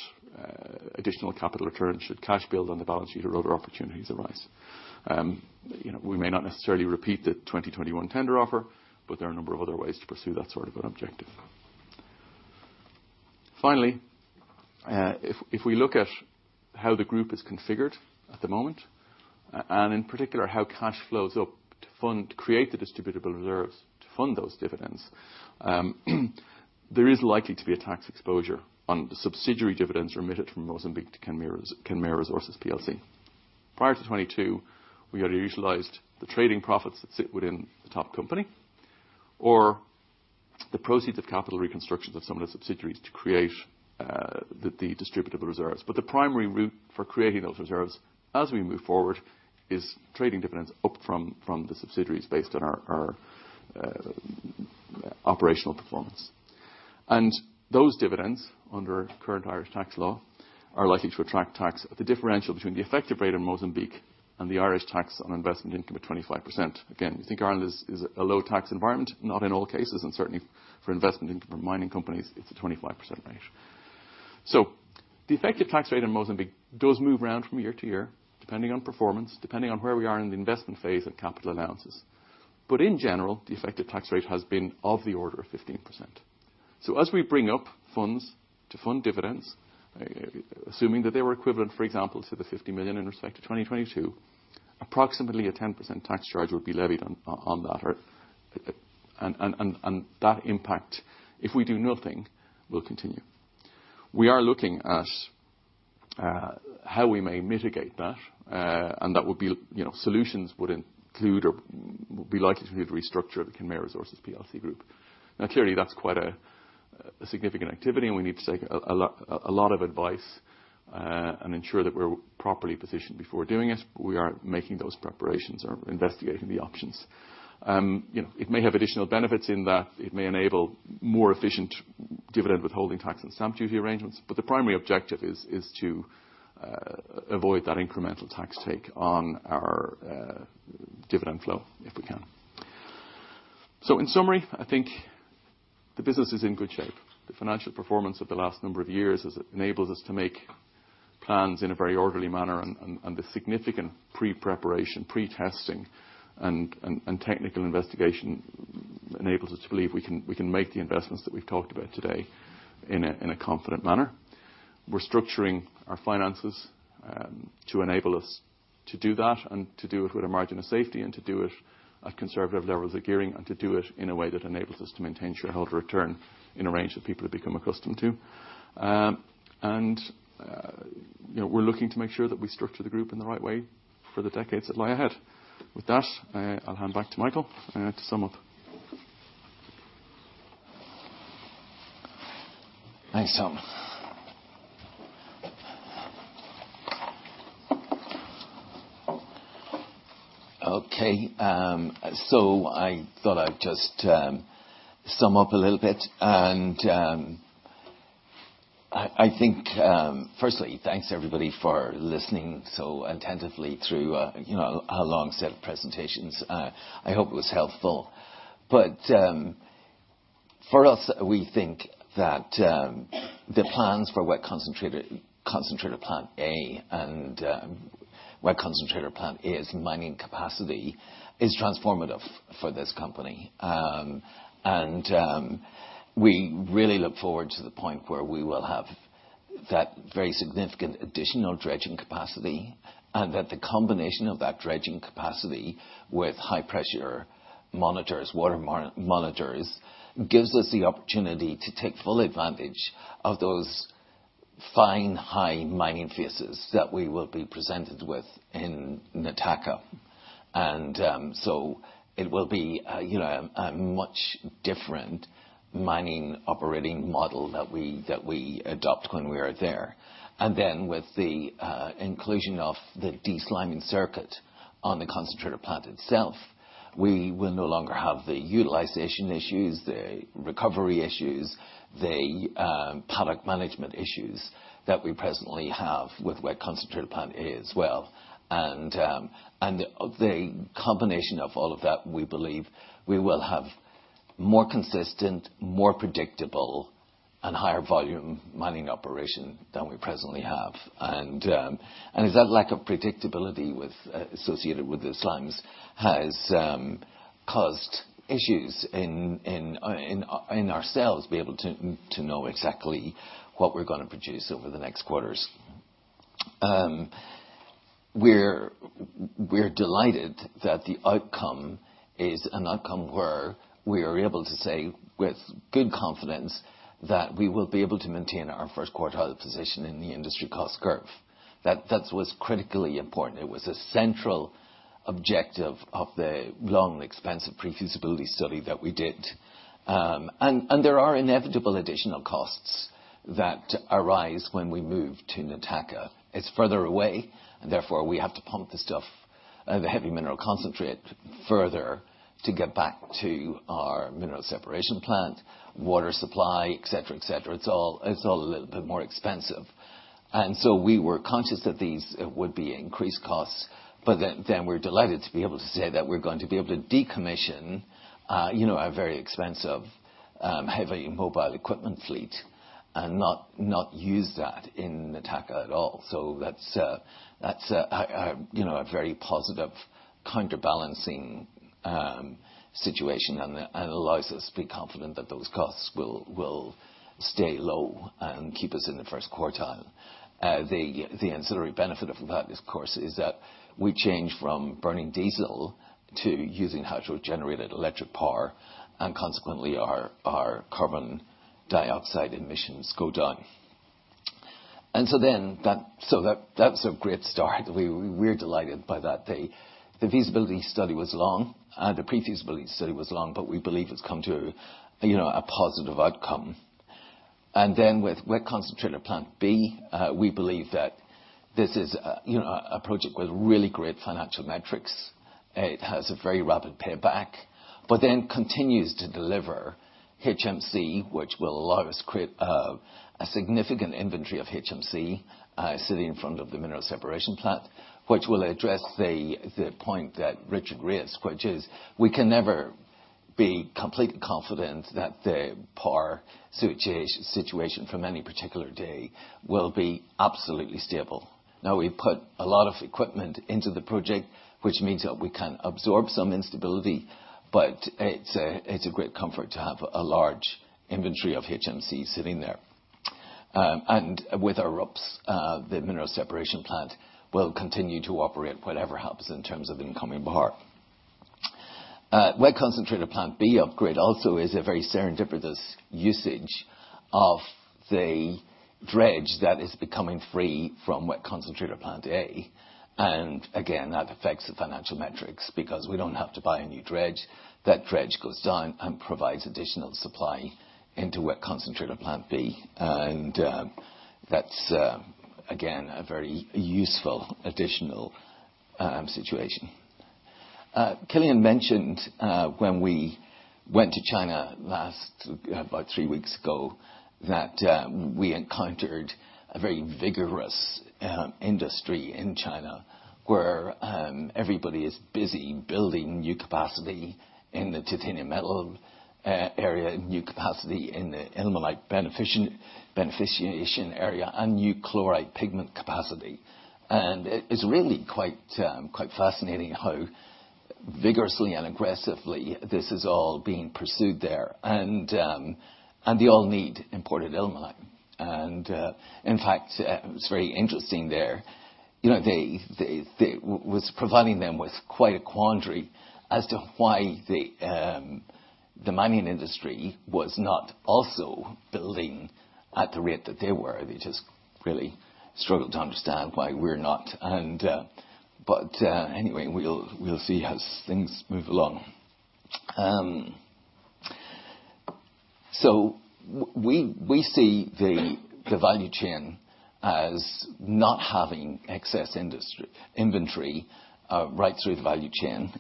additional capital returns should cash build on the balance sheet or other opportunities arise. You know, we may not necessarily repeat the 2021 tender offer, but there are a number of other ways to pursue that sort of an objective. Finally, if we look at how the group is configured at the moment, and in particular, how cash flows up to fund, create the distributable reserves to fund those dividends, there is likely to be a tax exposure on the subsidiary dividends remitted from Mozambique to Kenmare Resources PLC. Prior to 22, we had utilized the trading profits that sit within the top company or the proceeds of capital reconstructions of some of the subsidiaries to create the distributable reserves. The primary route for creating those reserves as we move forward is trading dividends up from the subsidiaries based on our operational performance. Those dividends, under current Irish tax law, are likely to attract tax at the differential between the effective rate in Mozambique and the Irish tax on investment income of 25%. You think Ireland is a low tax environment, not in all cases, and certainly for investment income for mining companies, it's a 25% rate. The effective tax rate in Mozambique does move around from year-to-year, depending on performance, depending on where we are in the investment phase of capital allowances. In general, the effective tax rate has been of the order of 15%. As we bring up funds to fund dividends, assuming that they were equivalent, for example, to the $50 million in respect to 2022, approximately a 10% tax charge would be levied on that, and that impact, if we do nothing, will continue. We are looking at how we may mitigate that. That would be, you know, solutions would include or would be likely to include restructure of the Kenmare Resources PLC group. Clearly, that's quite a significant activity, and we need to take a lot of advice, and ensure that we're properly positioned before doing it, but we are making those preparations or investigating the options. It may have additional benefits in that it may enable more efficient dividend withholding tax and stamp duty arrangements. The primary objective is to avoid that incremental tax take on our dividend flow, if we can. In summary, I think the business is in good shape. The financial performance of the last number of years has enabled us to make plans in a very orderly manner and the significant pre-preparation, pre-testing and technical investigation enables us to believe we can make the investments that we've talked about today in a confident manner. We're structuring our finances to enable us to do that and to do it with a margin of safety, and to do it at conservative levels of gearing, and to do it in a way that enables us to maintain shareholder return in a range that people have become accustomed to. You know, we're looking to make sure that we structure the group in the right way for the decades that lie ahead. With that, I'll hand back to Michael to sum up. Thanks, Tom. Okay. I thought I'd just sum up a little bit. I think, firstly, thanks everybody for listening so attentively through, you know, a long set of presentations. I hope it was helpful. For us, we think that, the plans for Wet Concentrator Plant A and Wet Concentrator Plant A's mining capacity is transformative for this company. We really look forward to the point where we will have that very significant additional dredging capacity, and that the combination of that dredging capacity with high pressure monitors, water monitors, gives us the opportunity to take full advantage of those fine high mining phases that we will be presented with in Nataka. It will be a, you know, a much different mining operating model that we adopt when we are there. With the inclusion of the desliming circuit on the concentrator plant itself, we will no longer have the utilization issues, the recovery issues, the product management issues that we presently have with Wet Concentrator Plant A as well. The combination of all of that, we believe we will have more consistent, more predictable, and higher volume mining operation than we presently have. It's that lack of predictability with associated with the slimes has caused issues in ourselves be able to know exactly what we're gonna produce over the next quarters. We're delighted that the outcome is an outcome where we are able to say with good confidence that we will be able to maintain our first quartile position in the industry cost curve. That was critically important. It was a central objective of the long, expensive pre-feasibility study that we did. There are inevitable additional costs that arise when we move to Nataka. It's further away, and therefore, we have to pump the stuff, the heavy mineral concentrate further to get back to our mineral separation plant, water supply, et cetera, et cetera. It's all a little bit more expensive. We were conscious that these would be increased costs, but then we're delighted to be able to say that we're going to be able to decommission, you know, a very expensive heavy mobile equipment fleet and not use that in Nataka at all. That's a very positive counterbalancing situation and it allows us to be confident that those costs will stay low and keep us in the first quartile. The ancillary benefit of that, of course, is that we change from burning diesel to using hydro-generated electric power, and consequently our carbon dioxide emissions go down. That's a great start. We're delighted by that. The feasibility study was long, the pre-feasibility study was long. We believe it's come to, you know, a positive outcome. With Wet Concentrator Plant B, we believe that this is, you know, a project with really great financial metrics. It has a very rapid payback, but then continues to deliver HMC, which will allow us to create a significant inventory of HMC sitting in front of the mineral separation plant. Which will address the point that Richard raised, which is we can never be completely confident that the situation from any particular day will be absolutely stable. Now, we put a lot of equipment into the project, which means that we can absorb some instability, but it's a great comfort to have a large inventory of HMC sitting there. With our UPS, the mineral separation plant will continue to operate whatever happens in terms of the incoming bar. WCPB upgrade also is a very serendipitous usage of the dredge that is becoming free from WCPA. Again, that affects the financial metrics because we don't have to buy a new dredge. That dredge goes down and provides additional supply into WCPB. That's again, a very useful additional situation. Cillian mentioned when we went to China last about three weeks ago, that we encountered a very vigorous industry in China, where everybody is busy building new capacity in the titanium metal area, new capacity in the ilmenite beneficiation area, and new chloride pigment capacity. It's really quite fascinating Vigorously and aggressively, this is all being pursued there. They all need imported ilmenite. In fact, it's very interesting there. You know, they was providing them with quite a quandary as to why the mining industry was not also building at the rate that they were. They just really struggled to understand why we're not. Anyway, we'll see as things move along. We see the value chain as not having excess inventory right through the value chain.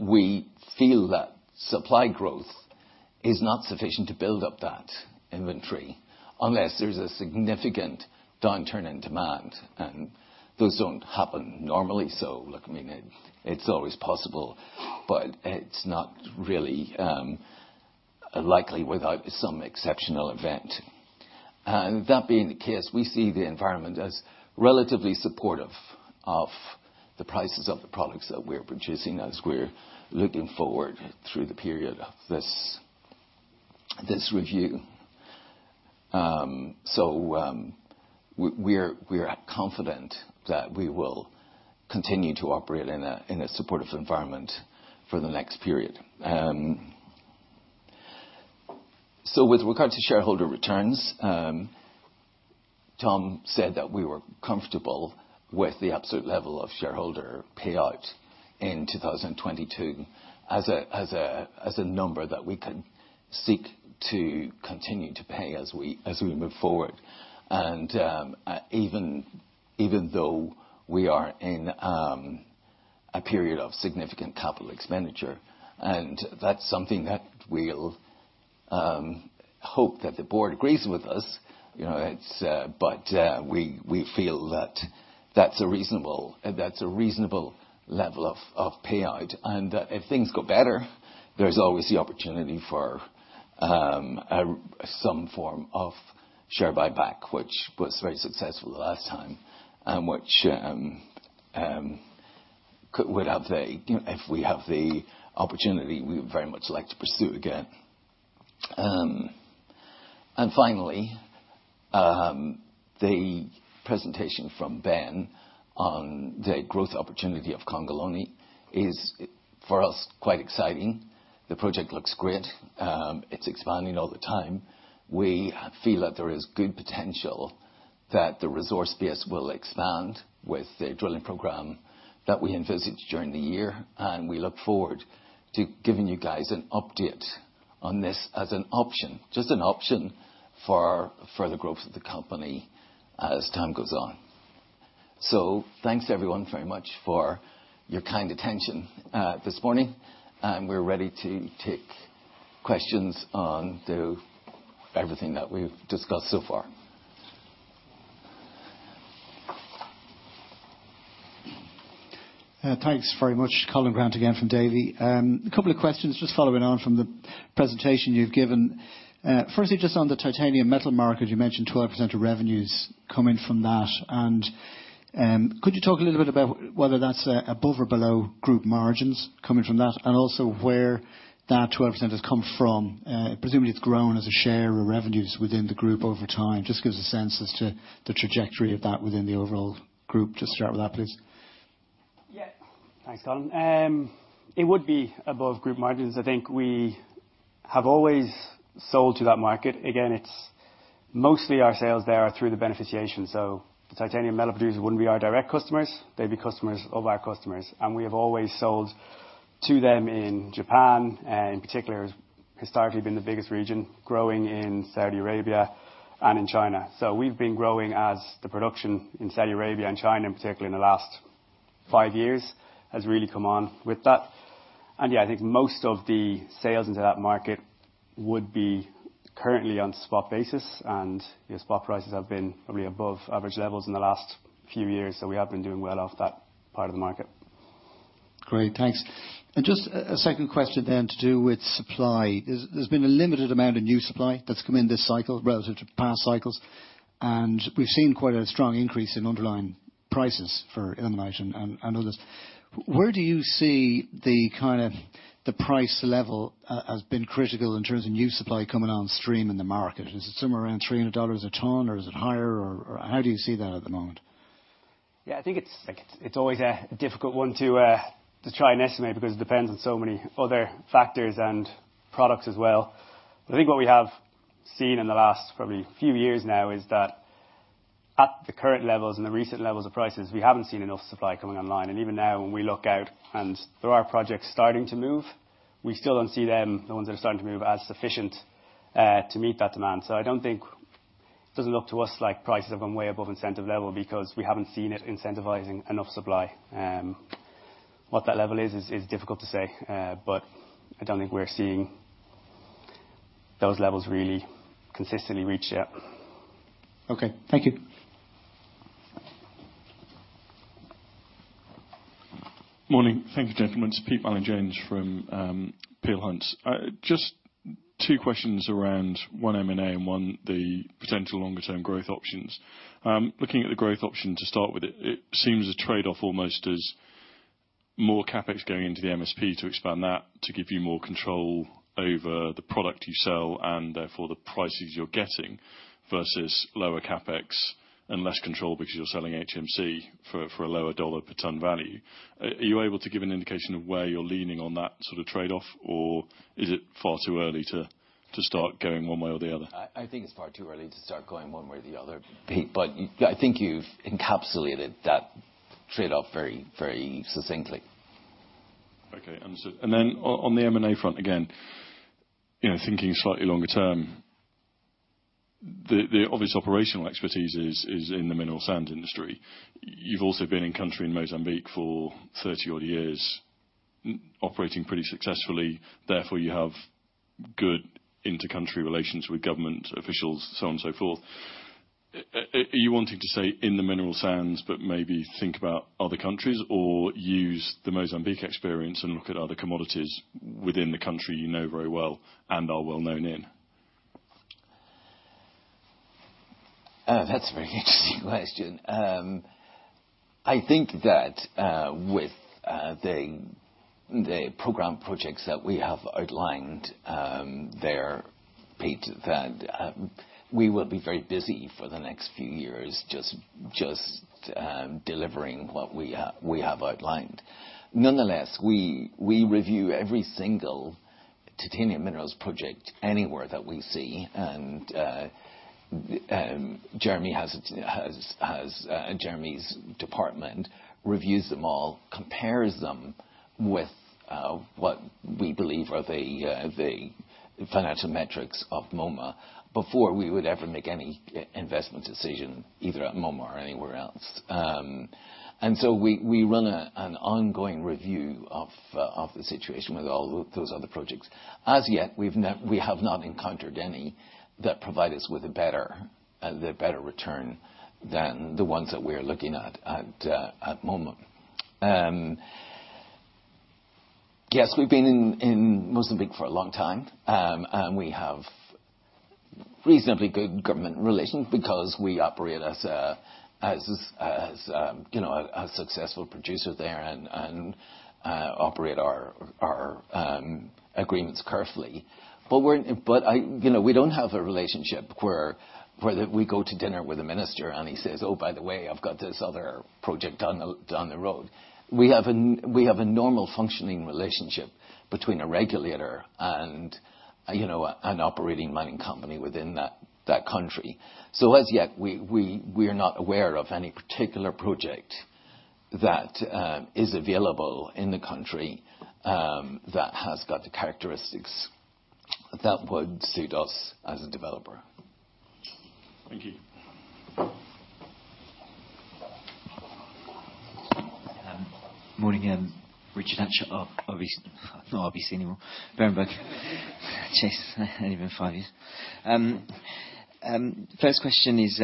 We feel that supply growth is not sufficient to build up that inventory unless there's a significant downturn in demand, and those don't happen normally. Look, I mean, it's always possible, but it's not really likely without some exceptional event. That being the case, we see the environment as relatively supportive of the prices of the products that we're producing as we're looking forward through the period of this review. we're confident that we will continue to operate in a supportive environment for the next period. With regard to shareholder returns, Tom said that we were comfortable with the absolute level of shareholder payout in 2022 as a number that we can seek to continue to pay as we move forward. Even though we are in a period of significant Capital expenditure, and that's something that we'll hope that the board agrees with us. You know, it's. We feel that that's a reasonable level of payout. If things go better, there's always the opportunity for some form of share buyback, which was very successful the last time, and which would have the, you know, if we have the opportunity, we would very much like to pursue again. Finally, the presentation from Ben on the growth opportunity of Congolone is, for us, quite exciting. The project looks great. It's expanding all the time. We feel that there is good potential that the resource base will expand with the drilling program that we envisage during the year, and we look forward to giving you guys an update on this as an option, just an option for the growth of the company as time goes on. Thanks everyone very much for your kind attention, this morning, and we're ready to take questions on the everything that we've discussed so far. Thanks very much. Colin Grant again from Davy. A couple of questions just following on from the presentation you've given. Firstly, just on the titanium metal market, you mentioned 12% of revenues coming from that. Could you talk a little bit about whether that's above or below group margins coming from that? Also where that 12% has come from. Presumably it's grown as a share of revenues within the group over time. Just gives a sense as to the trajectory of that within the overall group. Just start with that, please. Yeah. Thanks, Colin. It would be above group margins. I think we have always sold to that market. It's mostly our sales there are through the beneficiation. The titanium metal producers wouldn't be our direct customers, they'd be customers of our customers. We have always sold to them in Japan, in particular, has historically been the biggest region, growing in Saudi Arabia and in China. We've been growing as the production in Saudi Arabia and China, in particular in the last five years, has really come on with that. Yeah, I think most of the sales into that market would be currently on spot basis. You know, spot prices have been probably above average levels in the last few years, we have been doing well off that part of the market. Great. Thanks. Just a second question then to do with supply. There's been a limited amount of new supply that's come in this cycle relative to past cycles, and we've seen quite a strong increase in underlying prices for ilmenite and others. Where do you see the kind of the price level has been critical in terms of new supply coming on stream in the market? Is it somewhere around $300 a ton, or is it higher, or how do you see that at the moment? Yeah, I think it's like, it's always a difficult one to try and estimate because it depends on so many other factors and products as well. I think what we have seen in the last probably few years now is that at the current levels and the recent levels of prices, we haven't seen enough supply coming online. Even now, when we look out and there are projects starting to move, we still don't see them, the ones that are starting to move, as sufficient to meet that demand. I don't think it doesn't look to us like prices have gone way above incentive level because we haven't seen it incentivizing enough supply. What that level is difficult to say. I don't think we're seeing those levels really consistently reached yet. Okay. Thank you. Morning. Thank you, gentlemen. It's Peter Mallin-Jones from Peel Hunt. Two questions around one M&A and one the potential longer term growth options. Looking at the growth option to start with, it seems a trade-off almost as more CapEx going into the MSP to expand that to give you more control over the product you sell and therefore the prices you're getting versus lower CapEx and less control because you're selling HMC for a lower $ per ton value. Are you able to give an indication of where you're leaning on that sort of trade-off, or is it far too early to start going one way or the other? I think it's far too early to start going one way or the other, Pete. I think you've encapsulated that trade-off very, very succinctly. Okay. Understood. Then on the M&A front, again, you know, thinking slightly longer term, the obvious operational expertise is in the mineral sands industry. You've also been in country in Mozambique for 30 odd years operating pretty successfully, therefore you have good intercountry relations with government officials, so on and so forth. Are you wanting to stay in the mineral sands but maybe think about other countries, or use the Mozambique experience and look at other commodities within the country you know very well and are well-known in? That's a very interesting question. I think that with the program projects that we have outlined, there, Pete, that we will be very busy for the next few years just delivering what we have outlined. Nonetheless, we review every single titanium minerals project anywhere that we see. Jeremy's department reviews them all, compares them with what we believe are the financial metrics of Moma before we would ever make any investment decision, either at Moma or anywhere else. We run an ongoing review of the situation with all those other projects. As yet, we have not encountered any that provide us with a better, the better return than the ones that we're looking at Moma. Yes, we've been in Mozambique for a long time. We have reasonably good government relations because we operate as a, you know, a successful producer there and operate our agreements carefully. You know, we don't have a relationship where we go to dinner with the minister and he says, "Oh, by the way, I've got this other project down the road." We have a normal functioning relationship between a regulator and, you know, an operating mining company within that country. As yet, we're not aware of any particular project that is available in the country that has got the characteristics that would suit us as a developer. Thank you. Morning, Richard Hatch, RBC. Not RBC anymore, Berenberg. Jeez, it's only been five years. First question is,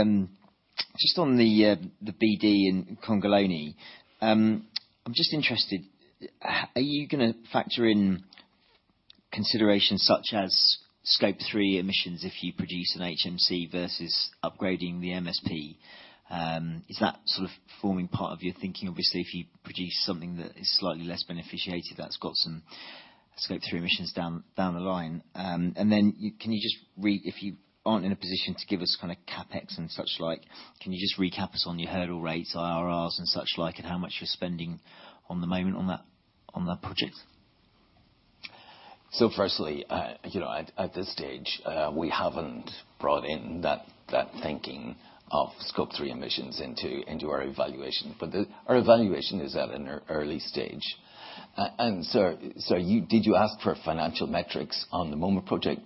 just on the BD in Congolone, I'm just interested, are you gonna factor in considerations such as Scope3 emissions if you produce an HMC versus upgrading the MSP? Is that sort of forming part of your thinking? Obviously, if you produce something that is slightly less beneficiated, that's got some Scope 3 emissions down the line. Can you just recap us, if you aren't in a position to give us kinda CapEx and such like, on your hurdle rates, IRRs and such like, and how much you're spending on the moment on that project? Firstly, you know, at this stage, we haven't brought in that thinking of Scope 3 emissions into our evaluation. Our evaluation is at an early stage. Did you ask for financial metrics on the Moma project,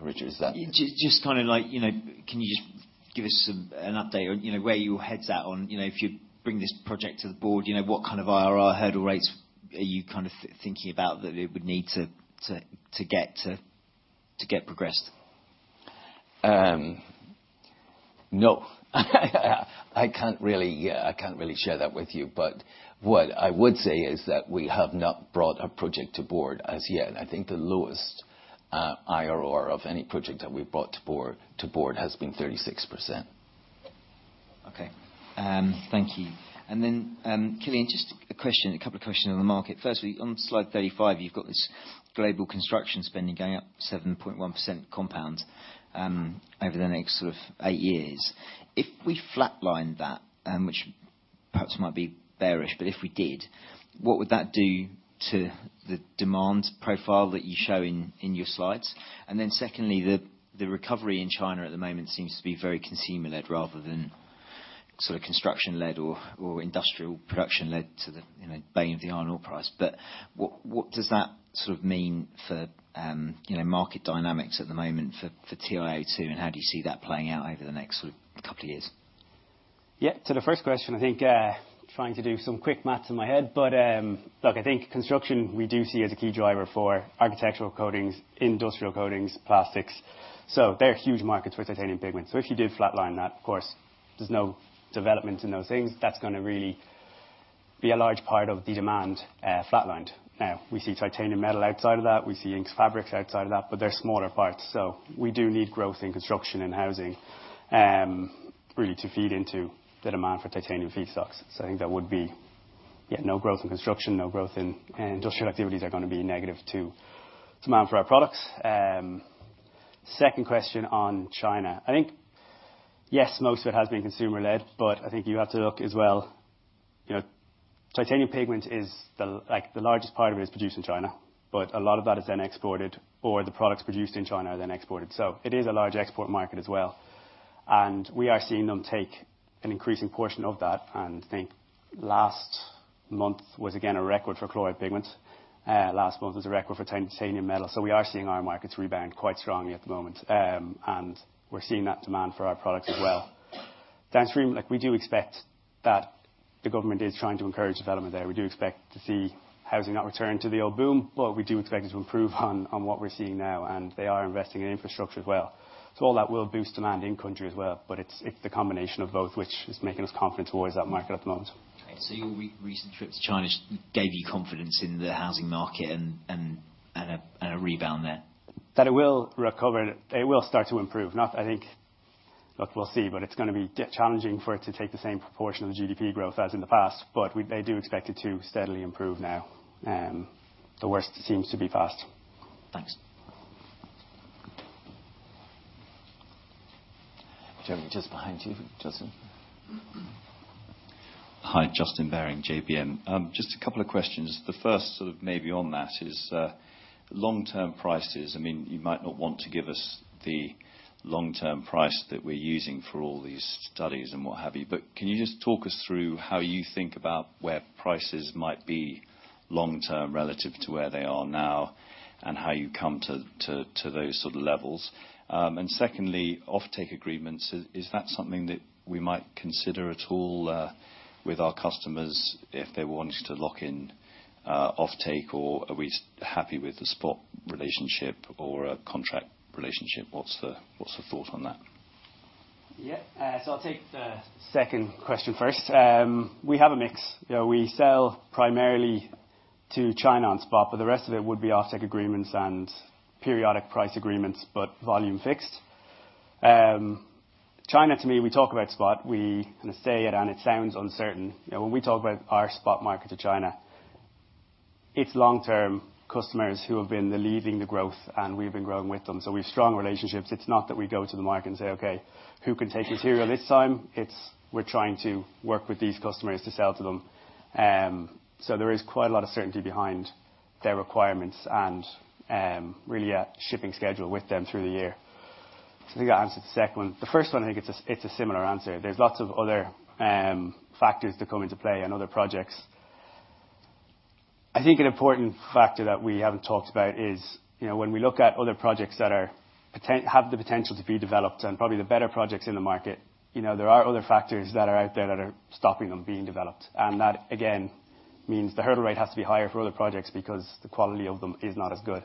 Richard? just kinda like, you know, can you just give us an update on, you know, where your head's at on, you know, if you bring this project to the board, you know, what kind of IRR hurdle rates are you kind of thinking about that it would need to get to get progressed? No. I can't really, I can't really share that with you. What I would say is that we have not brought a project to board as yet. I think the lowest IRR of any project that we've brought to board has been 36%. Okay. Thank you. Cillian, just a question, a couple of questions on the market. Firstly, on slide 35, you've got this global construction spending going up 7.1% compound over the next sort of eight years. If we flatlined that, which perhaps might be bearish, but if we did, what would that do to the demand profile that you show in your slides? Secondly, the recovery in China at the moment seems to be very consumer-led rather than sort of construction-led or industrial production-led to the, you know, bay of the iron ore price. What does that sort of mean for, you know, market dynamics at the moment for TiO2? How do you see that playing out over the next sort of couple of years? Yeah. To the first question, I think, trying to do some quick math in my head, but, look, I think construction we do see as a key driver for architectural coatings, industrial coatings, plastics. They're huge markets for titanium pigments. If you did flatline that, of course, there's no development in those things, that's gonna be a large part of the demand flatlined. Now we see titanium metal outside of that. We see inks, fabrics outside of that, they're smaller parts. We do need growth in construction and housing, really to feed into the demand for titanium feedstocks. I think that would be, yeah, no growth in construction, no growth in industrial activities are gonna be negative to demand for our products. Second question on China. I think yes, most of it has been consumer-led, but I think you have to look as well. You know, titanium pigment is the, like, the largest part of it is produced in China, but a lot of that is then exported or the products produced in China are then exported. It is a large export market as well, and we are seeing them take an increasing portion of that, and I think last month was again a record for chloride pigment. Last month was a record for titanium metal. We are seeing our markets rebound quite strongly at the moment. We're seeing that demand for our products as well. Downstream, like we do expect that the government is trying to encourage development there. We do expect to see housing not return to the old boom, but we do expect it to improve on what we're seeing now, and they are investing in infrastructure as well. All that will boost demand in country as well, but it's the combination of both, which is making us confident towards that market at the moment. Your recent trip to China gave you confidence in the housing market and a rebound there. That it will recover. It will start to improve. Not, I think... Look, we will see, but it is gonna be challenging for it to take the same proportion of the GDP growth as in the past, but they do expect it to steadily improve now. The worst seems to be past. Thanks. Jeremy, just behind you. Justin. Hi, Justin Baring, JBM. Just a couple of questions. The first sort of maybe on that is long-term prices. I mean, you might not want to give us the long-term price that we're using for all these studies and what have you, but can you just talk us through how you think about where prices might be long term relative to where they are now and how you come to those sort of levels? Secondly, offtake agreements. Is that something that we might consider at all with our customers if they wanted to lock in offtake or are we happy with the spot relationship or a contract relationship? What's the thought on that? Yeah. I'll take the second question first. We have a mix. You know, we sell primarily to China on spot, the rest of it would be offtake agreements and periodic price agreements, but volume fixed. China, to me, we talk about spot. We kinda say it and it sounds uncertain. You know, when we talk about our spot market to China, it's long-term customers who have been the leading the growth and we've been growing with them. We have strong relationships. It's not that we go to the market and say, "Okay, who can take material this time?" It's, we're trying to work with these customers to sell to them. There is quite a lot of certainty behind their requirements and really a shipping schedule with them through the year. I think I answered the second one. The first one, I think it's a similar answer. There's lots of other factors that come into play and other projects. I think an important factor that we haven't talked about is, you know, when we look at other projects that have the potential to be developed and probably the better projects in the market, you know, there are other factors that are out there that are stopping them being developed. That again, means the hurdle rate has to be higher for other projects because the quality of them is not as good.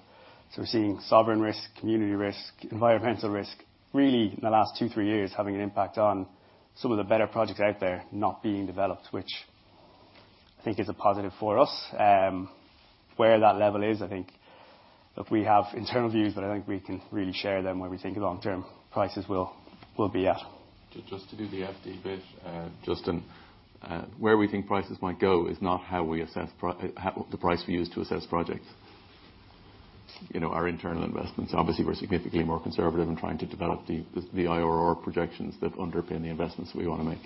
We're seeing sovereign risk, community risk, environmental risk, really in the last two, three years, having an impact on some of the better projects out there not being developed, which I think is a positive for us. Where that level is, I think look, we have internal views, but I don't think we can really share them where we think long-term prices will be at. Just to do the FD bit, Justin, where we think prices might go is not how we assess the price we use to assess projects. You know, our internal investments, obviously we're significantly more conservative in trying to develop the IRR projections that underpin the investments we wanna make.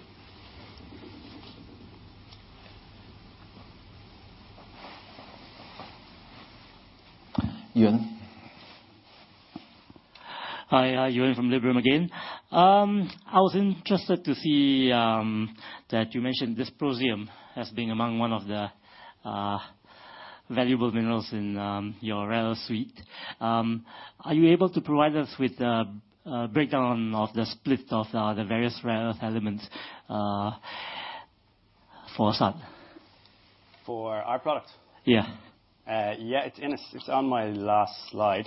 Ewan? Hi, [inaudible] from Liberum again. I was interested to see that you mentioned dysprosium as being among one of the valuable minerals in your rare earth suite. Are you able to provide us with a breakdown of the split of the various rare earth elements for SAT? For our product? Yeah. Yeah. It's on my last slide.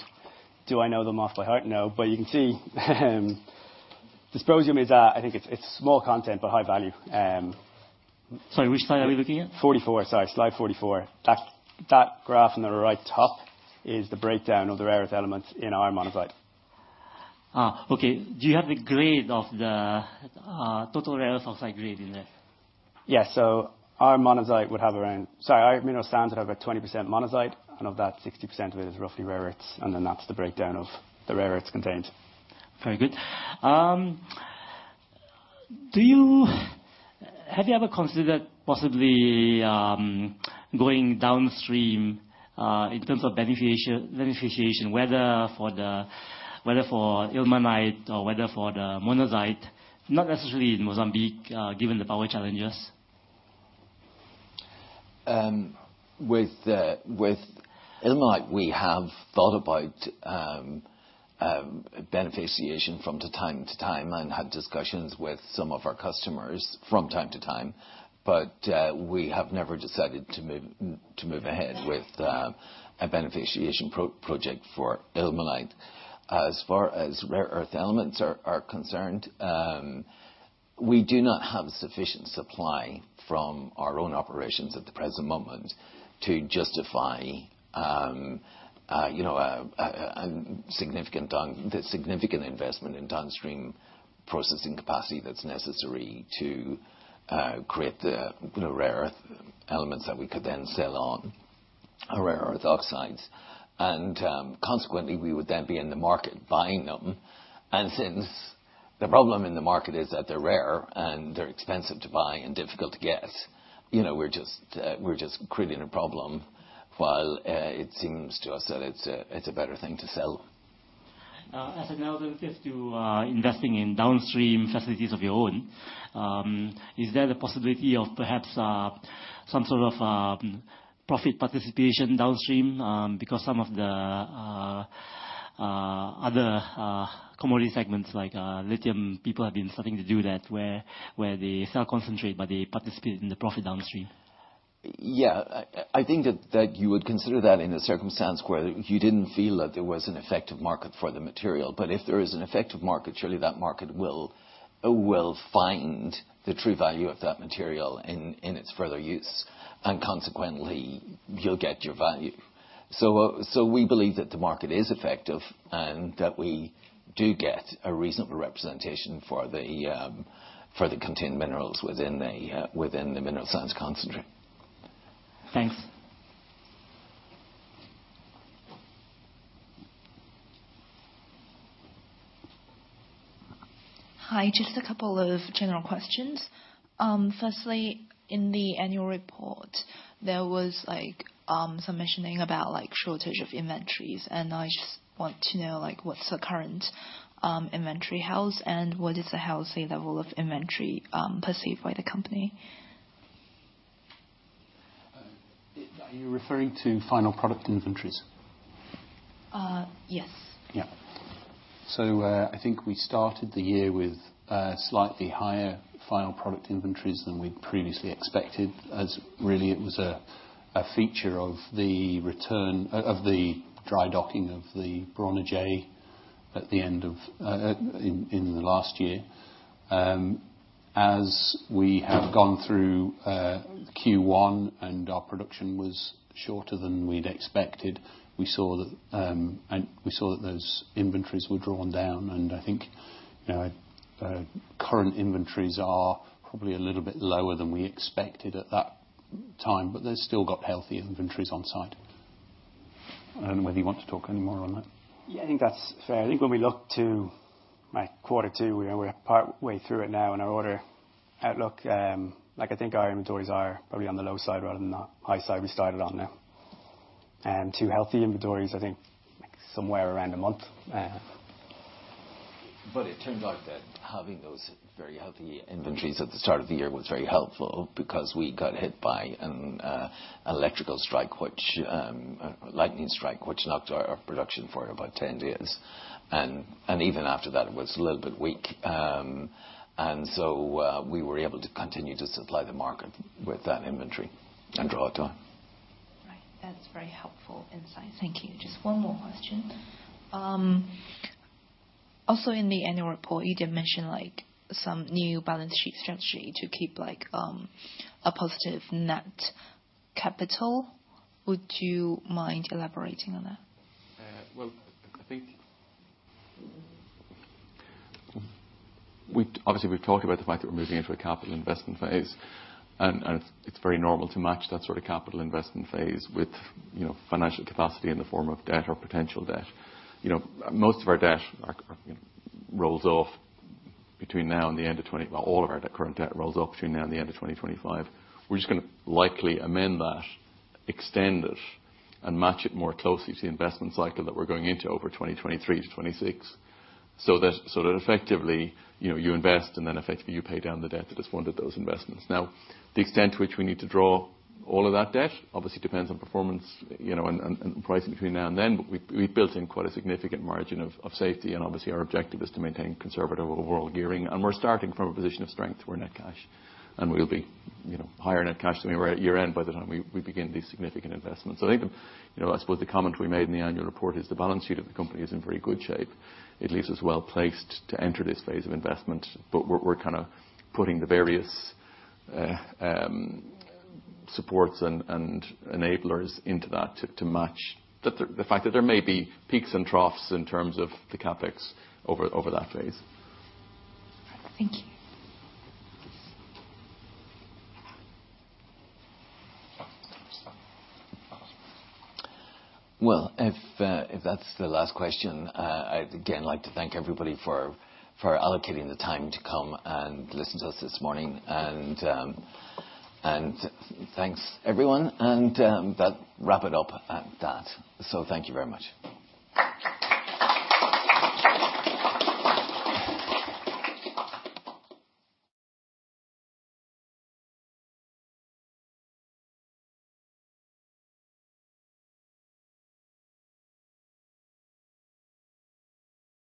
Do I know them off by heart? No, you can see dysprosium is, I think it's small content, but high value. Sorry, which slide are we looking at? 44. Sorry, slide 44. That graph on the right top is the breakdown of the rare earth elements in our monazite. Okay. Do you have the grade of the total rare earth oxide grade in there? Yeah. Our mineral sands have about 20% monazite, and of that, 60% of it is roughly rare earths, and then that's the breakdown of the rare earths contained. Very good. Have you ever considered possibly going downstream in terms of beneficiation, whether for ilmenite or whether for the monazite? Not necessarily in Mozambique, given the power challenges. With ilmenite, we have thought about beneficiation from time to time and had discussions with some of our customers from time to time. We have never decided to move ahead with a beneficiation project for ilmenite. As far as rare earth elements are concerned. We do not have sufficient supply from our own operations at the present moment to justify, you know, a significant investment in downstream processing capacity that's necessary to create the rare earth elements that we could then sell on, or rare earth oxides. Consequently, we would then be in the market buying them. Since the problem in the market is that they're rare and they're expensive to buy and difficult to get, you know, we're just creating a problem, while it seems to us that it's a better thing to sell. As an alternative to investing in downstream facilities of your own, is there the possibility of perhaps some sort of profit participation downstream? Some of the other commodity segments, like lithium, people have been starting to do that, where they sell concentrate but they participate in the profit downstream. Yeah. I think that you would consider that in a circumstance where if you didn't feel that there was an effective market for the material. If there is an effective market, surely that market will find the true value of that material in its further use. Consequently, you'll get your value. We believe that the market is effective, and that we do get a reasonable representation for the contained minerals within the mineral sands concentrate. Thanks. Hi. Just a couple of general questions. Firstly, in the annual report, there was, like, some mentioning about, like, shortage of inventories. I just want to know, like, what's the current inventory health, and what is the healthy level of inventory perceived by the company? Are you referring to final product inventories? Yes. I think we started the year with slightly higher final product inventories than we'd previously expected, as really it was a feature of the dry docking of the Bronagh J at the end of last year. As we have gone through Q1 and our production was shorter than we'd expected, we saw that and we saw that those inventories were drawn down. I think, you know, current inventories are probably a little bit lower than we expected at that time, but they've still got healthy inventories on site. I don't know whether you want to talk any more on that. Yeah, I think that's fair. I think when we look to, like, quarter two, you know, we're partway through it now in our order outlook, like, I think our inventories are probably on the low side rather than the high side we started on now. Two healthy inventories, I think, like, somewhere around a month. It turned out that having those very healthy inventories at the start of the year was very helpful because we got hit by a lightning strike, which knocked our production for about 10 days. Even after that, it was a little bit weak. We were able to continue to supply the market with that inventory and draw it down. That's very helpful insight. Thank you. Just one more question. Also in the annual report, you did mention, like, some new balance sheet strategy to keep, like, a positive net capital. Would you mind elaborating on that? Well, I think Obviously, we've talked about the fact that we're moving into a capital investment phase, and it's very normal to match that sort of capital investment phase with, you know, financial capacity in the form of debt or potential debt. All of our debt, current debt rolls off between now and the end of 2025. We're just gonna likely amend that, extend it, and match it more closely to the investment cycle that we're going into over 2023 to 2026. Effectively, you know, you invest, effectively you pay down the debt that has funded those investments. The extent to which we need to draw all of that debt obviously depends on performance, you know, and pricing between now and then. We've built in quite a significant margin of safety, and obviously, our objective is to maintain conservative overall gearing. We're starting from a position of strength. We're net cash. We'll be, you know, higher net cash than we were at year-end by the time we begin these significant investments. I think, you know, I suppose the comment we made in the annual report is the balance sheet of the company is in very good shape. It leaves us well placed to enter this phase of investment. We're kind of putting the various supports and enablers into that to match the fact that there may be peaks and troughs in terms of the CapEx over that phase. Thank you. Well, if that's the last question, I'd again like to thank everybody for allocating the time to come and listen to us this morning. Thanks, everyone. That wrap it up at that. Thank you very much.